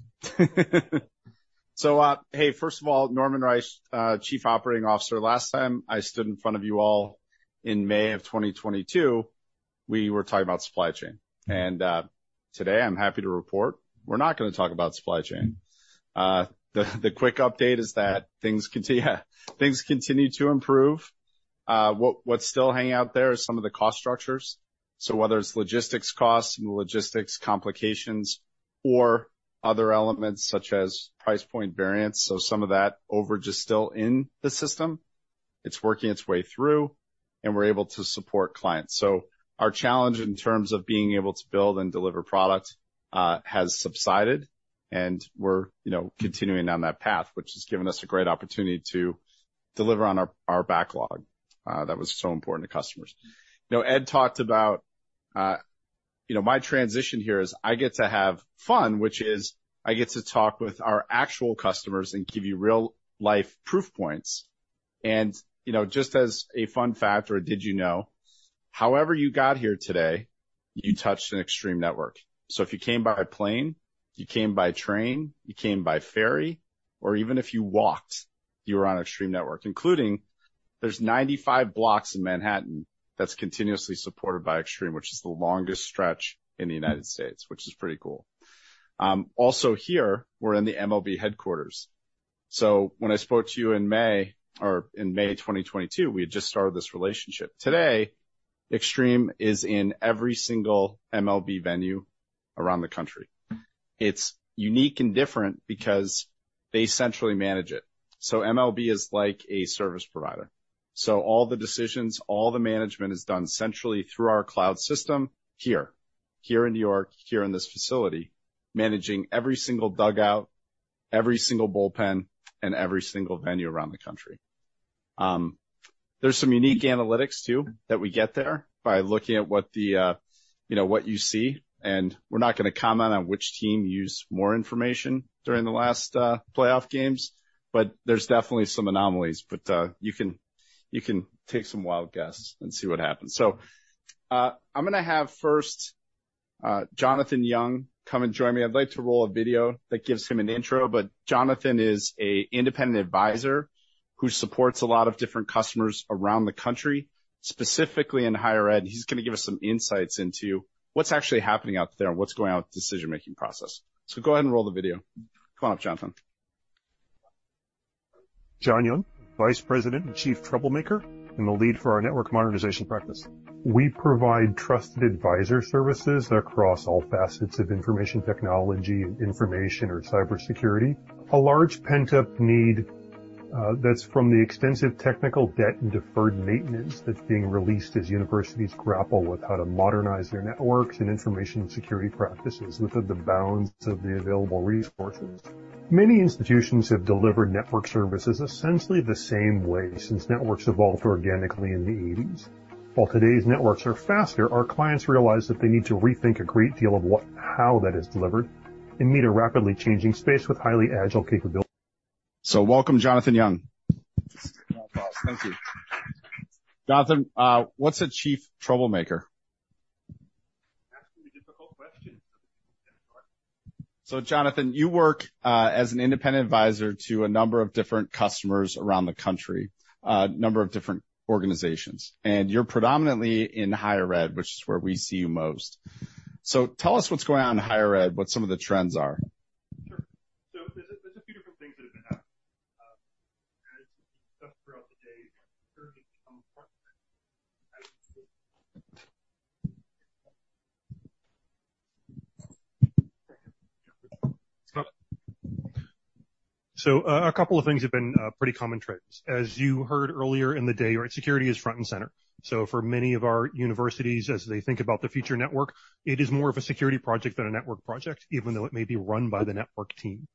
Speaker 6: So, hey, first of all, Norman Rice, Chief Commercial Officer. Last time I stood in front of you all in May 2022, we were talking about supply chain. And today I'm happy to report we're not gonna talk about supply chain. The quick update is that things continue, things continue to improve. What, what's still hanging out there is some of the cost structures. So whether it's logistics costs and logistics complications or other elements such as price point variance. So some of that overage is still in the system. It's working its way through, and we're able to support clients. So our challenge in terms of being able to build and deliver product has subsided, and we're, you know, continuing down that path, which has given us a great opportunity to deliver on our, our backlog that was so important to customers. Now, Ed talked about... You know, my transition here is I get to have fun, which is I get to talk with our actual customers and give you real-life proof points. And, you know, just as a fun fact, or did you know, however you got here today, you touched an Extreme Networks. So if you came by plane, you came by train, you came by ferry, or even if you walked, you were on an Extreme Networks, including there's 95 blocks in Manhattan that's continuously supported by Extreme, which is the longest stretch in the United States, which is pretty cool. Also here, we're in the MLB headquarters. So when I spoke to you in May, or in May 2022, we had just started this relationship. Today, Extreme is in every single MLB venue around the country. It's unique and different because they centrally manage it. So MLB is like a service provider. So all the decisions, all the management is done centrally through our cloud system here, here in New York, here in this facility, managing every single dugout, every single bullpen, and every single venue around the country. There's some unique analytics too, that we get there by looking at what the, you know, what you see, and we're not gonna comment on which team used more information during the last, playoff games, but there's definitely some anomalies. But, you can, you can take some wild guesses and see what happens. So, I'm gonna have first, Jonathan Young come and join me. I'd like to roll a video that gives him an intro, but Jonathan is an independent advisor who supports a lot of different customers around the country, specifically in higher ed. He's gonna give us some insights into what's actually happening out there and what's going on with the decision-making process. So go ahead and roll the video. Come on up, Jonathan.
Speaker 7: Jonathan Young, Vice President and Chief Troublemaker, and the lead for our network modernization practice. We provide trusted advisor services across all facets of information technology and information or cybersecurity. A large pent-up need, that's from the extensive technical debt and deferred maintenance that's being released as universities grapple with how to modernize their networks and information security practices within the bounds of the available resources. Many institutions have delivered network services essentially the same way since networks evolved organically in the eighties. While today's networks are faster, our clients realize that they need to rethink a great deal of what and how that is delivered and meet a rapidly changing space with highly agile capability.
Speaker 6: So welcome, Jonathan Young. Thank you. Jonathan, what's a Chief Troublemaker?
Speaker 7: That's a really difficult question.
Speaker 6: So, Jonathan, you work as an independent advisor to a number of different customers around the country, a number of different organizations, and you're predominantly in higher ed, which is where we see you most. Tell us what's going on in higher ed, what some of the trends are. ...
Speaker 7: things that have been happening, as discussed throughout the day. So a couple of things have been, pretty common trends. As you heard earlier in the day, right, security is front and center. So for many of our universities, as they think about the future network, it is more of a security project than a network project, even though it may be run by the network team.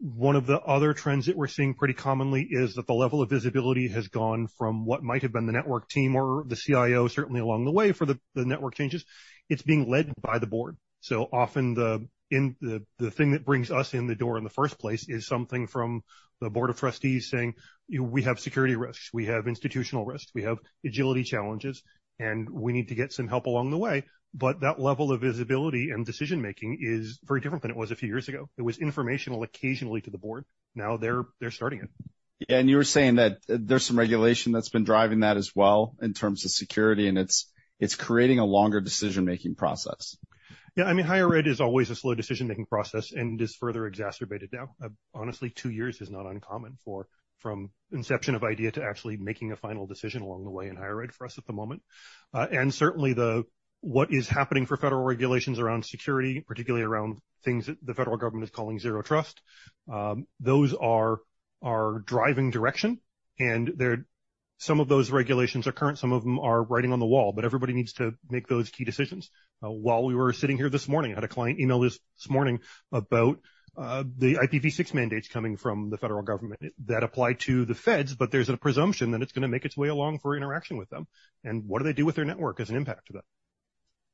Speaker 7: One of the other trends that we're seeing pretty commonly is that the level of visibility has gone from what might have been the network team or the CIO, certainly along the way for the network changes. It's being led by the board. So often the thing that brings us in the door in the first place is something from the board of trustees saying: "We have security risks, we have institutional risks, we have agility challenges, and we need to get some help along the way." But that level of visibility and decision making is very different than it was a few years ago. It was informational occasionally to the board. Now they're starting it.
Speaker 6: Yeah, and you were saying that there's some regulation that's been driving that as well in terms of security, and it's, it's creating a longer decision-making process.
Speaker 7: Yeah. I mean, higher ed is always a slow decision-making process and is further exacerbated now. Honestly, two years is not uncommon from inception of idea to actually making a final decision along the way in higher ed for us at the moment. And certainly what is happening for federal regulations around security, particularly around things that the federal government is calling zero trust, those are driving direction, and they're some of those regulations are current, some of them are writing on the wall, but everybody needs to make those key decisions. While we were sitting here this morning, I had a client email this morning about the IPv6 mandates coming from the federal government. That apply to the feds, but there's a presumption that it's gonna make its way along for interaction with them. What do they do with their network as an impact to them?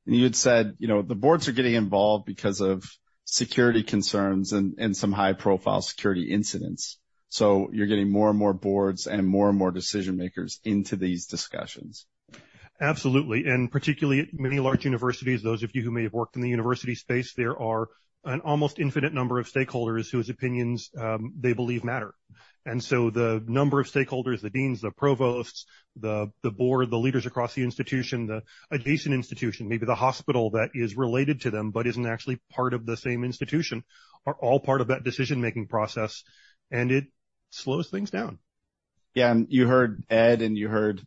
Speaker 6: You had said, you know, the boards are getting involved because of security concerns and some high-profile security incidents. So you're getting more and more boards and more and more decision makers into these discussions.
Speaker 7: Absolutely. And particularly many large universities, those of you who may have worked in the university space, there are an almost infinite number of stakeholders whose opinions they believe matter. And so the number of stakeholders, the deans, the provosts, the board, the leaders across the institution, the adjacent institution, maybe the hospital that is related to them, but isn't actually part of the same institution, are all part of that decision-making process, and it slows things down.
Speaker 6: Yeah, and you heard Ed, and you heard,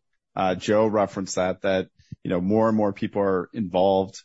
Speaker 6: Joe reference that, that, you know, more and more people are involved,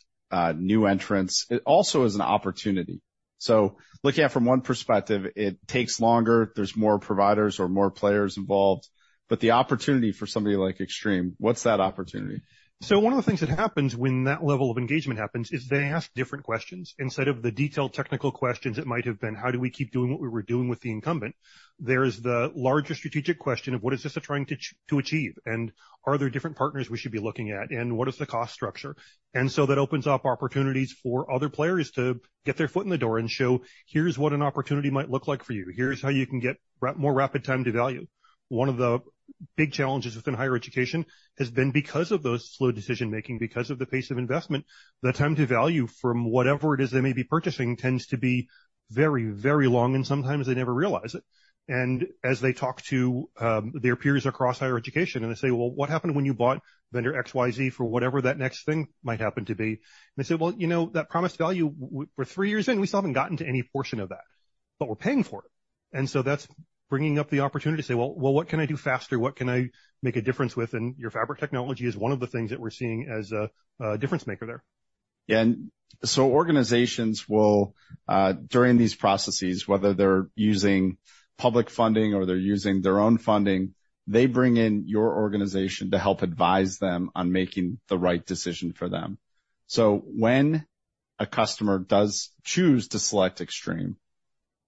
Speaker 6: new entrants. It also is an opportunity. So looking at it from one perspective, it takes longer, there's more providers or more players involved, but the opportunity for somebody like Extreme, what's that opportunity?
Speaker 7: So one of the things that happens when that level of engagement happens is they ask different questions. Instead of the detailed technical questions, it might have been, "How do we keep doing what we were doing with the incumbent?" There's the larger strategic question of: What is this trying to achieve? And are there different partners we should be looking at, and what is the cost structure? And so that opens up opportunities for other players to get their foot in the door and show, here's what an opportunity might look like for you. Here's how you can get more rapid time to value. One of the big challenges within higher education has been because of those slow decision making, because of the pace of investment, the time to value from whatever it is they may be purchasing, tends to be very, very long, and sometimes they never realize it. And as they talk to their peers across higher education and they say, "Well, what happened when you bought vendor XYZ for whatever that next thing might happen to be?" And they say, "Well, you know, that promised value, we're three years in, we still haven't gotten to any portion of that, but we're paying for it." And so that's bringing up the opportunity to say: Well, well, what can I do faster? What can I make a difference with? And your Fabric technology is one of the things that we're seeing as a difference maker there.
Speaker 6: Yeah. And so organizations will, during these processes, whether they're using public funding or they're using their own funding, they bring in your organization to help advise them on making the right decision for them. So when a customer does choose to select Extreme,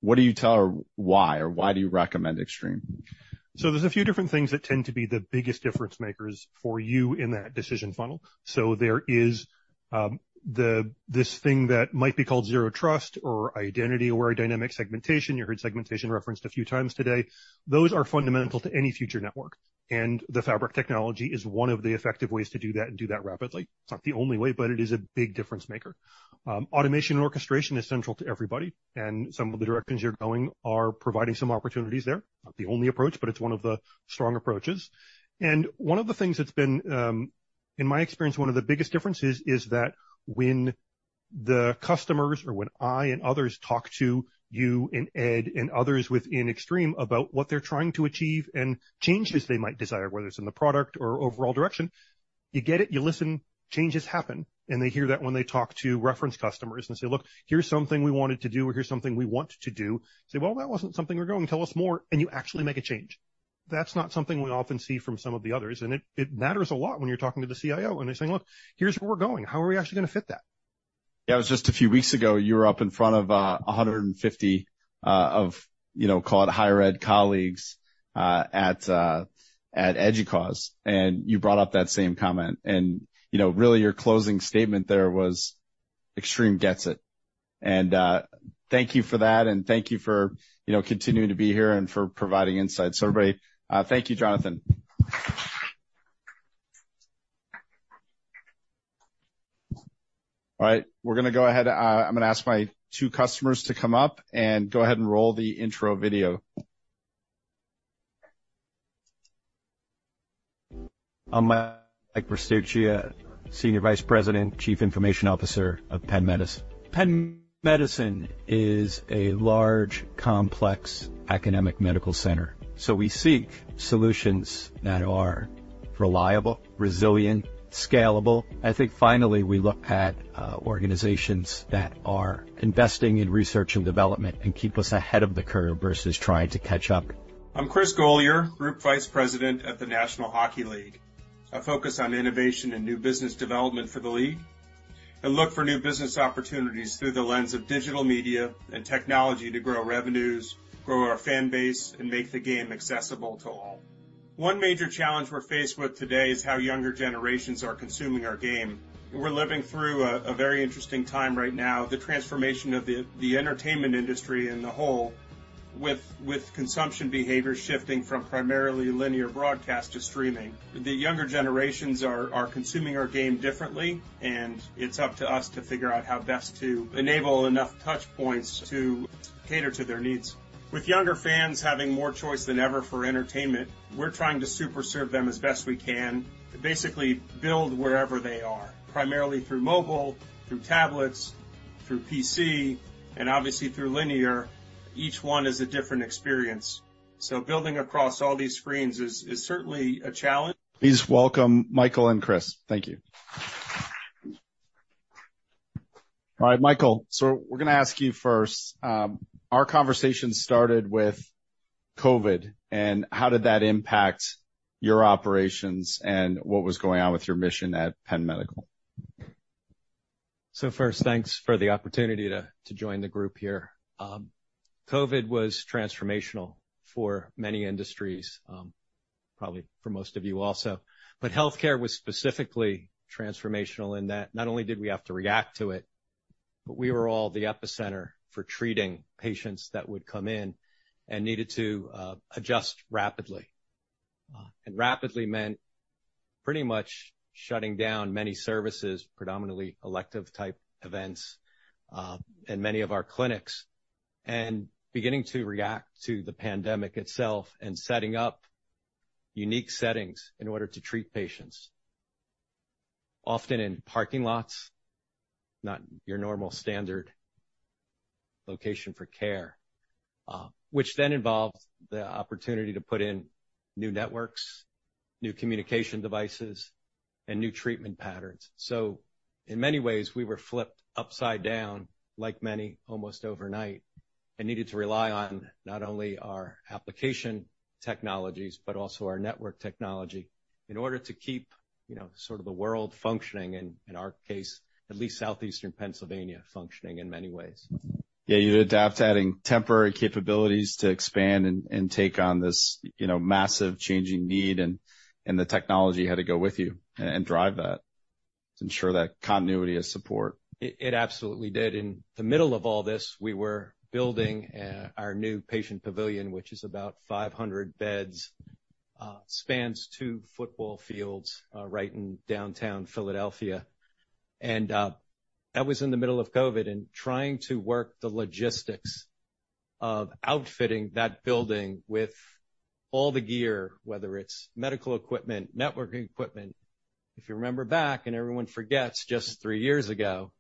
Speaker 6: what do you tell her? Why or why do you recommend Extreme?
Speaker 7: So there's a few different things that tend to be the biggest difference makers for you in that decision funnel. So there is this thing that might be called zero trust or identity or dynamic segmentation. You heard segmentation referenced a few times today. Those are fundamental to any future network, and the fabric technology is one of the effective ways to do that and do that rapidly. It's not the only way, but it is a big difference maker. Automation and orchestration is central to everybody, and some of the directions you're going are providing some opportunities there. Not the only approach, but it's one of the strong approaches. And one of the things that's been in my experience, one of the biggest differences is that when the customers or when I and others talk to you and Ed and others within Extreme about what they're trying to achieve and changes they might desire, whether it's in the product or overall direction, you get it, you listen, changes happen. And they hear that when they talk to reference customers and say: Look, here's something we wanted to do, or here's something we want to do. Say, "Well, that wasn't something we're going to tell us more," and you actually make a change. That's not something we often see from some of the others, and it, it matters a lot when you're talking to the CIO and they're saying: "Look, here's where we're going. How are we actually gonna fit that?
Speaker 6: Yeah, it was just a few weeks ago, you were up in front of 150 of, you know, call it higher ed colleagues at Educause, and you brought up that same comment. And, you know, really your closing statement there was, "Extreme gets it." And thank you for that, and thank you for, you know, continuing to be here and for providing insight. So everybody, thank you, Jonathan. All right, we're gonna go ahead. I'm gonna ask my two customers to come up and go ahead and roll the intro video....
Speaker 8: I'm Mike Restuccia, Senior Vice President, Chief Information Officer of Penn Medicine. Penn Medicine is a large, complex academic medical center, so we seek solutions that are reliable, resilient, scalable. I think finally, we look at, organizations that are investing in research and development and keep us ahead of the curve versus trying to catch up.
Speaker 9: I'm Chris Golier, Group Vice President at the National Hockey League. I focus on innovation and new business development for the league, and look for new business opportunities through the lens of digital media and technology to grow revenues, grow our fan base, and make the game accessible to all. One major challenge we're faced with today is how younger generations are consuming our game. We're living through a very interesting time right now, the transformation of the entertainment industry in the whole, with consumption behavior shifting from primarily linear broadcast to streaming. The younger generations are consuming our game differently, and it's up to us to figure out how best to enable enough touch points to cater to their needs. With younger fans having more choice than ever for entertainment, we're trying to super serve them as best we can. Basically, build wherever they are, primarily through mobile, through tablets, through PC, and obviously through linear. Each one is a different experience, so building across all these screens is certainly a challenge.
Speaker 6: Please welcome Michael and Chris. Thank you. All right, Michael, so we're gonna ask you first, our conversation started with COVID, and how did that impact your operations and what was going on with your mission at Penn Medicine?
Speaker 8: So first, thanks for the opportunity to join the group here. COVID was transformational for many industries, probably for most of you also. But healthcare was specifically transformational in that not only did we have to react to it, but we were all the epicenter for treating patients that would come in and needed to adjust rapidly. And rapidly meant pretty much shutting down many services, predominantly elective type events, and many of our clinics, and beginning to react to the pandemic itself, and setting up unique settings in order to treat patients, often in parking lots, not your normal standard location for care. Which then involved the opportunity to put in new networks, new communication devices, and new treatment patterns. So in many ways, we were flipped upside down, like many, almost overnight, and needed to rely on not only our application technologies, but also our network technology in order to keep, you know, sort of the world functioning, and in our case, at least southeastern Pennsylvania, functioning in many ways.
Speaker 6: Yeah, you had to adapt to adding temporary capabilities to expand and, and take on this, you know, massive changing need, and, and the technology had to go with you and, and drive that to ensure that continuity of support.
Speaker 8: It, it absolutely did. In the middle of all this, we were building our new patient pavilion, which is about 500 beds, spans 2 football fields, right in downtown Philadelphia. That was in the middle of COVID, and trying to work the logistics of outfitting that building with all the gear, whether it's medical equipment, networking equipment... If you remember back, and everyone forgets, just 3 years ago,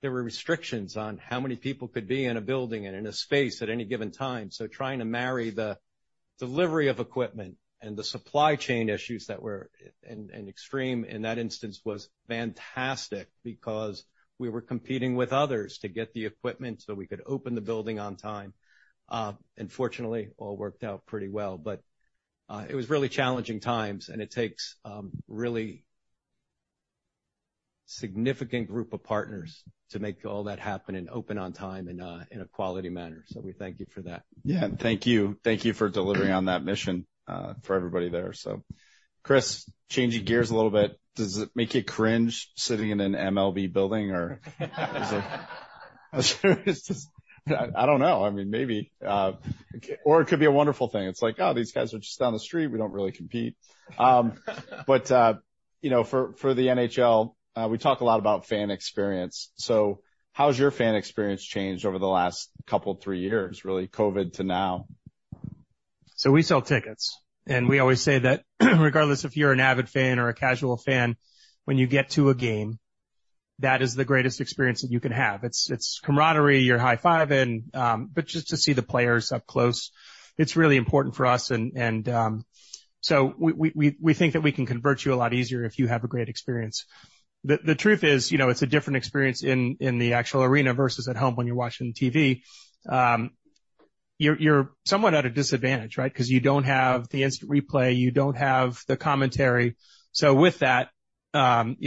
Speaker 8: there were restrictions on how many people could be in a building and in a space at any given time. So trying to marry the delivery of equipment and the supply chain issues that were in extreme in that instance was fantastic because we were competing with others to get the equipment so we could open the building on time. Fortunately, all worked out pretty well. But it was really challenging times, and it takes really significant group of partners to make all that happen and open on time in a quality manner. So we thank you for that.
Speaker 6: Yeah, and thank you. Thank you for delivering on that mission for everybody there. So, Chris, changing gears a little bit, does it make you cringe sitting in an MLB building, or I seriously don't know. I mean, maybe, or it could be a wonderful thing. It's like, "Oh, these guys are just down the street. We don't really compete." But you know, for the NHL, we talk a lot about fan experience. So how's your fan experience changed over the last couple, three years, really, COVID to now?
Speaker 9: So we sell tickets, and we always say that regardless if you're an avid fan or a casual fan, when you get to a game, that is the greatest experience that you can have. It's camaraderie, you're high-fiving, but just to see the players up close, it's really important for us and... So we think that we can convert you a lot easier if you have a great experience. The truth is, you know, it's a different experience in the actual arena versus at home when you're watching TV. You're somewhat at a disadvantage, right? 'Cause you don't have the instant replay, you don't have the commentary. So with that, you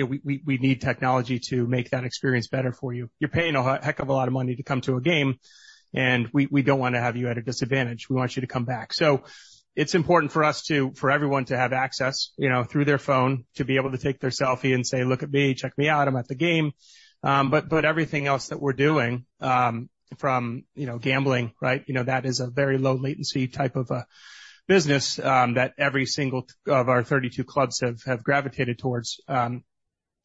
Speaker 9: know, we need technology to make that experience better for you. You're paying a heck of a lot of money to come to a game, and we don't want to have you at a disadvantage. We want you to come back. So it's important for us to for everyone to have access, you know, through their phone, to be able to take their selfie and say, "Look at me, check me out, I'm at the game." But everything else that we're doing, from, you know, gambling, right? You know, that is a very low latency type of a business, that every single of our 32 clubs have gravitated towards.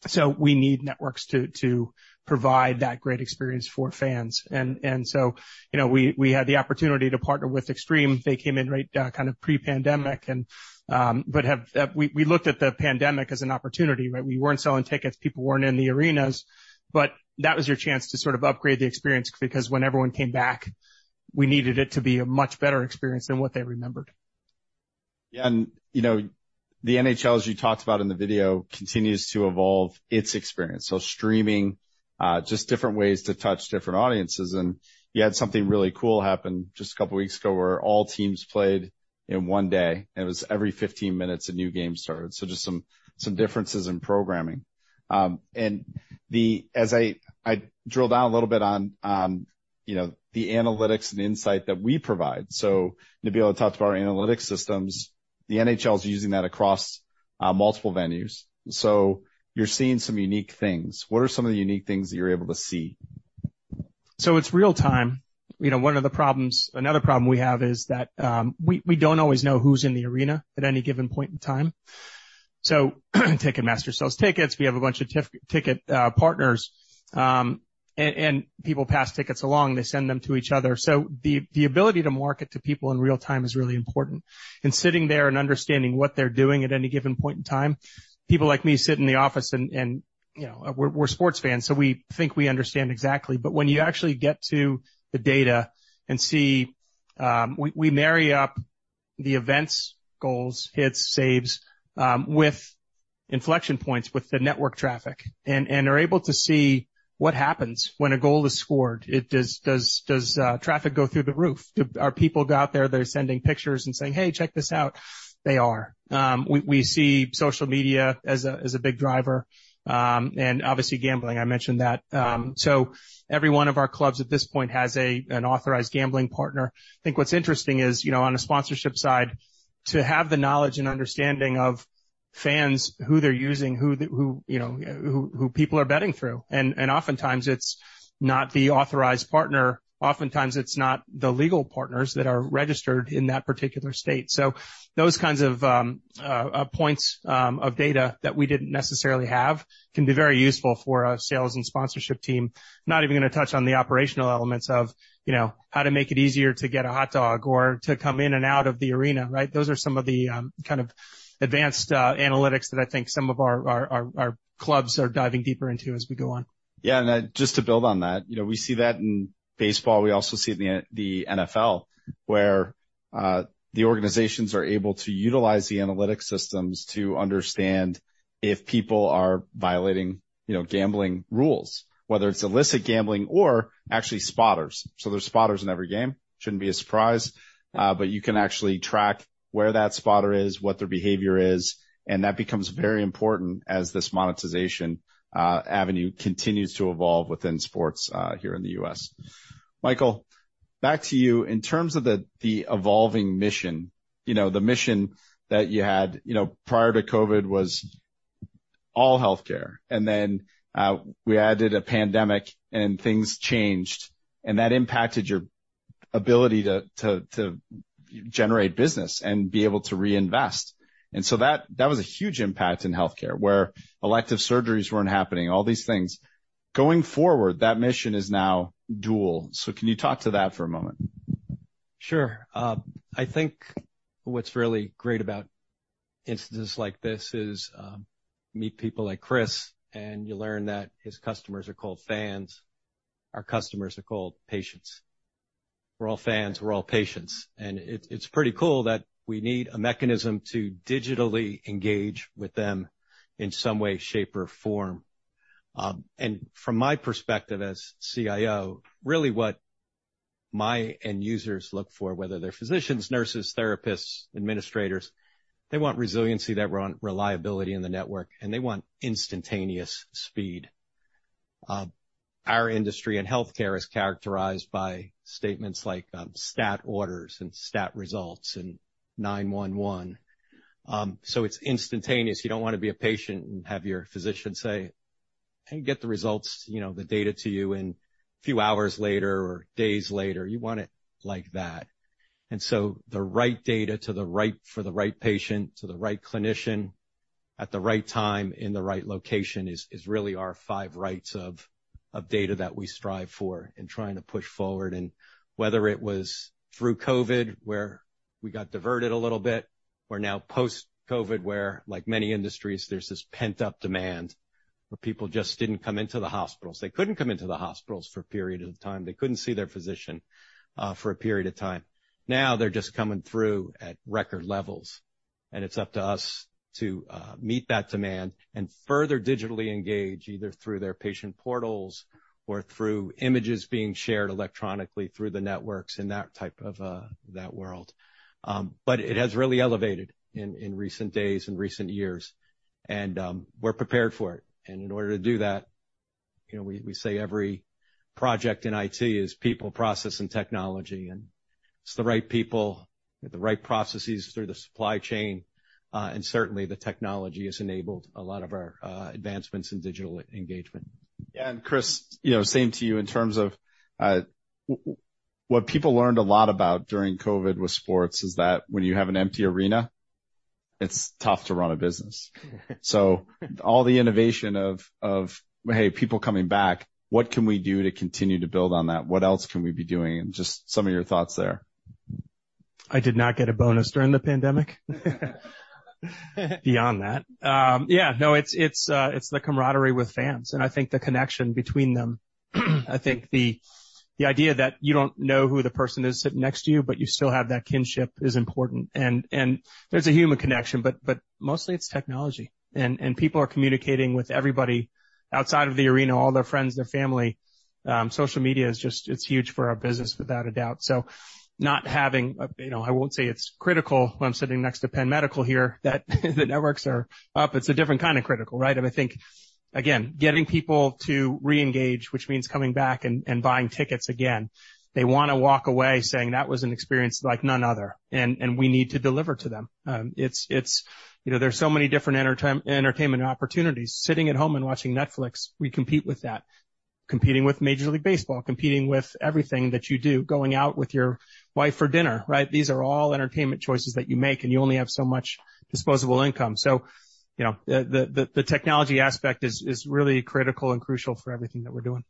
Speaker 9: So we need networks to provide that great experience for fans. And so, you know, we had the opportunity to partner with Extreme. They came in right, kind of pre-pandemic, and we looked at the pandemic as an opportunity, right? We weren't selling tickets, people weren't in the arenas, but that was your chance to sort of upgrade the experience, because when everyone came back, we needed it to be a much better experience than what they remembered.
Speaker 6: Yeah, and, you know, the NHL, as you talked about in the video, continues to evolve its experience. So streaming, just different ways to touch different audiences. And you had something really cool happen just a couple of weeks ago, where all teams played in one day, and it was every 15 minutes, a new game started. So just some, some differences in programming. And the—as I drill down a little bit on, you know, the analytics and insight that we provide. So Nabil talked about our analytics systems. The NHL is using that across, multiple venues, so you're seeing some unique things. What are some of the unique things that you're able to see?
Speaker 9: So it's real time. You know, one of the problems, another problem we have is that, we don't always know who's in the arena at any given point in time. So Ticketmaster sells tickets. We have a bunch of ticket partners, and people pass tickets along. They send them to each other. So the ability to market to people in real time is really important. And sitting there and understanding what they're doing at any given point in time, people like me sit in the office and, you know, we're sports fans, so we think we understand exactly. But when you actually get to the data and see. We marry up the events, goals, hits, saves, with inflection points, with the network traffic, and are able to see what happens when a goal is scored. Does traffic go through the roof? Are people out there, they're sending pictures and saying, "Hey, check this out?" They are. We see social media as a big driver, and obviously gambling, I mentioned that. So every one of our clubs at this point has an authorized gambling partner. I think what's interesting is, you know, on a sponsorship side, to have the knowledge and understanding of fans, who they're using, who people are betting through. And oftentimes it's not the authorized partner. Oftentimes, it's not the legal partners that are registered in that particular state. So those kinds of points of data that we didn't necessarily have can be very useful for our sales and sponsorship team. Not even going to touch on the operational elements of, you know, how to make it easier to get a hot dog or to come in and out of the arena, right? Those are some of the kind of advanced clubs are diving deeper into as we go on.
Speaker 6: Yeah, and, just to build on that, you know, we see that in baseball. We also see it in the NFL, where the organizations are able to utilize the analytic systems to understand if people are violating, you know, gambling rules, whether it's illicit gambling or actually spotters. So there's spotters in every game, shouldn't be a surprise, but you can actually track where that spotter is, what their behavior is, and that becomes very important as this monetization avenue continues to evolve within sports here in the US. Michael, back to you. In terms of the evolving mission, you know, the mission that you had, you know, prior to COVID was all healthcare, and then we added a pandemic and things changed, and that impacted your ability to generate business and be able to reinvest. That was a huge impact in healthcare, where elective surgeries weren't happening, all these things. Going forward, that mission is now dual. Can you talk to that for a moment?
Speaker 8: Sure. I think what's really great about instances like this is, you meet people like Chris, and you learn that his customers are called fans. Our customers are called patients. We're all fans, we're all patients, and it's pretty cool that we need a mechanism to digitally engage with them in some way, shape, or form. From my perspective as CIO, really what my end users look for, whether they're physicians, nurses, therapists, administrators, they want resiliency, that reliability in the network, and they want instantaneous speed. Our industry in healthcare is characterized by statements like, stat orders and stat results and 911. So it's instantaneous. You don't want to be a patient and have your physician say: "I'll get the results, you know, the data to you in a few hours later or days later." You want it like that. And so the right data to the right—for the right patient, to the right clinician, at the right time, in the right location, is really our five rights of data that we strive for in trying to push forward. And whether it was through COVID, where we got diverted a little bit, or now post-COVID, where, like many industries, there's this pent-up demand, where people just didn't come into the hospitals. They couldn't come into the hospitals for a period of time. They couldn't see their physician for a period of time. Now they're just coming through at record levels, and it's up to us to meet that demand and further digitally engage, either through their patient portals or through images being shared electronically through the networks in that type of that world. But it has really elevated in recent days and recent years, and we're prepared for it. And in order to do that, you know, we say every project in IT is people, process, and technology, and it's the right people, the right processes through the supply chain, and certainly the technology has enabled a lot of our advancements in digital engagement.
Speaker 6: Yeah, and Chris, you know, same to you in terms of what people learned a lot about during COVID with sports is that when you have an empty arena, it's tough to run a business. So all the innovation of hey, people coming back, what can we do to continue to build on that? What else can we be doing? And just some of your thoughts there.
Speaker 9: I did not get a bonus during the pandemic. Beyond that, it's the camaraderie with fans, and I think the connection between them. I think the idea that you don't know who the person is sitting next to you, but you still have that kinship is important. And there's a human connection, but mostly it's technology, and people are communicating with everybody outside of the arena, all their friends, their family. Social media is just, it's huge for our business, without a doubt. So not having a, you know, I won't say it's critical when I'm sitting next to Penn Medicine here, that the networks are up. It's a different kind of critical, right? I think, again, getting people to reengage, which means coming back and buying tickets again, they wanna walk away saying, "That was an experience like none other," and we need to deliver to them. It's, you know, there's so many different entertainment opportunities. Sitting at home and watching Netflix, we compete with that. Competing with Major League Baseball, competing with everything that you do, going out with your wife for dinner, right? These are all entertainment choices that you make, and you only have so much disposable income. So, you know, the technology aspect is really critical and crucial for everything that we're doing.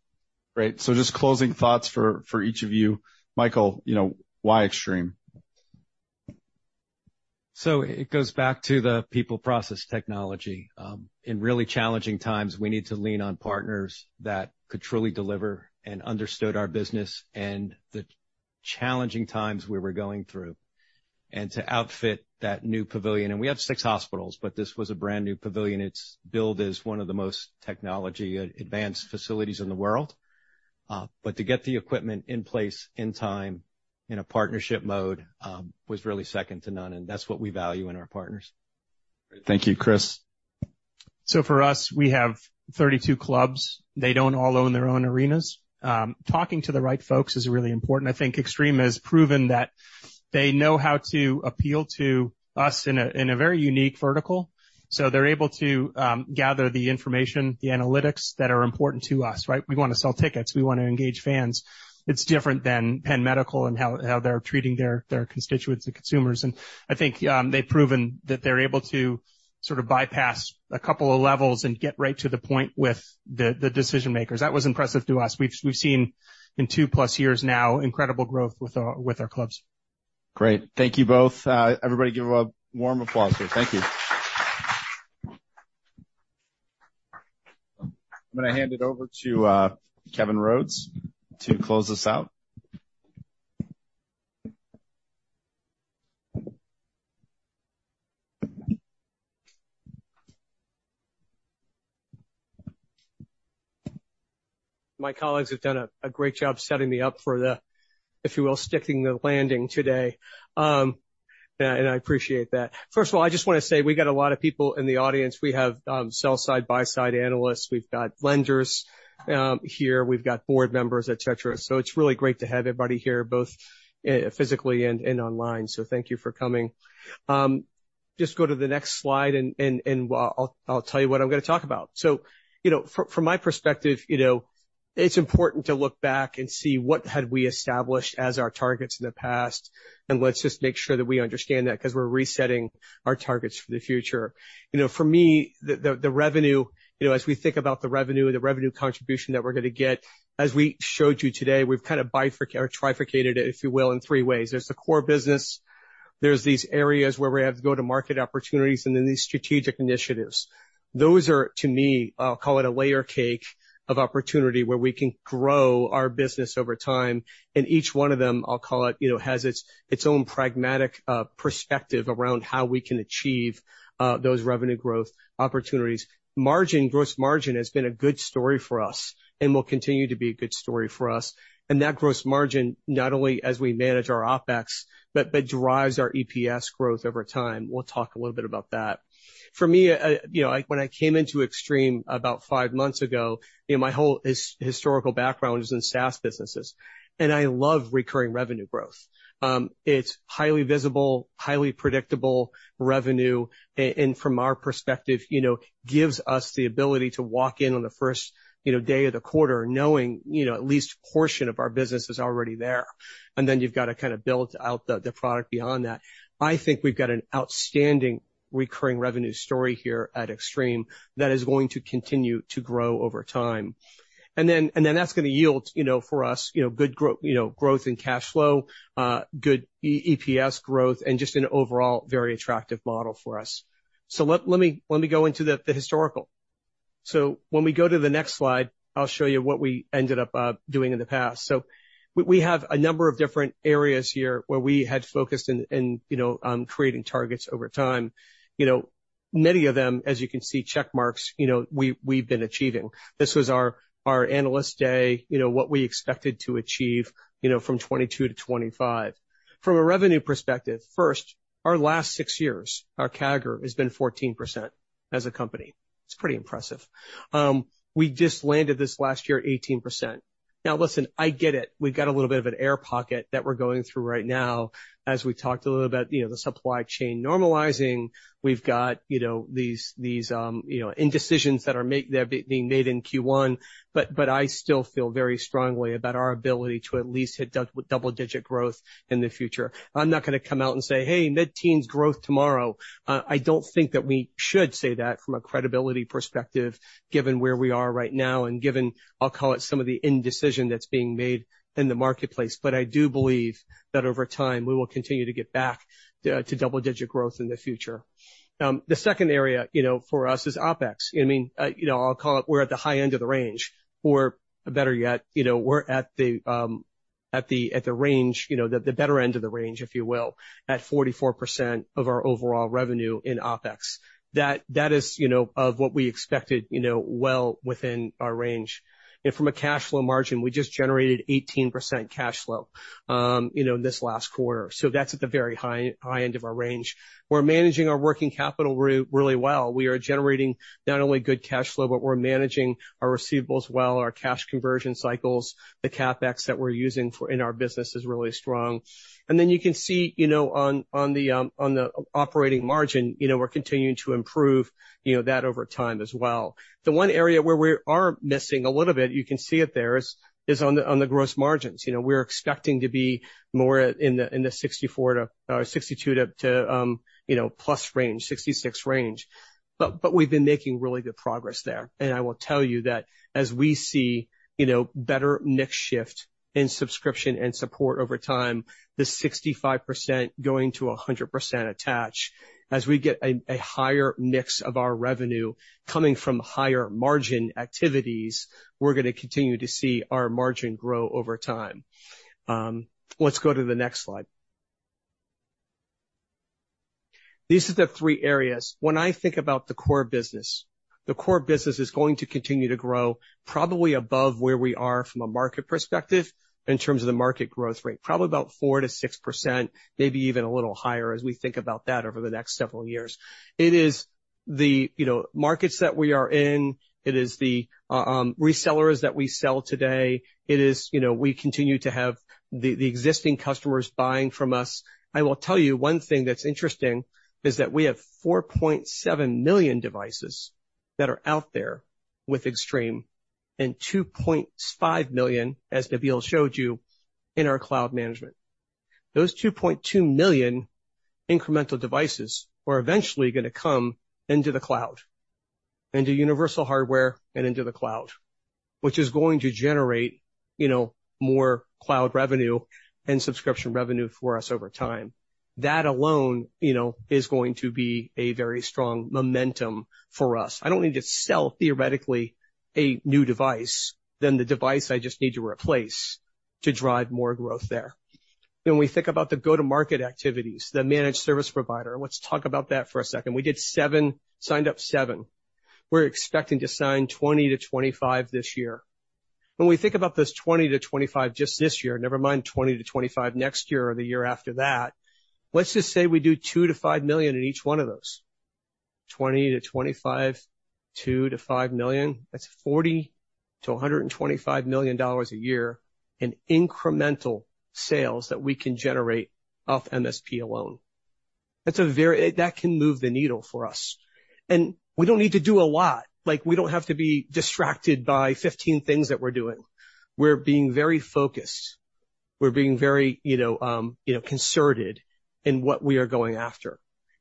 Speaker 6: Great. So just closing thoughts for each of you. Michael, you know, why Extreme?
Speaker 8: So it goes back to the people process technology. In really challenging times, we need to lean on partners that could truly deliver and understood our business and the challenging times we were going through. And to outfit that new pavilion, and we have six hospitals, but this was a brand-new pavilion. It's billed as one of the most technology advanced facilities in the world. But to get the equipment in place, in time, in a partnership mode, was really second to none, and that's what we value in our partners.
Speaker 6: Thank you. Chris?
Speaker 9: So for us, we have 32 clubs. They don't all own their own arenas. Talking to the right folks is really important. I think Extreme has proven that they know how to appeal to us in a, in a very unique vertical. So they're able to gather the information, the analytics that are important to us, right? We wanna sell tickets, we wanna engage fans. It's different than Penn Medicine and how, how they're treating their, their constituents and consumers. And I think, they've proven that they're able to sort of bypass a couple of levels and get right to the point with the, the decision makers. That was impressive to us. We've, we've seen, in 2+ years now, incredible growth with our, with our clubs.
Speaker 6: Great. Thank you both. Everybody, give a warm applause here. Thank you. I'm gonna hand it over to Kevin Rhodes to close this out.
Speaker 10: My colleagues have done a great job setting me up for the, if you will, sticking the landing today. And I appreciate that. First of all, I just wanna say we've got a lot of people in the audience. We have sell-side, buy-side analysts, we've got lenders here, we've got board members, et cetera. So it's really great to have everybody here, both physically and online. So thank you for coming. Just go to the next slide, and I'll tell you what I'm gonna talk about. So, you know, from my perspective, you know, it's important to look back and see what had we established as our targets in the past, and let's just make sure that we understand that, 'cause we're resetting our targets for the future. You know, for me, the revenue, you know, as we think about the revenue and the revenue contribution that we're gonna get, as we showed you today, we've kind of bifur- or trifurcated it, if you will, in three ways. There's the core business, there's these areas where we have go-to-market opportunities, and then these strategic initiatives. Those are, to me, I'll call it a layer cake of opportunity, where we can grow our business over time. And each one of them, I'll call it, you know, has its own pragmatic perspective around how we can achieve those revenue growth opportunities. Margin. Gross margin has been a good story for us and will continue to be a good story for us. And that gross margin, not only as we manage our OpEx, but drives our EPS growth over time. We'll talk a little bit about that. For me, you know, like, when I came into Extreme about five months ago, you know, my whole historical background is in SaaS businesses, and I love recurring revenue growth. It's highly visible, highly predictable revenue, and from our perspective, you know, gives us the ability to walk in on the first, you know, day of the quarter knowing, you know, at least a portion of our business is already there. And then you've got to kind of build out the product beyond that. I think we've got an outstanding recurring revenue story here at Extreme that is going to continue to grow over time. And then that's gonna yield, you know, for us, you know, good growth in cash flow, good EPS growth, and just an overall very attractive model for us. So let me go into the historical. So when we go to the next slide, I'll show you what we ended up doing in the past. So we have a number of different areas here where we had focused in, you know, creating targets over time. You know, many of them, as you can see, check marks, you know, we've been achieving. This was our analyst day, you know, what we expected to achieve, you know, from 2022 to 2025. From a revenue perspective, first, our last six years, our CAGR has been 14% as a company. It's pretty impressive. We just landed this last year at 18%.... Now, listen, I get it. We've got a little bit of an air pocket that we're going through right now. As we talked a little about, you know, the supply chain normalizing, we've got, you know, these, these, you know, indecisions that are being made in Q1. But, but I still feel very strongly about our ability to at least hit double-digit growth in the future. I'm not gonna come out and say, "Hey, mid-teens growth tomorrow." I don't think that we should say that from a credibility perspective, given where we are right now, and given, I'll call it, some of the indecision that's being made in the marketplace. But I do believe that over time, we will continue to get back to double-digit growth in the future. The second area, you know, for us is OpEx. I mean, you know, I'll call it, we're at the high end of the range, or better yet, you know, we're at the better end of the range, if you will, at 44% of our overall revenue in OpEx. That is what we expected, you know, well within our range. From a cash flow margin, we just generated 18% cash flow, you know, in this last quarter, so that's at the very high end of our range. We're managing our working capital really well. We are generating not only good cash flow, but we're managing our receivables well, our cash conversion cycles, the CapEx that we're using in our business is really strong. And then you can see, you know, on the operating margin, you know, we're continuing to improve, you know, that over time as well. The one area where we are missing a little bit, you can see it there, is on the gross margins. You know, we're expecting to be more in the 64% to 62% to plus range, 66% range. But we've been making really good progress there. And I will tell you that as we see, you know, better mix shift in subscription and support over time, the 65% going to a 100% attach. As we get a higher mix of our revenue coming from higher margin activities, we're gonna continue to see our margin grow over time. Let's go to the next slide. These are the three areas. When I think about the core business, the core business is going to continue to grow probably above where we are from a market perspective in terms of the market growth rate, probably about 4%-6%, maybe even a little higher as we think about that over the next several years. It is the, you know, markets that we are in, it is the, resellers that we sell today. It is -- you know, we continue to have the, the existing customers buying from us. I will tell you one thing that's interesting is that we have 4.7 million devices that are out there with Extreme, and 2.5 million, as Nabil showed you, in our cloud management. Those 2.2 million incremental devices are eventually gonna come into the cloud, into Universal Hardware and into the cloud, which is going to generate, you know, more cloud revenue and subscription revenue for us over time. That alone, you know, is going to be a very strong momentum for us. I don't need to sell, theoretically, a new device than the device I just need to replace to drive more growth there. When we think about the go-to-market activities, the managed service provider, let's talk about that for a second. We signed up 7. We're expecting to sign 20-25 this year. When we think about this 20-25 just this year, never mind 20-25 next year or the year after that, let's just say we do $2 million-$5 million in each one of those. 20-25, 2-5 million, that's $40 million-$125 million a year in incremental sales that we can generate off MSP alone. That's a very... That can move the needle for us. We don't need to do a lot, like, we don't have to be distracted by 15 things that we're doing. We're being very focused. We're being very, you know, you know, concerted in what we are going after,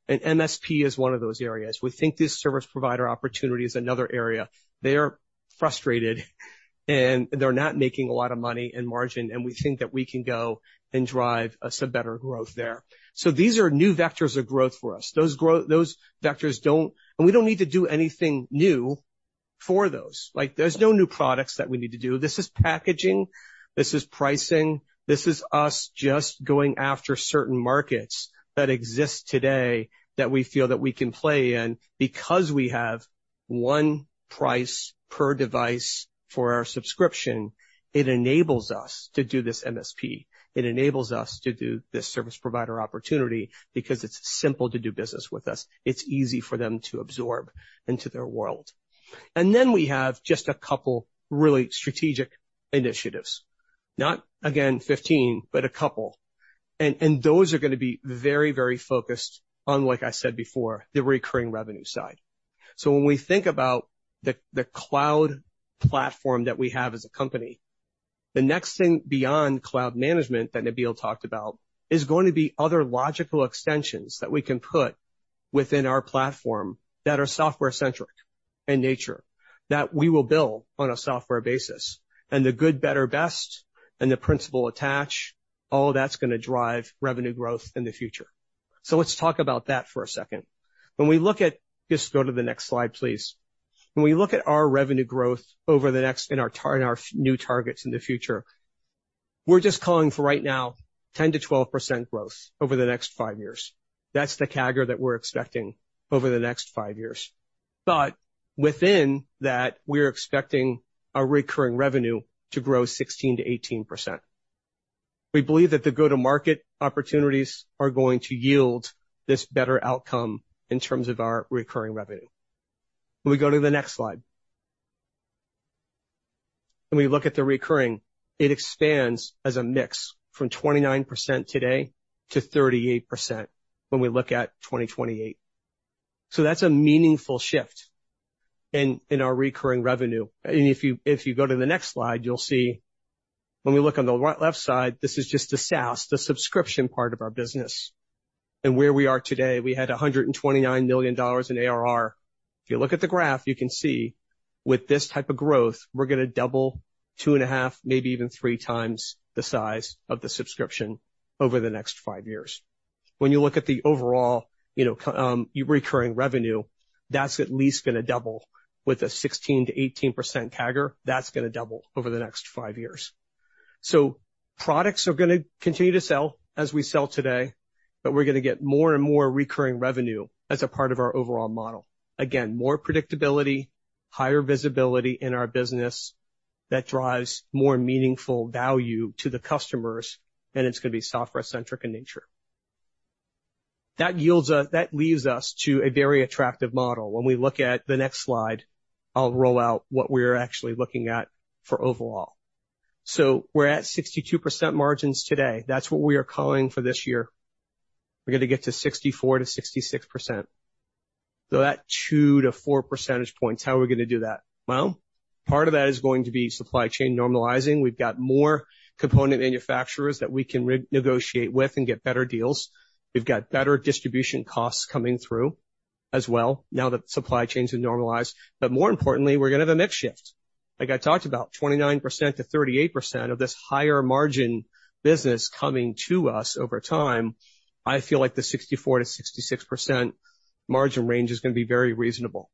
Speaker 10: and MSP is one of those areas. We think this service provider opportunity is another area. They are frustrated, and they're not making a lot of money in margin, and we think that we can go and drive us a better growth there. These are new vectors of growth for us. Those grow-- Those vectors don't... We don't need to do anything new for those. Like, there's no new products that we need to do. This is packaging, this is pricing, this is us just going after certain markets that exist today, that we feel that we can play in. Because we have one price per device for our subscription, it enables us to do this MSP. It enables us to do this service provider opportunity because it's simple to do business with us. It's easy for them to absorb into their world. And then we have just a couple really strategic initiatives. Not, again, 15, but a couple. And those are gonna be very, very focused on, like I said before, the recurring revenue side. So when we think about the cloud platform that we have as a company, the next thing beyond cloud management, that Nabil talked about, is going to be other logical extensions that we can put within our platform that are software-centric in nature, that we will build on a software basis. And the good, better, best, and the principle attach, all that's gonna drive revenue growth in the future. So let's talk about that for a second. When we look at... Just go to the next slide, please. When we look at our revenue growth over the next, in our new targets in the future, we're just calling for, right now, 10%-12% growth over the next five years. That's the CAGR that we're expecting over the next five years. But within that, we're expecting our recurring revenue to grow 16%-18%.... We believe that the go-to-market opportunities are going to yield this better outcome in terms of our recurring revenue. When we go to the next slide, when we look at the recurring, it expands as a mix from 29% today to 38% when we look at 2028. So that's a meaningful shift in our recurring revenue. And if you go to the next slide, you'll see when we look on the left side, this is just the SaaS, the subscription part of our business. And where we are today, we had $129 million in ARR. If you look at the graph, you can see with this type of growth, we're going to double 2.5, maybe even three times the size of the subscription over the next five years. When you look at the overall, you know, recurring revenue, that's at least going to double with a 16%-18% CAGR, that's going to double over the next five years. So products are going to continue to sell as we sell today, but we're going to get more and more recurring revenue as a part of our overall model. Again, more predictability, higher visibility in our business that drives more meaningful value to the customers, and it's going to be software-centric in nature. That yields us, that leads us to a very attractive model. When we look at the next slide, I'll roll out what we're actually looking at for overall. So we're at 62% margins today. That's what we are calling for this year. We're going to get to 64%-66%. So that 2-4 percentage points, how are we going to do that? Well, part of that is going to be supply chain normalizing. We've got more component manufacturers that we can re-negotiate with and get better deals. We've got better distribution costs coming through as well now that supply chains have normalized. But more importantly, we're going to have a mix shift. Like I talked about, 29%-38% of this higher margin business coming to us over time. I feel like the 64%-66% margin range is going to be very reasonable.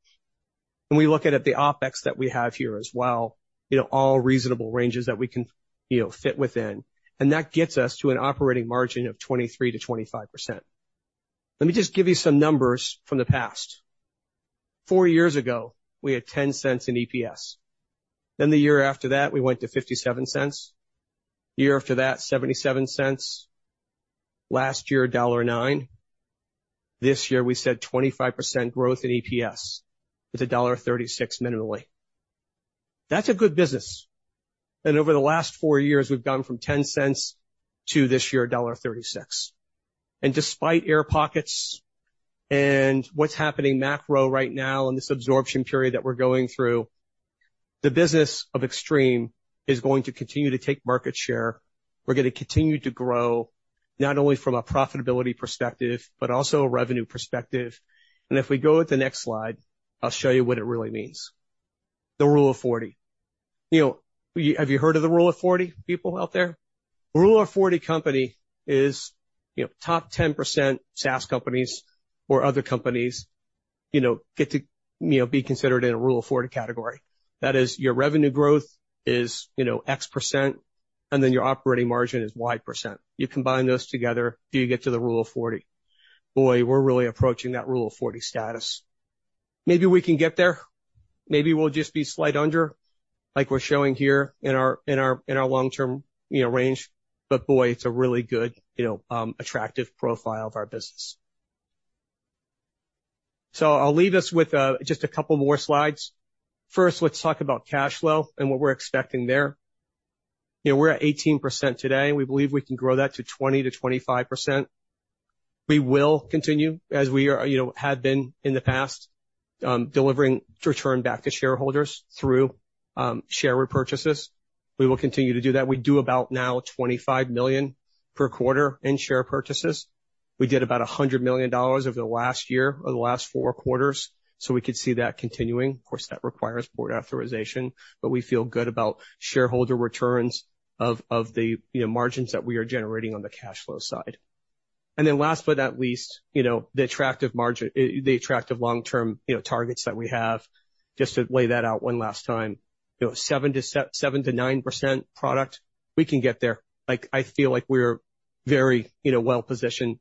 Speaker 10: When we look at, at the OpEx that we have here as well, you know, all reasonable ranges that we can, you know, fit within, and that gets us to an operating margin of 23%-25%. Let me just give you some numbers from the past. Four years ago, we had $0.10 in EPS. Then the year after that, we went to $0.57. The year after that, $0.77. Last year, $1.09. This year, we said 25% growth in EPS. It's $1.36 minimally. That's a good business. And over the last four years, we've gone from $0.10 to this year, $1.36. And despite air pockets and what's happening macro right now in this absorption period that we're going through, the business of Extreme is going to continue to take market share. We're going to continue to grow not only from a profitability perspective, but also a revenue perspective. And if we go to the next slide, I'll show you what it really means. The Rule of 40. You know, have you heard of the Rule of 40, people out there? Rule of Forty company is, you know, top 10% SaaS companies or other companies, you know, get to, you know, be considered in a Rule of Forty category. That is, your revenue growth is, you know, X percent, and then your operating margin is Y percent. You combine those together, you get to the Rule of Forty. Boy, we're really approaching that Rule of Forty status. Maybe we can get there. Maybe we'll just be slight under, like we're showing here in our long term, you know, range. But boy, it's a really good, you know, attractive profile of our business. So I'll leave us with just a couple more slides. First, let's talk about cash flow and what we're expecting there. You know, we're at 18% today, and we believe we can grow that to 20%-25%. We will continue, as we are, you know, have been in the past, delivering return back to shareholders through share repurchases. We will continue to do that. We do about now $25 million per quarter in share purchases. We did about $100 million over the last year or the last four quarters, so we could see that continuing. Of course, that requires board authorization, but we feel good about shareholder returns of, of the, you know, margins that we are generating on the cash flow side. And then last but not least, you know, the attractive margin, the attractive long-term, you know, targets that we have. Just to lay that out one last time, you know, 7%-9% product, we can get there. Like, I feel like we're very, you know, well-positioned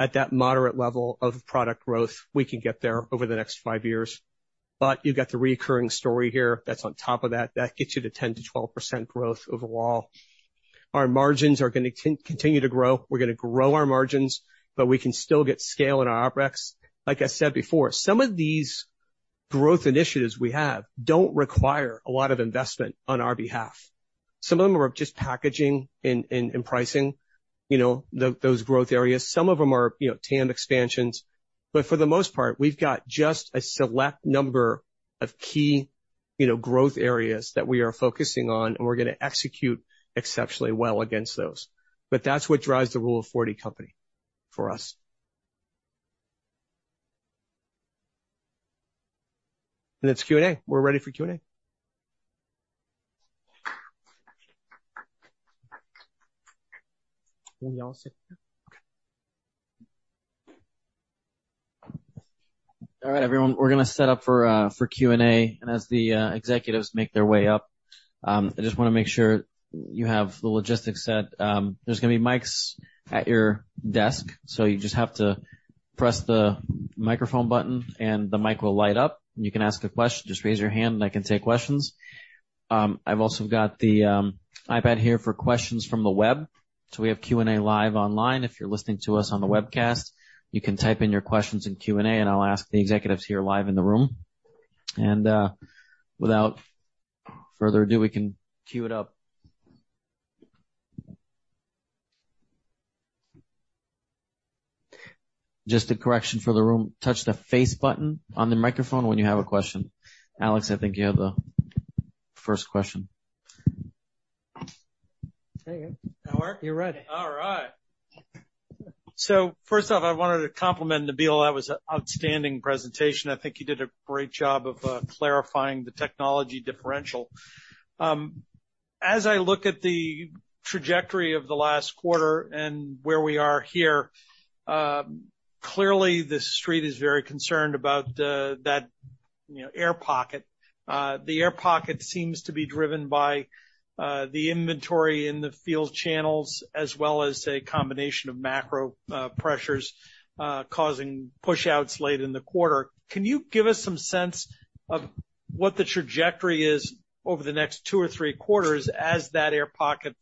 Speaker 10: at that moderate level of product growth. We can get there over the next five years. But you've got the recurring story here. That's on top of that. That gets you to 10%-12% growth overall. Our margins are going to continue to grow. We're going to grow our margins, but we can still get scale in our OpEx. Like I said before, some of these growth initiatives we have don't require a lot of investment on our behalf. Some of them are just packaging and pricing, you know, those growth areas. Some of them are, you know, TAM expansions, but for the most part, we've got just a select number of key, you know, growth areas that we are focusing on, and we're going to execute exceptionally well against those. But that's what drives the Rule of Forty company for us. And it's Q&A. We're ready for Q&A.
Speaker 11: All right, everyone, we're going to set up for Q&A. And as the executives make their way up, I just want to make sure you have the logistics set. There's going to be mics at your desk, so you just have to press the microphone button, and the mic will light up, and you can ask a question. Just raise your hand, and I can take questions. I've also got the iPad here for questions from the web. So we have Q&A live online. If you're listening to us on the webcast, you can type in your questions in Q&A, and I'll ask the executives here live in the room. And without further ado, we can queue it up. Just a correction for the room. Touch the face button on the microphone when you have a question. Alex, I think you have the first question.
Speaker 10: Hey, you're ready.
Speaker 12: All right. So first off, I wanted to compliment Nabil. That was an outstanding presentation. I think you did a great job of clarifying the technology differential. As I look at the trajectory of the last quarter and where we are here, clearly, the Street is very concerned about that, you know, air pocket. The air pocket seems to be driven by the inventory in the field channels, as well as a combination of macro pressures causing pushouts late in the quarter. Can you give us some sense of what the trajectory is over the next two or three quarters as that air pocket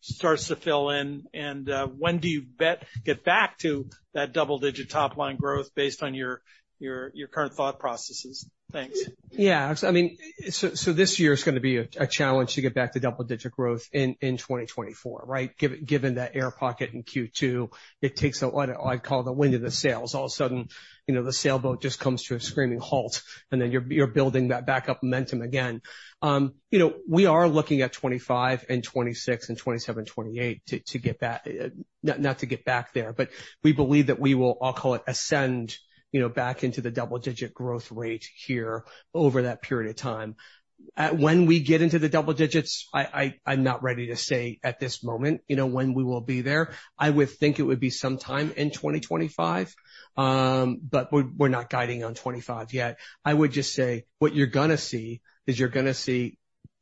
Speaker 12: starts to fill in? And when do you get back to that double-digit top-line growth based on your current thought processes? Thanks.
Speaker 10: Yeah, Alex, I mean, so this year is going to be a challenge to get back to double-digit growth in 2024, right? Given that air pocket in Q2, it takes a, what I'd call the wind in the sails. All of a sudden, you know, the sailboat just comes to a screaming halt, and then you're building that back up momentum again. You know, we are looking at 25 and 26 and 27, 28 to get back, not to get back there, but we believe that we will, I'll call it, ascend, you know, back into the double-digit growth rate here over that period of time. When we get into the double digits, I, I'm not ready to say at this moment, you know, when we will be there. I would think it would be sometime in 2025, but we're, we're not guiding on 25 yet. I would just say what you're gonna see is you're gonna see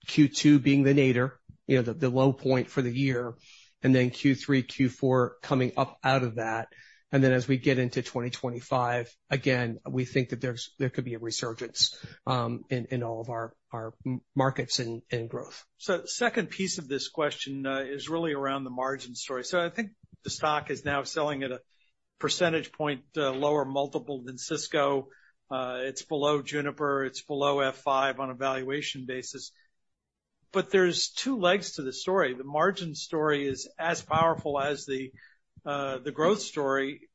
Speaker 10: Q2 being the nadir, you know, the, the low point for the year, and then Q3, Q4 coming up out of that. And then as we get into 2025, again, we think that there's, there could be a resurgence, in, in all of our, our markets and, and growth.
Speaker 12: So the second piece of this question is really around the margin story. I think the stock is now selling at a percentage point lower multiple than Cisco. It's below Juniper, it's below F5 on a valuation basis. But there's 2 legs to the story. The margin story is as powerful as the growth story.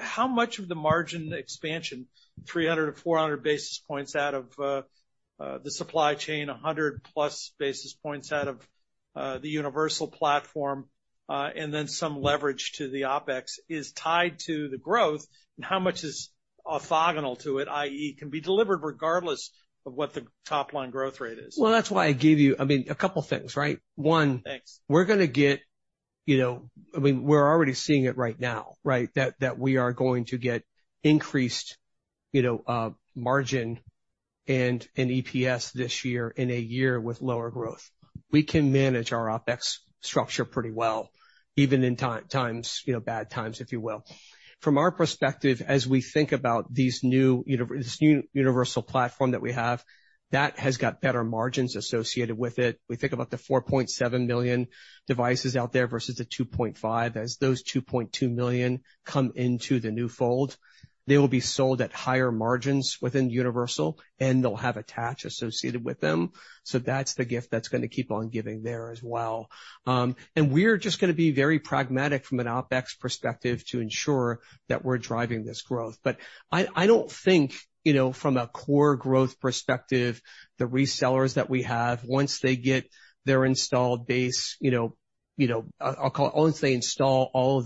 Speaker 12: How much of the margin expansion, 300-400 basis points out of the supply chain, 100+ basis points out of the universal platform, and then some leverage to the OpEx, is tied to the growth, and how much is orthogonal to it, i.e., can be delivered regardless of what the top-line growth rate is?
Speaker 10: Well, that's why I gave you, I mean, a couple things, right?
Speaker 12: Thanks.
Speaker 10: One, we're gonna get, you know... I mean, we're already seeing it right now, right? That we are going to get increased, you know, margin and an EPS this year in a year with lower growth. We can manage our OpEx structure pretty well, even in times, you know, bad times, if you will. From our perspective, as we think about this new universal platform that we have, that has got better margins associated with it. We think about the 4.7 million devices out there versus the 2.5. As those 2.2 million come into the new fold, they will be sold at higher margins within Universal, and they'll have attach associated with them. So that's the gift that's going to keep on giving there as well. And we're just going to be very pragmatic from an OpEx perspective to ensure that we're driving this growth. But I don't think, you know, from a core growth perspective, the resellers that we have, once they get their installed base, you know, I'll call it, once they install all of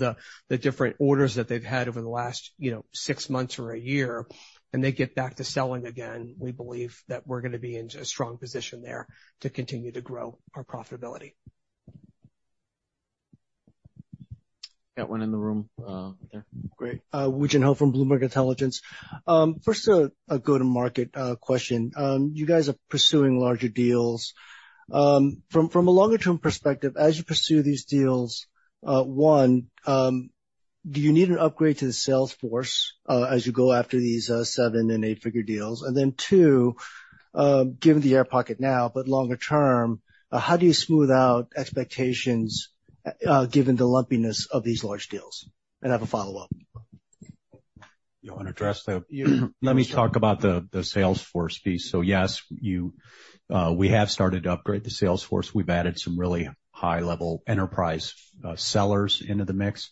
Speaker 10: the different orders that they've had over the last, you know, six months or a year, and they get back to selling again, we believe that we're going to be in a strong position there to continue to grow our profitability.
Speaker 11: Got one in the room, there.
Speaker 13: Great. Woo Jin Ho from Bloomberg Intelligence. First, a go-to-market question. You guys are pursuing larger deals. From a longer-term perspective, as you pursue these deals, one, do you need an upgrade to the sales force, as you go after these seven- and eight-figure deals? And then, two, given the air pocket now, but longer term, how do you smooth out expectations, given the lumpiness of these large deals? And I have a follow-up.
Speaker 5: Let me talk about the sales force piece. So yes, you, we have started to upgrade the sales force. We've added some really high-level enterprise sellers into the mix.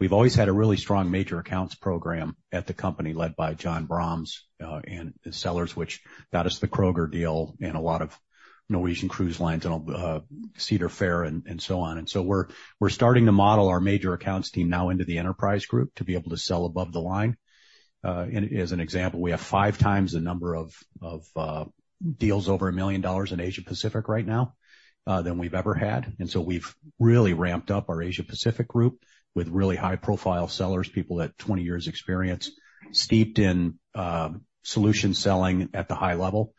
Speaker 5: We've always had a really strong major accounts program at the company, led by John Brams, and sellers, which that is the Kroger deal and a lot of Norwegian Cruise Lines and Cedar Fair and so on. And so we're starting to model our major accounts team now into the enterprise group to be able to sell above the line. And as an example, we have five times the number of deals over $1 million in Asia Pacific right now than we've ever had. And so we've really ramped up our Asia Pacific group with really high-profile sellers, people that have 20 years experience, steeped in solution selling at the high level.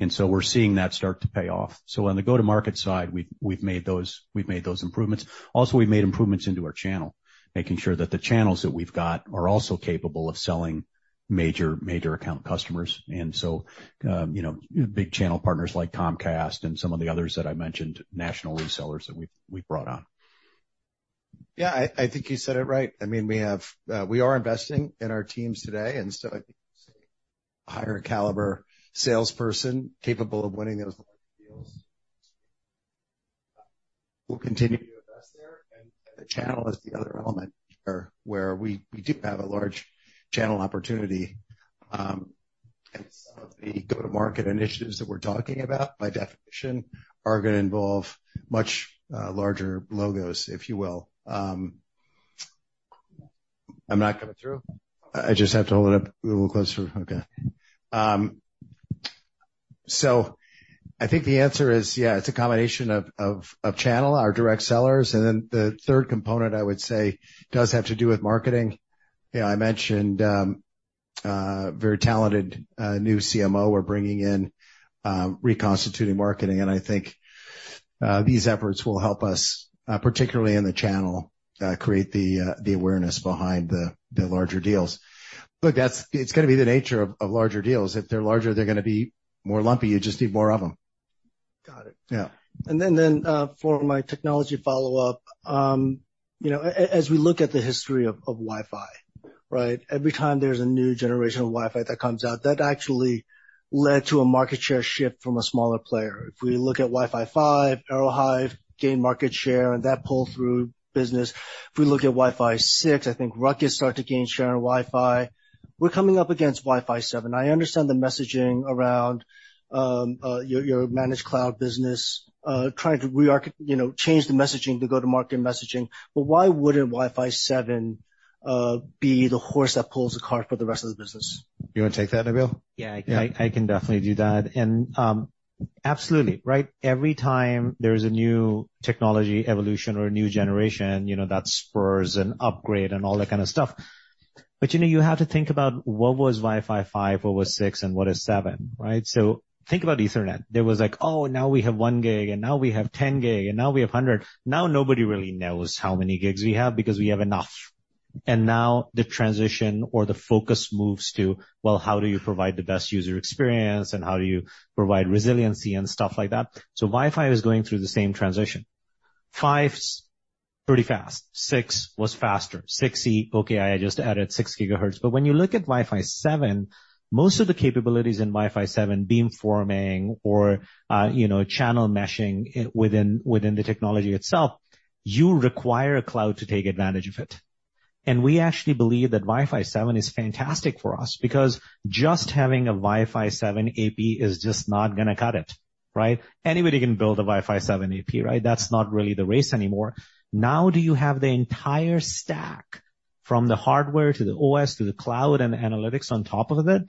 Speaker 5: And so we're seeing that start to pay off. So on the go-to-market side, we've, we've made those, we've made those improvements. Also, we've made improvements into our channel, making sure that the channels that we've got are also capable of selling major, major account customers. And so, you know, big channel partners like Comcast and some of the others that I mentioned, national resellers that we've, we've brought on.
Speaker 2: Yeah, I think you said it right. I mean, we are investing in our teams today, and so I think higher caliber salesperson capable of winning those deals. We'll continue to invest there, and the channel is the other element where we do have a large channel opportunity. And some of the go-to-market initiatives that we're talking about, by definition, are gonna involve much larger logos, if you will. I'm not coming through? I just have to hold it up a little closer. Okay. So I think the answer is, yeah, it's a combination of channel, our direct sellers, and then the third component, I would say, does have to do with marketing. You know, I mentioned very talented new CMO we're bringing in, reconstituting marketing, and I think these efforts will help us, particularly in the channel, create the awareness behind the larger deals. Look, that's, it's gonna be the nature of larger deals. If they're larger, they're gonna be more lumpy. You just need more of them.
Speaker 13: Got it.
Speaker 2: Yeah.
Speaker 13: Then, for my technology follow-up, you know, as we look at the history of Wi-Fi, right? Every time there's a new generation of Wi-Fi that comes out, that actually led to a market share shift from a smaller player. If we look at Wi-Fi 5, Aerohive gained market share, and that pulled through business. If we look at Wi-Fi 6, I think Ruckus started to gain share on Wi-Fi. We're coming up against Wi-Fi 7. I understand the messaging around your managed cloud business, trying to, you know, change the messaging to go-to-market messaging, but why wouldn't Wi-Fi 7 be the horse that pulls the cart for the rest of the business?
Speaker 2: You want to take that, Nabil?
Speaker 3: Yeah, I can definitely do that. And absolutely, right? Every time there is a new technology evolution or a new generation, you know, that spurs an upgrade and all that kind of stuff. But you know, you have to think about what was Wi-Fi 5, what was Wi-Fi 6, and what is Wi-Fi 7, right? So think about Ethernet. There was like, "Oh, now we have 1 gig, and now we have 10 gig, and now we have 100." Now, nobody really knows how many gigs we have because we have enough. And now the transition or the focus moves to, well, how do you provide the best user experience, and how do you provide resiliency and stuff like that? So Wi-Fi is going through the same transition. Wi-Fi 5's pretty fast, Wi-Fi 6 was faster. Wi-Fi 6E, okay, I just added 6 gigahertz. But when you look at Wi-Fi 7, most of the capabilities in Wi-Fi 7, beamforming or, you know, channel meshing within the technology itself, you require a cloud to take advantage of it. And we actually believe that Wi-Fi 7 is fantastic for us because just having a Wi-Fi 7 AP is just not gonna cut it, right? Anybody can build a Wi-Fi 7 AP, right? That's not really the race anymore. Now, do you have the entire stack from the hardware to the OS, to the cloud and the analytics on top of it?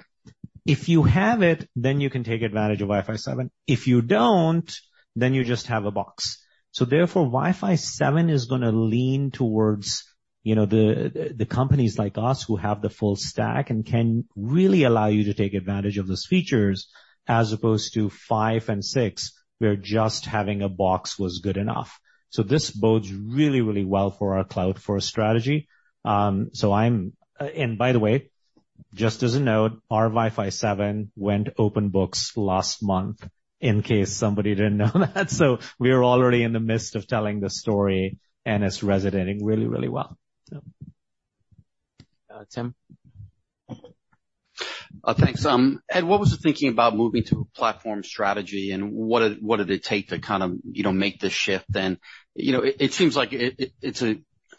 Speaker 3: If you have it, then you can take advantage of Wi-Fi 7. If you don't, then you just have a box. So therefore, Wi-Fi 7 is gonna lean towards, you know, the companies like us who have the full stack and can really allow you to take advantage of those features, as opposed to 5 and 6, where just having a box was good enough. So this bodes really, really well for our cloud-first strategy. And by the way, just as a note, our Wi-Fi 7 went open books last month, in case somebody didn't know that. So we are already in the midst of telling the story, and it's resonating really, really well. So.
Speaker 5: Uh, Tim?
Speaker 14: Thanks. Ed, what was the thinking about moving to a platform strategy, and what did it take to kind of, you know, make this shift? And, you know, it seems like it's a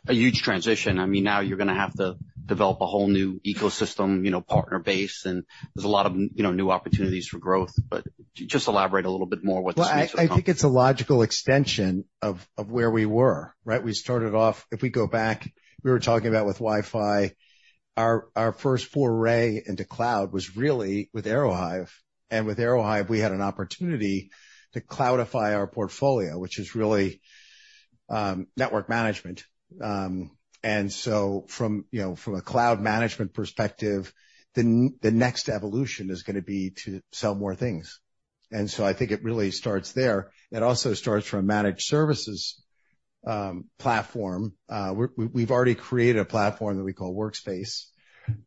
Speaker 14: huge transition. I mean, now you're gonna have to develop a whole new ecosystem, you know, partner base, and there's a lot of, you know, new opportunities for growth, but just elaborate a little bit more what this means for-
Speaker 2: Well, I think it's a logical extension of where we were, right? We started off... If we go back, we were talking about with Wi-Fi, our first foray into cloud was really with Aerohive, and with Aerohive, we had an opportunity to cloudify our portfolio, which is really network management. And so from, you know, from a cloud management perspective, the next evolution is gonna be to sell more things. And so I think it really starts there. It also starts from a managed services platform. We've already created a platform that we call Workspace,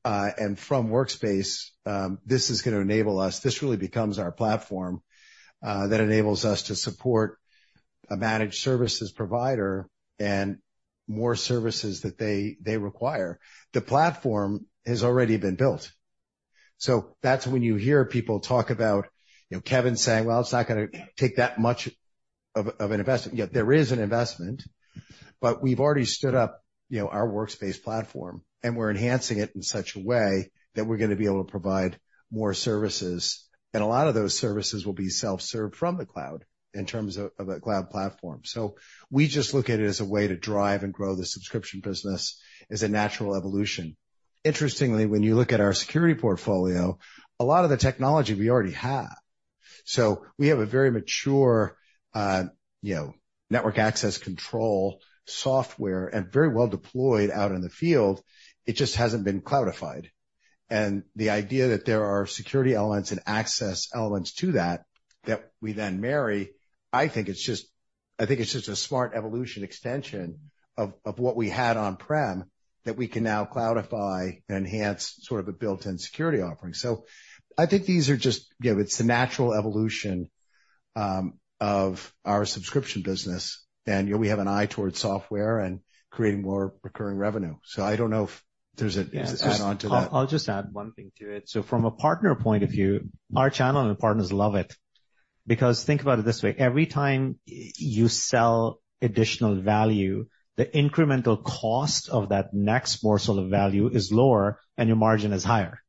Speaker 2: and from Workspace, this is gonna enable us. This really becomes our platform that enables us to support a managed services provider and more services that they require. The platform has already been built, so that's when you hear people talk about, you know, Kevin saying, "Well, it's not gonna take that much of, of an investment." Yet there is an investment, but we've already stood up, you know, our Workspace platform, and we're enhancing it in such a way that we're gonna be able to provide more services. And a lot of those services will be self-served from the cloud in terms of, of a cloud platform. So we just look at it as a way to drive and grow the subscription business as a natural evolution. Interestingly, when you look at our security portfolio, a lot of the technology we already have. So we have a very mature, you know, network access control software and very well deployed out in the field. It just hasn't been cloudified. The idea that there are security elements and access elements to that, that we then marry, I think it's just-...
Speaker 5: I think it's just a smart evolution extension of what we had on-prem, that we can now cloudify and enhance sort of a built-in security offering. So I think these are just, you know, it's the natural evolution of our subscription business, and, you know, we have an eye towards software and creating more recurring revenue. So I don't know if there's a add-on to that.
Speaker 3: I'll just add one thing to it. So from a partner point of view, our channel and partners love it. Because think about it this way, every time you sell additional value, the incremental cost of that next morsel of value is lower and your margin is higher.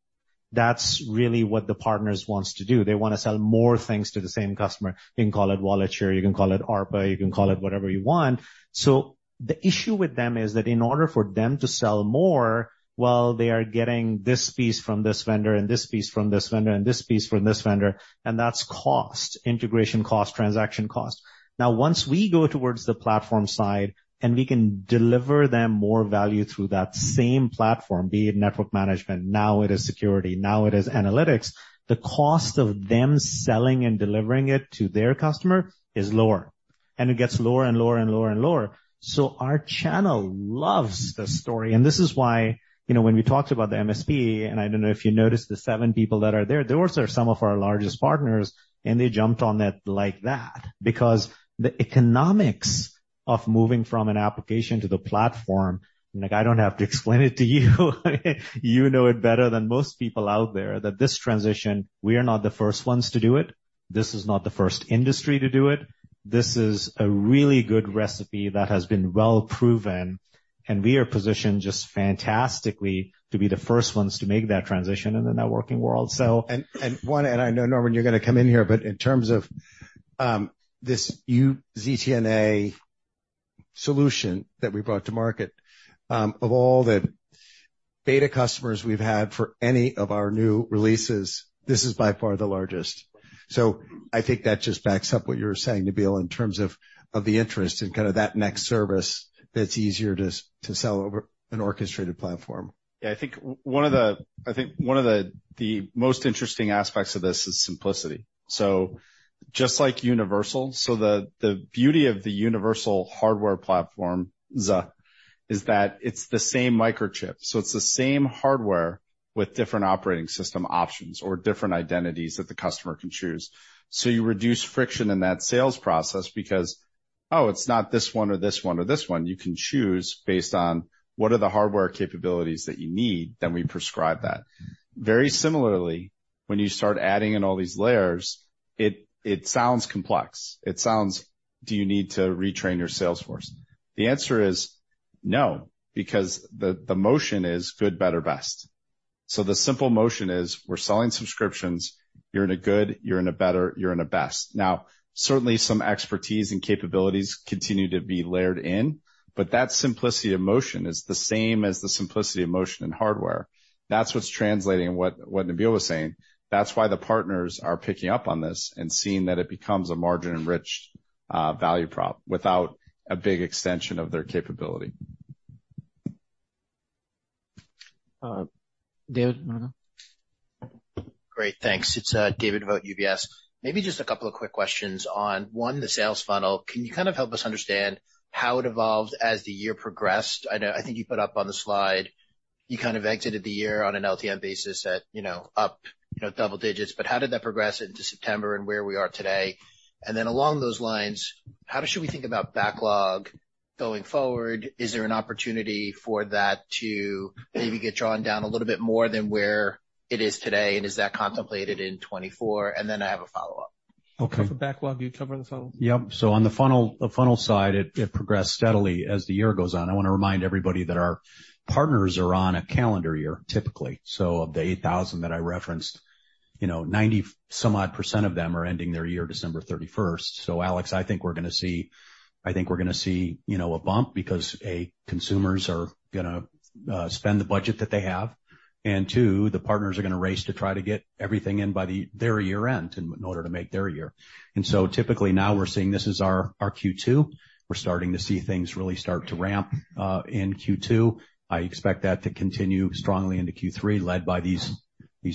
Speaker 3: That's really what the partners wants to do. They wanna sell more things to the same customer. You can call it wallet share, you can call it ARPA, you can call it whatever you want. So the issue with them is that in order for them to sell more, well, they are getting this piece from this vendor and this piece from this vendor and this piece from this vendor, and that's cost, integration cost, transaction cost. Now, once we go towards the platform side, and we can deliver them more value through that same platform, be it network management, now it is security, now it is analytics, the cost of them selling and delivering it to their customer is lower, and it gets lower and lower and lower and lower. So our channel loves this story. And this is why, you know, when we talked about the MSP, and I don't know if you noticed, the seven people that are there, those are some of our largest partners, and they jumped on it like that. Because the economics of moving from an application to the platform, like, I don't have to explain it to you. You know it better than most people out there, that this transition, we are not the first ones to do it. This is not the first industry to do it. This is a really good recipe that has been well proven, and we are positioned just fantastically to be the first ones to make that transition in the networking world, so-
Speaker 5: And I know, Norman, you're gonna come in here, but in terms of this ZTNA solution that we brought to market, of all the beta customers we've had for any of our new releases, this is by far the largest. So I think that just backs up what you were saying, Nabil, in terms of the interest in kind of that next service that's easier to sell over an orchestrated platform.
Speaker 6: Yeah, I think one of the most interesting aspects of this is simplicity. So just like universal, so the beauty of the Universal Hardware platform, ZA, is that it's the same microchip. So it's the same hardware with different operating system options or different identities that the customer can choose. So you reduce friction in that sales process because, oh, it's not this one or this one or this one. You can choose based on what are the hardware capabilities that you need, then we prescribe that. Very similarly, when you start adding in all these layers, it sounds complex. It sounds, "Do you need to retrain your sales force?" The answer is no, because the motion is good, better, best. So the simple motion is, we're selling subscriptions. You're in a good, you're in a better, you're in a best. Now, certainly, some expertise and capabilities continue to be layered in, but that simplicity of motion is the same as the simplicity of motion in hardware. That's what's translating what, what Nabil was saying. That's why the partners are picking up on this and seeing that it becomes a margin-enriched, value prop without a big extension of their capability.
Speaker 3: David, I don't know.
Speaker 15: Great, thanks. It's David Vogt, UBS. Maybe just a couple of quick questions on, one, the sales funnel. Can you kind of help us understand how it evolved as the year progressed? I know, I think you put up on the slide, you kind of exited the year on an LTM basis at, you know, up, you know, double digits. But how did that progress into September and where we are today? And then along those lines, how should we think about backlog going forward? Is there an opportunity for that to maybe get drawn down a little bit more than where it is today, and is that contemplated in 2024? And then I have a follow-up.
Speaker 5: Okay.
Speaker 3: For backlog, do you cover the funnel?
Speaker 5: Yep. So on the funnel, the funnel side, it progressed steadily as the year goes on. I want to remind everybody that our partners are on a calendar year, typically. So of the 8,000 that I referenced, you know, 90-some odd% of them are ending their year, December 31st. So Alex, I think we're gonna see, you know, a bump because, A, consumers are gonna spend the budget that they have, and two, the partners are gonna race to try to get everything in by their year-end in order to make their year. And so typically now we're seeing this is our Q2. We're starting to see things really start to ramp in Q2. I expect that to continue strongly into Q3, led by these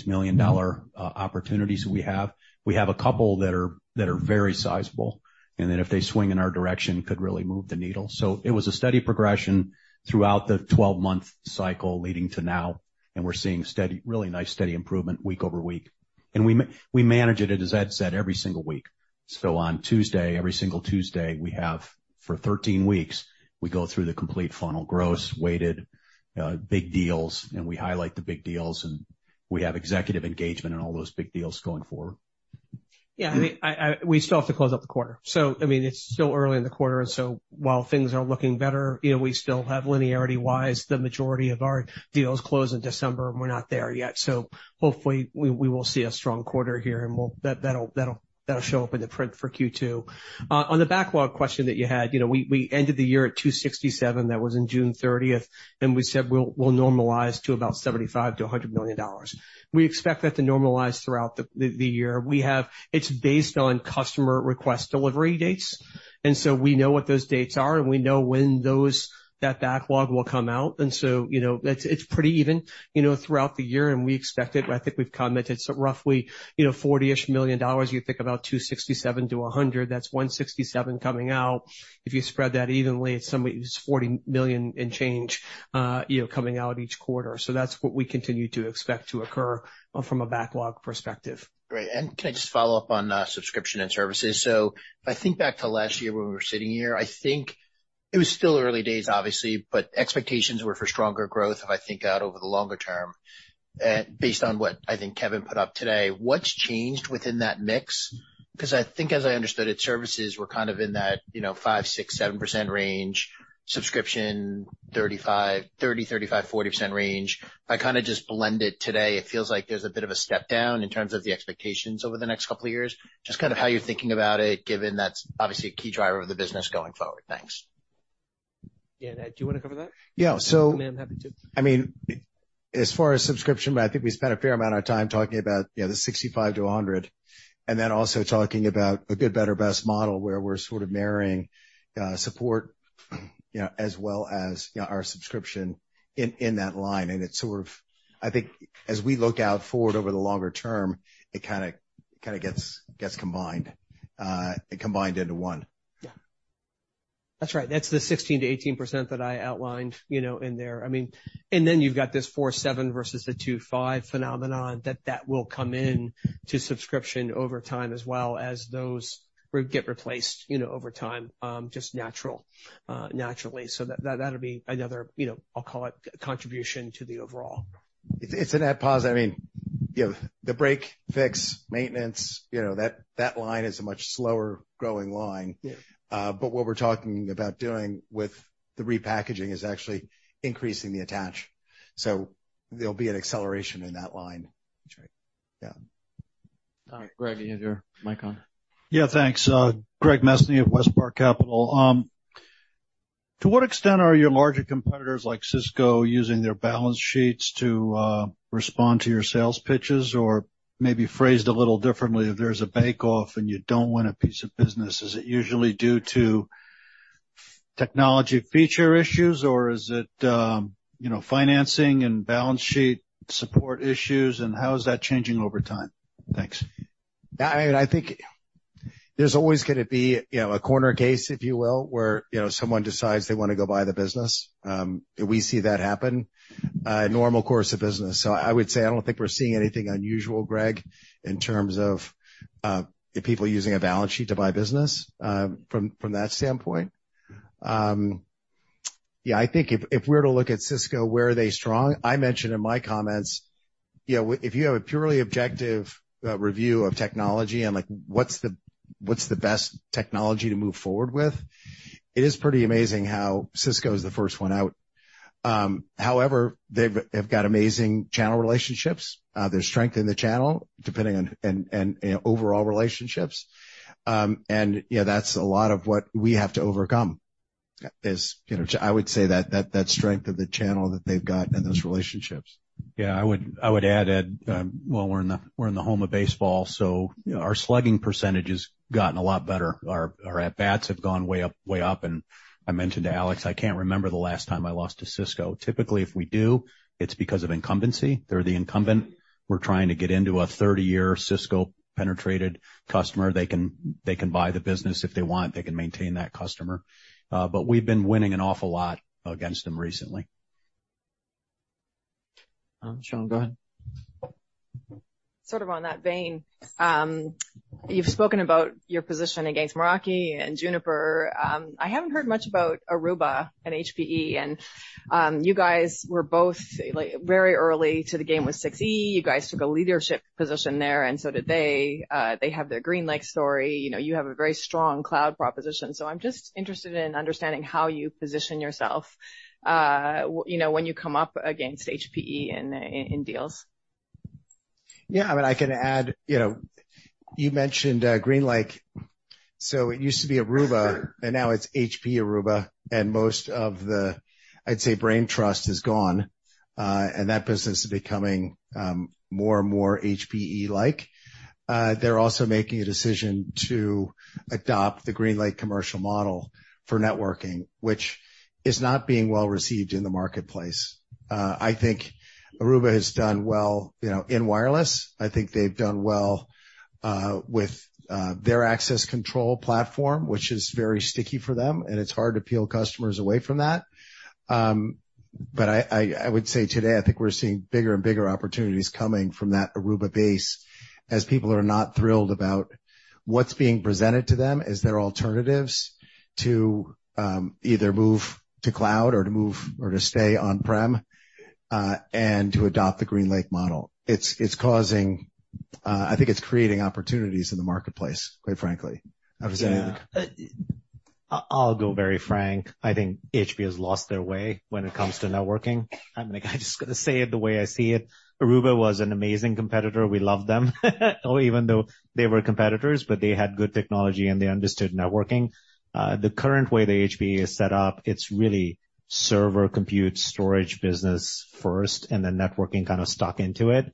Speaker 5: million-dollar opportunities we have. We have a couple that are, that are very sizable, and then if they swing in our direction, could really move the needle. So it was a steady progression throughout the 12-month cycle leading to now, and we're seeing steady, really nice, steady improvement week over week. And we manage it, as Ed said, every single week. So on Tuesday, every single Tuesday, we have for 13 weeks, we go through the complete funnel, gross, weighted, big deals, and we highlight the big deals, and we have executive engagement on all those big deals going forward.
Speaker 10: Yeah, I mean, we still have to close out the quarter. So, I mean, it's still early in the quarter, and so while things are looking better, you know, we still have linearity wise, the majority of our deals close in December, and we're not there yet. So hopefully we will see a strong quarter here, and we'll... That'll show up in the print for Q2. On the backlog question that you had, you know, we ended the year at $267 million. That was in June 30, and we said, we'll normalize to about $75 million-$100 million. We expect that to normalize throughout the year. It's based on customer request delivery dates, and so we know what those dates are, and we know when that backlog will come out. So, you know, it's pretty even, you know, throughout the year, and we expect it. I think we've commented roughly, you know, $40-ish million. You think about $267 million-$100 million, that's $167 million coming out. If you spread that evenly, it's $40 million and change, you know, coming out each quarter. So that's what we continue to expect to occur from a backlog perspective.
Speaker 15: Great. Can I just follow up on subscription and services? So if I think back to last year when we were sitting here, I think it was still early days, obviously, but expectations were for stronger growth, if I think out over the longer term, based on what I think Kevin put up today. What's changed within that mix? Because I think, as I understood it, services were kind of in that, you know, 5, 6, 7% range. Subscription, 35, 30, 35, 40% range. If I kind of just blend it today, it feels like there's a bit of a step down in terms of the expectations over the next couple of years. Just kind of how you're thinking about it, given that's obviously a key driver of the business going forward. Thanks.
Speaker 10: Yeah, Ed, do you want to cover that?
Speaker 2: Yeah.
Speaker 10: I'm happy to.
Speaker 2: I mean, as far as subscription, I think we spent a fair amount of time talking about, you know, the 65-100, and then also talking about a good, better, best model, where we're sort of marrying support, you know, as well as, you know, our subscription in, in that line. And it sort of. I think as we look out forward over the longer term, it kinda gets combined, it combined into one.
Speaker 10: Yeah, that's right. That's the 16%-18% that I outlined, you know, in there. I mean, and then you've got this 47 versus the 25 phenomenon, that will come into subscription over time, as well as those will get replaced, you know, over time, just naturally. So that, that'll be another, you know, I'll call it, contribution to the overall.
Speaker 2: It's a net positive. I mean, you know, the break, fix, maintenance, you know, that line is a much slower growing line.
Speaker 10: Yeah.
Speaker 2: But what we're talking about doing with the repackaging is actually increasing the attach, so there'll be an acceleration in that line.
Speaker 10: That's right.
Speaker 2: Yeah.
Speaker 10: All right, Greg, you have your mic on.
Speaker 16: Yeah, thanks. Greg Mesniaeff of Westpark Capital. To what extent are your larger competitors, like Cisco, using their balance sheets to respond to your sales pitches? Or maybe phrased a little differently, if there's a bake-off and you don't want a piece of business, is it usually due to technology feature issues, or is it, you know, financing and balance sheet support issues, and how is that changing over time? Thanks.
Speaker 2: I think there's always gonna be, you know, a corner case, if you will, where, you know, someone decides they want to go buy the business. We see that happen, normal course of business. So I would say I don't think we're seeing anything unusual, Greg, in terms of, people using a balance sheet to buy business, from, from that standpoint. Yeah, I think if, if we were to look at Cisco, where are they strong? I mentioned in my comments, you know, if you have a purely objective, review of technology, and like, what's the, what's the best technology to move forward with? It is pretty amazing how Cisco is the first one out. However, they've, they've got amazing channel relationships. There's strength in the channel, depending on... and, and, and overall relationships. You know, that's a lot of what we have to overcome. You know, I would say that strength of the channel that they've got and those relationships.
Speaker 5: Yeah, I would, I would add, Ed, well, we're in the home of baseball, so our slugging percentage has gotten a lot better. Our at bats have gone way up, way up, and I mentioned to Alex, I can't remember the last time I lost to Cisco. Typically, if we do, it's because of incumbency. They're the incumbent. We're trying to get into a 30-year Cisco penetrated customer. They can buy the business if they want. They can maintain that customer, but we've been winning an awful lot against them recently.
Speaker 10: Sean, go ahead.
Speaker 17: Sort of on that vein, you've spoken about your position against Meraki and Juniper. I haven't heard much about Aruba and HPE, and you guys were both, like, very early to the game with Wi-Fi 6E. You guys took a leadership position there, and so did they. They have their GreenLake story. You know, you have a very strong cloud proposition. So I'm just interested in understanding how you position yourself, you know, when you come up against HPE in deals.
Speaker 2: Yeah, I mean, I can add, you know, you mentioned GreenLake. So it used to be Aruba, and now it's HPE Aruba, and most of the, I'd say, brain trust is gone, and that business is becoming more and more HPE-like. They're also making a decision to adopt the GreenLake commercial model for networking, which is not being well received in the marketplace. I think Aruba has done well, you know, in wireless. I think they've done well with their access control platform, which is very sticky for them, and it's hard to peel customers away from that. But I would say today, I think we're seeing bigger and bigger opportunities coming from that Aruba base, as people are not thrilled about what's being presented to them. Is there alternatives to either move to cloud or to move or to stay on-prem, and to adopt the GreenLake model? It's, it's causing, I think it's creating opportunities in the marketplace, quite frankly. I would say-
Speaker 10: Yeah.
Speaker 3: I'll go very frank. I think HPE has lost their way when it comes to networking. I'm just going to say it the way I see it. Aruba was an amazing competitor. We loved them, even though they were competitors, but they had good technology, and they understood networking. The current way the HPE is set up, it's really server, compute, storage, business first, and then networking kind of stuck into it.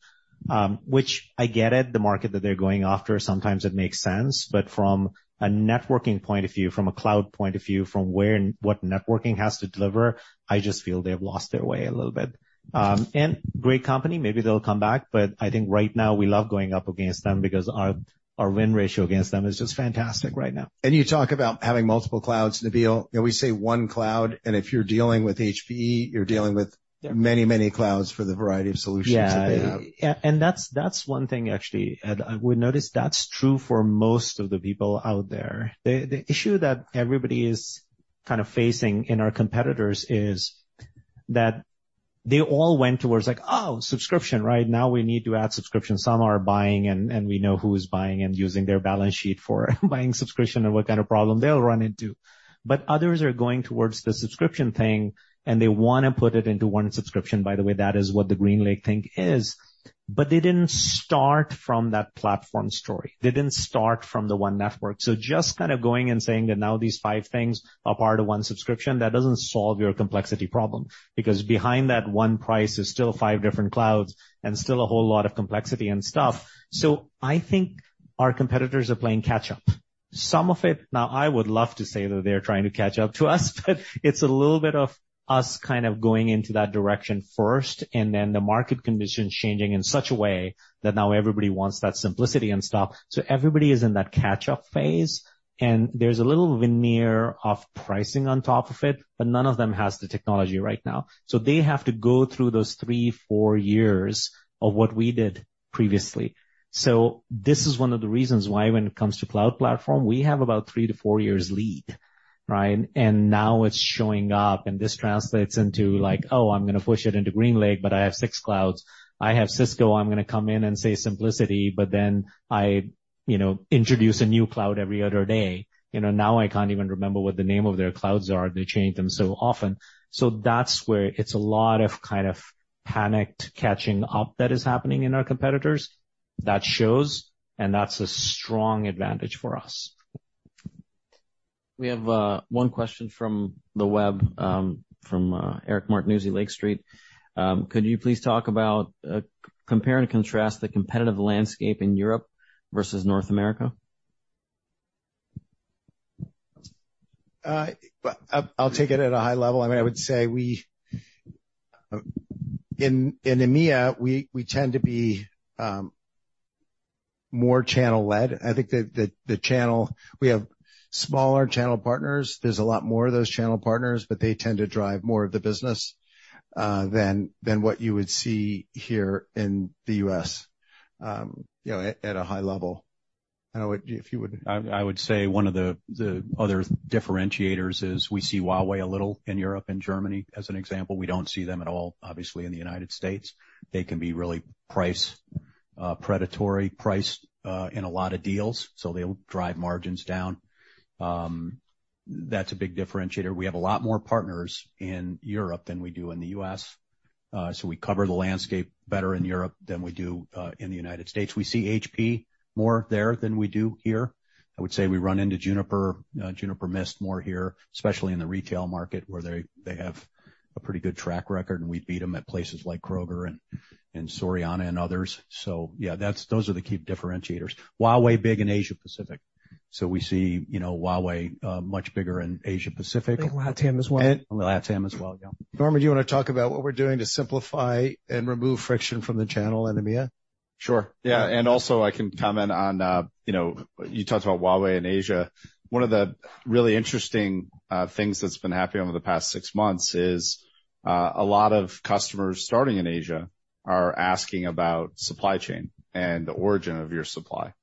Speaker 3: Which I get it, the market that they're going after, sometimes it makes sense. But from a networking point of view, from a cloud point of view, from where and what networking has to deliver, I just feel they've lost their way a little bit. And great company, maybe they'll come back, but I think right now we love going up against them because our, our win ratio against them is just fantastic right now.
Speaker 2: You talk about having multiple clouds, Nabil. You know, we say one cloud, and if you're dealing with HPE, you're dealing with many, many clouds for the variety of solutions that they have.
Speaker 3: Yeah, and that's one thing actually, Ed, I would notice that's true for most of the people out there. The issue that everybody is kind of facing in our competitors is that they all went towards like, oh, subscription, right? Now we need to add subscription. Some are buying, and we know who is buying and using their balance sheet for buying subscription and what kind of problem they'll run into. But others are going towards the subscription thing, and they wanna put it into one subscription. By the way, that is what the GreenLake thing is. But they didn't start from that platform story. They didn't start from the one network. So just kind of going and saying that now these five things are part of one subscription, that doesn't solve your complexity problem, because behind that one price is still five different clouds and still a whole lot of complexity and stuff. So I think our competitors are playing catch up. Some of it... Now, I would love to say that they're trying to catch up to us, but it's a little bit of us kind of going into that direction first, and then the market conditions changing in such a way that now everybody wants that simplicity and stuff. So everybody is in that catch-up phase, and there's a little veneer of pricing on top of it, but none of them has the technology right now. So they have to go through those three, four years of what we did previously. So this is one of the reasons why when it comes to cloud platform, we have about 3-4 years lead, right? And now it's showing up, and this translates into like, "Oh, I'm gonna push it into GreenLake, but I have 6 clouds. I have Cisco. I'm gonna come in and say simplicity, but then I, you know, introduce a new cloud every other day." You know, now I can't even remember what the name of their clouds are. They change them so often. So that's where it's a lot of kind of panicked catching up that is happening in our competitors. That shows, and that's a strong advantage for us.
Speaker 11: We have one question from the web from Eric Martinuzzi, Lake Street. Could you please talk about compare and contrast the competitive landscape in Europe versus North America?
Speaker 18: I'll take it at a high level. I mean, I would say we in EMEA, we tend to be more channel-led. I think that the channel, we have smaller channel partners. There's a lot more of those channel partners, but they tend to drive more of the business than what you would see here in the US, you know, at a high level. I would... If you would-
Speaker 5: I would say one of the other differentiators is we see Huawei a little in Europe and Germany, as an example. We don't see them at all, obviously, in the United States. They can be really price predatory priced in a lot of deals, so they'll drive margins down. That's a big differentiator. We have a lot more partners in Europe than we do in the US, so we cover the landscape better in Europe than we do in the United States. We see HP more there than we do here. I would say we run into Juniper, Juniper Mist more here, especially in the retail market, where they have a pretty good track record, and we beat them at places like Kroger and Soriana and others. So yeah, that's those are the key differentiators. Huawei, big in Asia Pacific, so we see, you know, Huawei, much bigger in Asia Pacific.
Speaker 3: LATAM as well.
Speaker 5: Latam as well, yeah.
Speaker 18: Norman, do you want to talk about what we're doing to simplify and remove friction from the channel in EMEA?
Speaker 6: Sure. Yeah, and also I can comment on, you know, you talked about Huawei in Asia. One of the really interesting things that's been happening over the past six months is a lot of customers starting in Asia are asking about supply chain and the origin of your supply,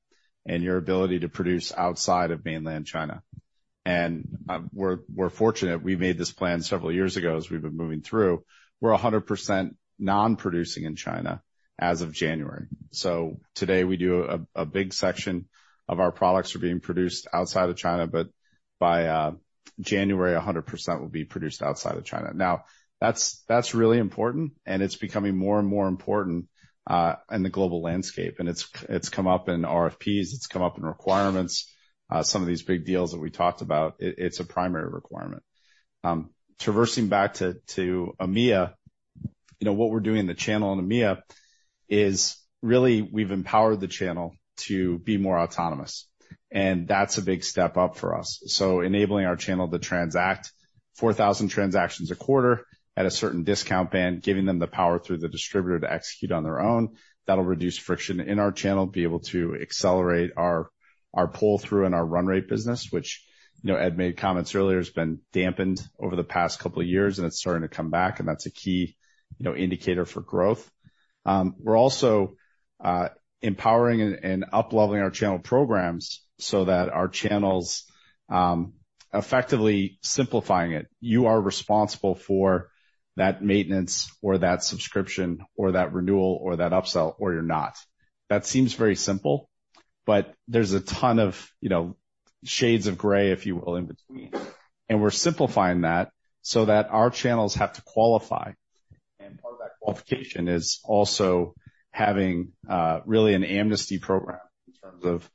Speaker 6: and your ability to produce outside of mainland China. And we're fortunate, we made this plan several years ago, as we've been moving through. We're 100% non-producing in China as of January. So today a big section of our products are being produced outside of China, but by January, 100% will be produced outside of China. Now, that's really important, and it's becoming more and more important in the global landscape, and it's come up in RFPs, it's come up in requirements. Some of these big deals that we talked about, it, it's a primary requirement. Traversing back to EMEA, you know, what we're doing in the channel in EMEA is really we've empowered the channel to be more autonomous, and that's a big step up for us. So enabling our channel to transact 4,000 transactions a quarter at a certain discount band, giving them the power through the distributor to execute on their own, that'll reduce friction in our channel, be able to accelerate our pull-through and our run rate business, which, you know, Ed made comments earlier, has been dampened over the past couple of years, and it's starting to come back, and that's a key indicator for growth. We're also empowering and upleveling our channel programs so that our channels effectively simplifying it. You are responsible for that maintenance or that subscription or that renewal or that upsell, or you're not. That seems very simple, but there's a ton of, you know, shades of gray, if you will, in between. And we're simplifying that so that our channels have to qualify. And part of that qualification is also having really an amnesty program in terms of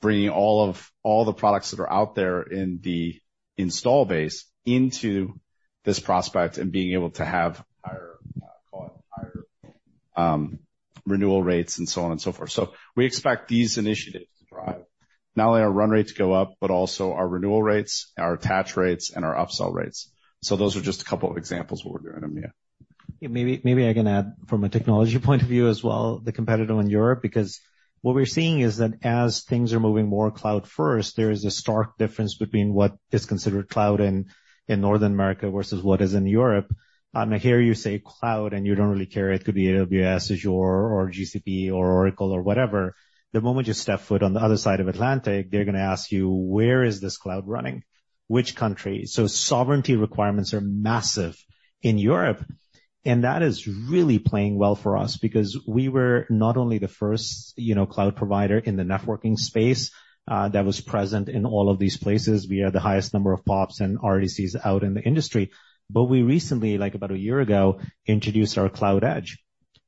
Speaker 6: bringing all of all the products that are out there in the install base into this prospect and being able to have higher, call it, higher, renewal rates and so on and so forth. So we expect these initiatives to drive not only our run rates go up, but also our renewal rates, our attach rates, and our upsell rates. So those are just a couple of examples of what we're doing in EMEA.
Speaker 3: Yeah, maybe, maybe I can add from a technology point of view as well, the competitor in Europe, because what we're seeing is that as things are moving more cloud first, there is a stark difference between what is considered cloud in, in North America versus what is in Europe. I hear you say cloud, and you don't really care. It could be AWS, Azure, or GCP, or Oracle, or whatever. The moment you step foot on the other side of Atlantic, they're gonna ask you: Where is this cloud running? Which country? So sovereignty requirements are massive in Europe. And that is really playing well for us because we were not only the first, you know, cloud provider in the networking space, that was present in all of these places. We had the highest number of pops and RDCs out in the industry. But we recently, like about a year ago, introduced our cloud edge,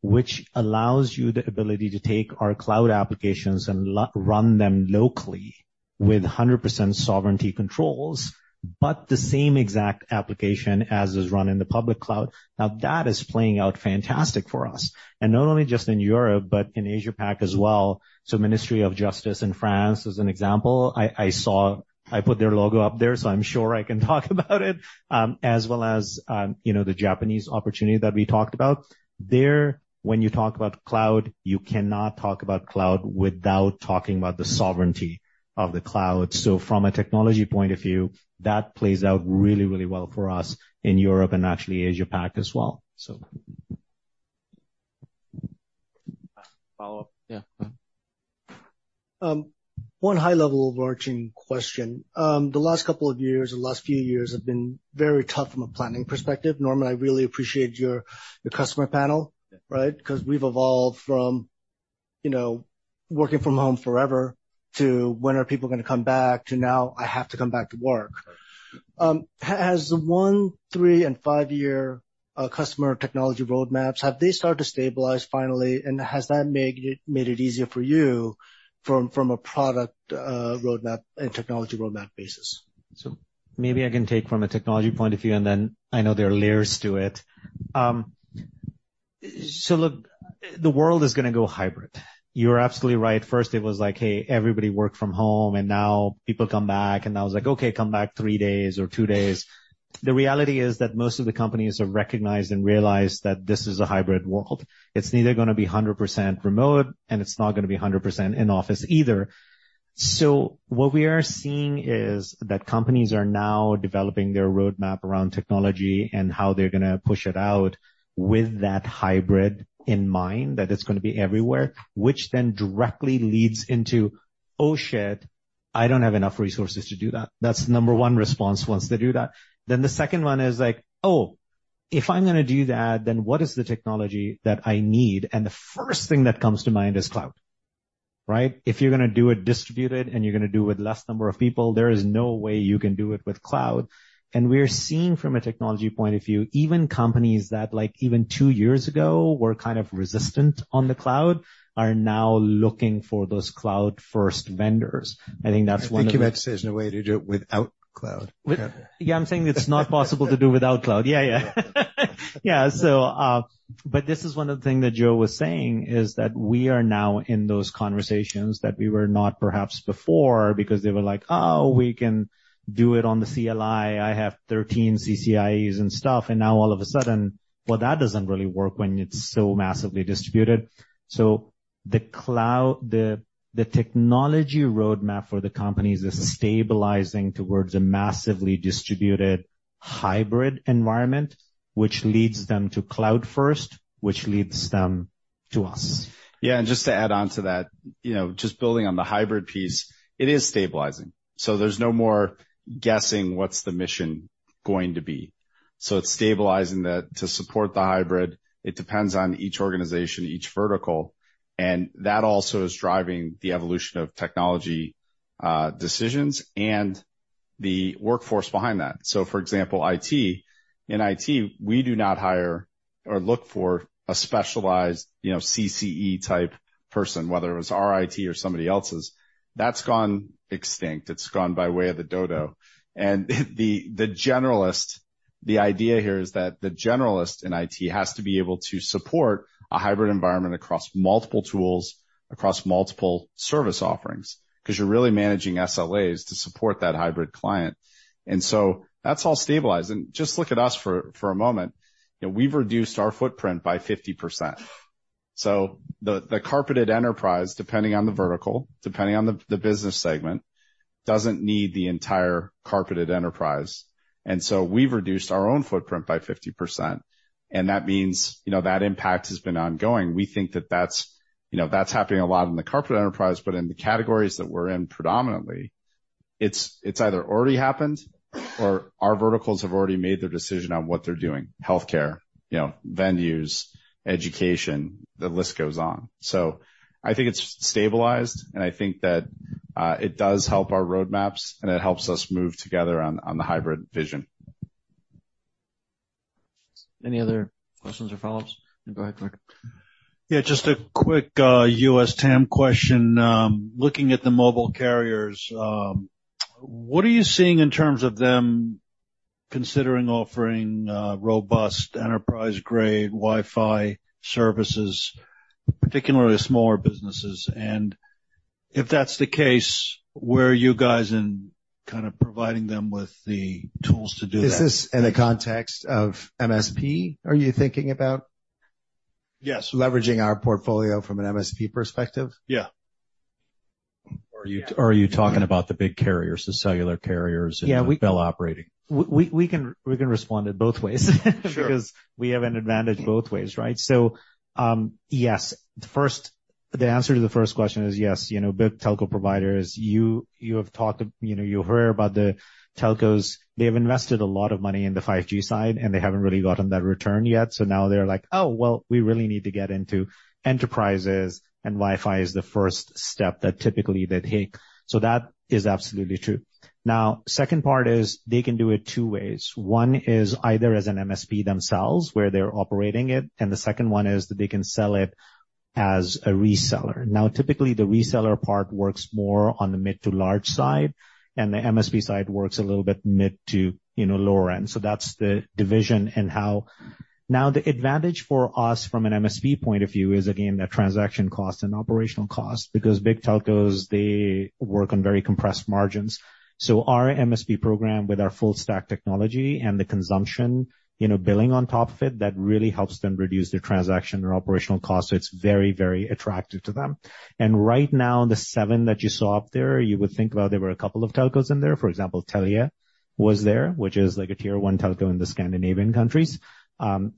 Speaker 3: which allows you the ability to take our cloud applications and run them locally with 100% sovereignty controls, but the same exact application as is run in the public cloud. Now, that is playing out fantastic for us, and not only just in Europe, but in Asia Pac as well. So Ministry of Justice in France, as an example, I saw—I put their logo up there, so I'm sure I can talk about it, as well as, you know, the Japanese opportunity that we talked about. There, when you talk about cloud, you cannot talk about cloud without talking about the sovereignty of the cloud. So from a technology point of view, that plays out really, really well for us in Europe and actually Asia Pac as well. So.
Speaker 8: Follow-up? Yeah.
Speaker 13: One high-level overarching question. The last couple of years, the last few years have been very tough from a planning perspective. Norman, I really appreciate your, your customer panel, right? Because we've evolved from, you know, working from home forever to when are people gonna come back, to now, I have to come back to work. Has the one, three and five-year customer technology roadmaps started to stabilize finally, and has that made it, made it easier for you from, from a product roadmap and technology roadmap basis?
Speaker 3: Maybe I can take from a technology point of view, and then I know there are layers to it. Look, the world is gonna go hybrid. You're absolutely right. First, it was like: Hey, everybody, work from home, and now people come back. And now it's like: Okay, come back three days or two days. The reality is that most of the companies have recognized and realized that this is a hybrid world. It's neither gonna be 100% remote, and it's not gonna be a 100% in office either. So what we are seeing is that companies are now developing their roadmap around technology and how they're gonna push it out with that hybrid in mind, that it's gonna be everywhere, which then directly leads into, "Oh, shit, I don't have enough resources to do that." That's the number one response once they do that. Then the second one is like: "Oh, if I'm gonna do that, then what is the technology that I need?" And the first thing that comes to mind is cloud, right? If you're gonna do it distributed and you're gonna do with less number of people, there is no way you can do it with cloud. And we are seeing from a technology point of view, even companies that, like, even two years ago were kind of resistant on the cloud, are now looking for those cloud-first vendors. I think that's one of the-
Speaker 13: I think you meant to say there's no way to do it without cloud.
Speaker 3: Yeah, I'm saying it's not possible to do without cloud. Yeah, yeah. Yeah. So, but this is one of the things that Joe was saying, is that we are now in those conversations that we were not perhaps before because they were like, "Oh, we can do it on the CLI. I have 13 CCIEs and stuff." And now, all of a sudden, well, that doesn't really work when it's so massively distributed. So the cloud... The technology roadmap for the companies is stabilizing towards a massively distributed hybrid environment, which leads them to cloud first, which leads them to us.
Speaker 6: Yeah, and just to add on to that, you know, just building on the hybrid piece, it is stabilizing, so there's no more guessing what's the mission going to be. So it's stabilizing that to support the hybrid, it depends on each organization, each vertical, and that also is driving the evolution of technology decisions and the workforce behind that. So for example, IT. In IT, we do not hire or look for a specialized, you know, CCE type person, whether it's our IT or somebody else's. That's gone extinct. It's gone by way of the dodo. And the generalist, the idea here is that the generalist in IT has to be able to support a hybrid environment across multiple tools, across multiple service offerings, 'cause you're really managing SLAs to support that hybrid client. And so that's all stabilized. Just look at us for a moment. You know, we've reduced our footprint by 50%. So the carpeted enterprise, depending on the vertical, depending on the business segment, doesn't need the entire carpeted enterprise. And so we've reduced our own footprint by 50%, and that means, you know, that impact has been ongoing. We think that that's, you know, that's happening a lot in the carpet enterprise, but in the categories that we're in, predominantly, it's either already happened or our verticals have already made their decision on what they're doing. Healthcare, you know, venues, education, the list goes on. So I think it's stabilized, and I think that it does help our roadmaps, and it helps us move together on the hybrid vision.
Speaker 8: Any other questions or follow-ups? Go ahead, Rick.
Speaker 16: Yeah, just a quick US TAM question. Looking at the mobile carriers, what are you seeing in terms of them considering offering robust enterprise-grade Wi-Fi services, particularly to smaller businesses? And if that's the case, where are you guys in kind of providing them with the tools to do that?
Speaker 3: Is this in the context of MSP, are you thinking about?
Speaker 16: Yes.
Speaker 3: Leveraging our portfolio from an MSP perspective?
Speaker 16: Yeah.
Speaker 8: Are you talking about the big carriers, the cellular carriers-
Speaker 3: Yeah.
Speaker 8: And the bill operating?
Speaker 3: We can respond in both ways.
Speaker 16: Sure.
Speaker 3: Because we have an advantage both ways, right? So, yes. The answer to the first question is yes. You know, big telco providers, you, you have talked, you know, you heard about the telcos. They have invested a lot of money in the 5G side, and they haven't really gotten that return yet. So now they're like, "Oh, well, we really need to get into enterprises," and Wi-Fi is the first step that typically they take. So that is absolutely true. Now, second part is they can do it two ways. One is either as an MSP themselves, where they're operating it, and the second one is that they can sell it as a reseller. Now, typically, the reseller part works more on the mid to large side, and the MSP side works a little bit mid to, you know, lower end. So that's the division and how... Now, the advantage for us from an MSP point of view is, again, the transaction cost and operational cost, because big telcos, they work on very compressed margins. So our MSP program, with our full stack technology and the consumption, you know, billing on top of it, that really helps them reduce their transaction or operational costs. So it's very, very attractive to them. And right now, the 7 that you saw up there, you would think about there were a couple of telcos in there. For example, Telia was there, which is like a tier one telco in the Scandinavian countries.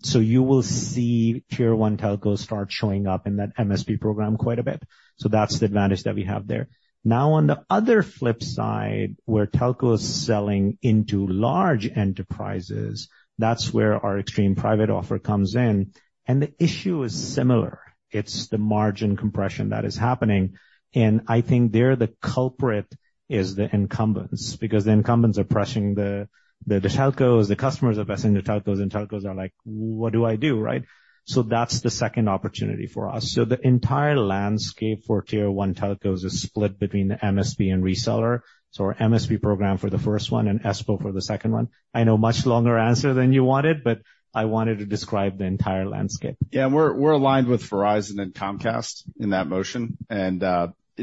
Speaker 3: So you will see tier one telcos start showing up in that MSP program quite a bit. So that's the advantage that we have there. Now, on the other flip side, where telcos selling into large enterprises, that's where our Extreme Private Offer comes in, and the issue is similar. It's the margin compression that is happening, and I think there, the culprit is the incumbents, because the incumbents are pressing the telcos, the customers are pressing the telcos, and telcos are like, "What do I do," right? So that's the second opportunity for us. So the entire landscape for tier one telcos is split between the MSP and reseller. So our MSP program for the first one and ESPO for the second one. I know, much longer answer than you wanted, but I wanted to describe the entire landscape.
Speaker 6: Yeah, and we're aligned with Verizon and Comcast in that motion. And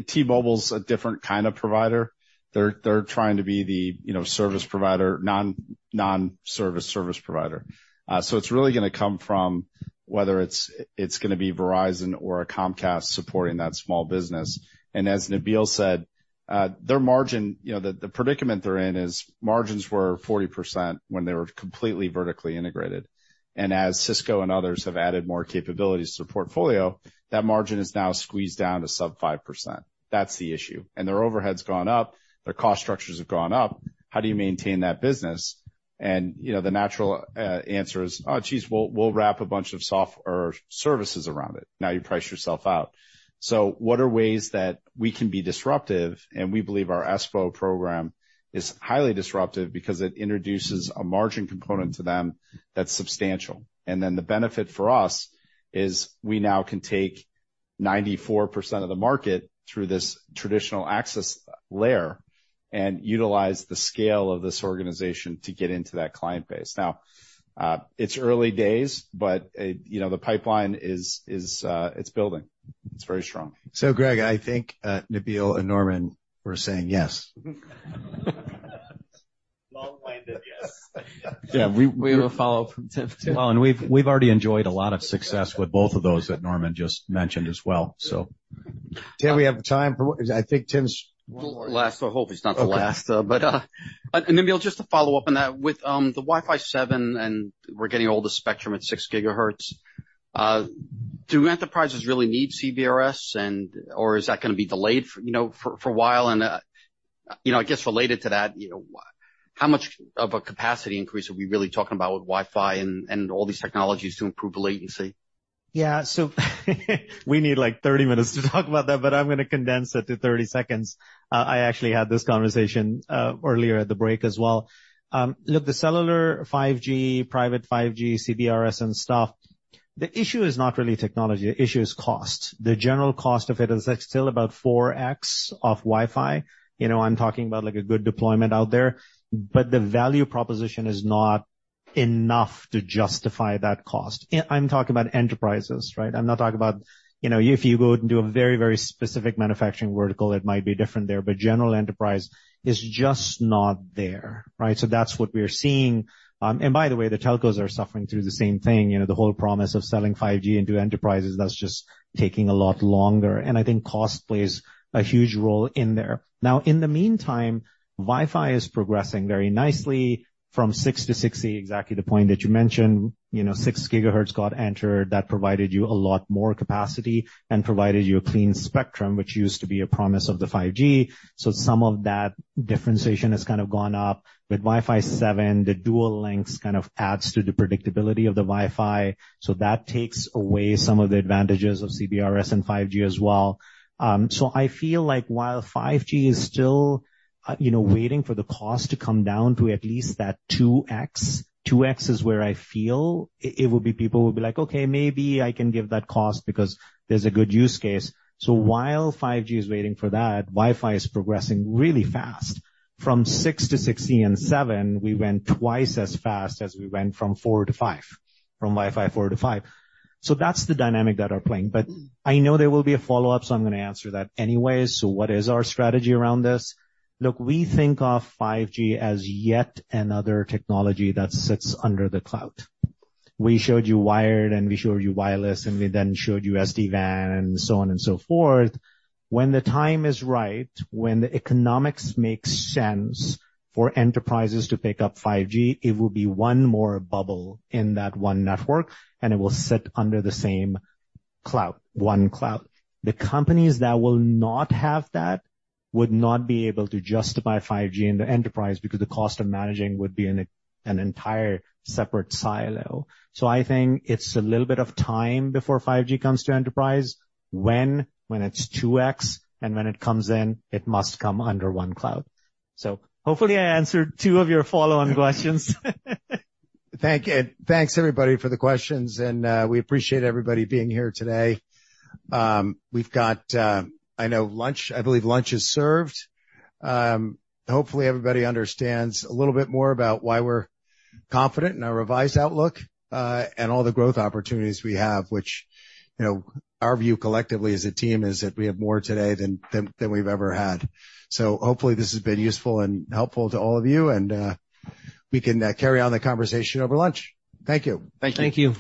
Speaker 6: T-Mobile's a different kind of provider. They're trying to be the, you know, service provider, non-service service provider. So it's really gonna come from whether it's gonna be Verizon or a Comcast supporting that small business. And as Nabil said, their margin, you know, the predicament they're in is margins were 40% when they were completely vertically integrated. And as Cisco and others have added more capabilities to the portfolio, that margin is now squeezed down to sub-5%. That's the issue. And their overhead's gone up, their cost structures have gone up. How do you maintain that business? And, you know, the natural answer is, "Oh, geez, we'll wrap a bunch of software services around it." Now you price yourself out. So what are ways that we can be disruptive? And we believe our ESPO program is highly disruptive because it introduces a margin component to them that's substantial. And then the benefit for us is we now can take 94% of the market through this traditional access layer and utilize the scale of this organization to get into that client base. Now, it's early days, but, you know, the pipeline is, it's building. It's very strong.
Speaker 2: So Greg, I think, Nabil and Norman were saying yes.
Speaker 16: Long-winded, yes.
Speaker 1: Yeah, we will follow up from Tim too.
Speaker 5: Well, and we've already enjoyed a lot of success with both of those that Norman just mentioned as well, so.
Speaker 2: Dan, we have the time for... I think Tim's-
Speaker 3: One more.
Speaker 14: Last, I hope it's not the last, though.
Speaker 2: Okay.
Speaker 14: And Nabil, just to follow up on that, with the Wi-Fi 7, and we're getting all the spectrum at 6 GHz, do enterprises really need CBRS, or is that gonna be delayed, you know, for a while? And, you know, I guess related to that, you know, how much of a capacity increase are we really talking about with Wi-Fi and all these technologies to improve latency?
Speaker 3: Yeah, so, we need, like, 30 minutes to talk about that, but I'm gonna condense it to 30 seconds. I actually had this conversation earlier at the break as well. Look, the cellular 5G, private 5G, CBRS and stuff, the issue is not really technology, the issue is cost. The general cost of it is, like, still about 4x of Wi-Fi. You know, I'm talking about, like, a good deployment out there, but the value proposition is not enough to justify that cost. I'm talking about enterprises, right? I'm not talking about, you know, if you go out and do a very, very specific manufacturing vertical, it might be different there, but general enterprise is just not there, right? So that's what we're seeing. And by the way, the telcos are suffering through the same thing. You know, the whole promise of selling 5G into enterprises, that's just taking a lot longer, and I think cost plays a huge role in there. Now, in the meantime, Wi-Fi is progressing very nicely from 6 to 6E, exactly the point that you mentioned. You know, 6 gigahertz got entered. That provided you a lot more capacity and provided you a clean spectrum, which used to be a promise of the 5G. So some of that differentiation has kind of gone up. With Wi-Fi 7, the dual links kind of adds to the predictability of the Wi-Fi, so that takes away some of the advantages of CBRS and 5G as well. So I feel like while 5G is still, you know, waiting for the cost to come down to at least that 2x, 2x is where I feel it will be people will be like: "Okay, maybe I can give that cost because there's a good use case." So while 5G is waiting for that, Wi-Fi is progressing really fast. From Wi-Fi 6 to Wi-Fi 6E and Wi-Fi 7, we went twice as fast as we went from Wi-Fi 4 to Wi-Fi 5. So that's the dynamic that are playing. But I know there will be a follow-up, so I'm gonna answer that anyway. So what is our strategy around this? Look, we think of 5G as yet another technology that sits under the cloud. We showed you wired, and we showed you wireless, and we then showed you SD-WAN and so on and so forth. When the time is right, when the economics makes sense for enterprises to pick up 5G, it will be one more bubble in that one network, and it will sit under the same cloud, one cloud. The companies that will not have that would not be able to justify 5G in the enterprise because the cost of managing would be in an entire separate silo. So I think it's a little bit of time before 5G comes to enterprise. When? When it's 2x, and when it comes in, it must come under one cloud. So hopefully, I answered two of your follow-on questions.
Speaker 2: Thank you. Thanks, everybody, for the questions, and, we appreciate everybody being here today. We've got, I know lunch—I believe lunch is served. Hopefully, everybody understands a little bit more about why we're confident in our revised outlook, and all the growth opportunities we have, which, you know, our view, collectively as a team, is that we have more today than we've ever had. So hopefully, this has been useful and helpful to all of you, and, we can, carry on the conversation over lunch. Thank you.
Speaker 6: Thank you.
Speaker 5: Thank you.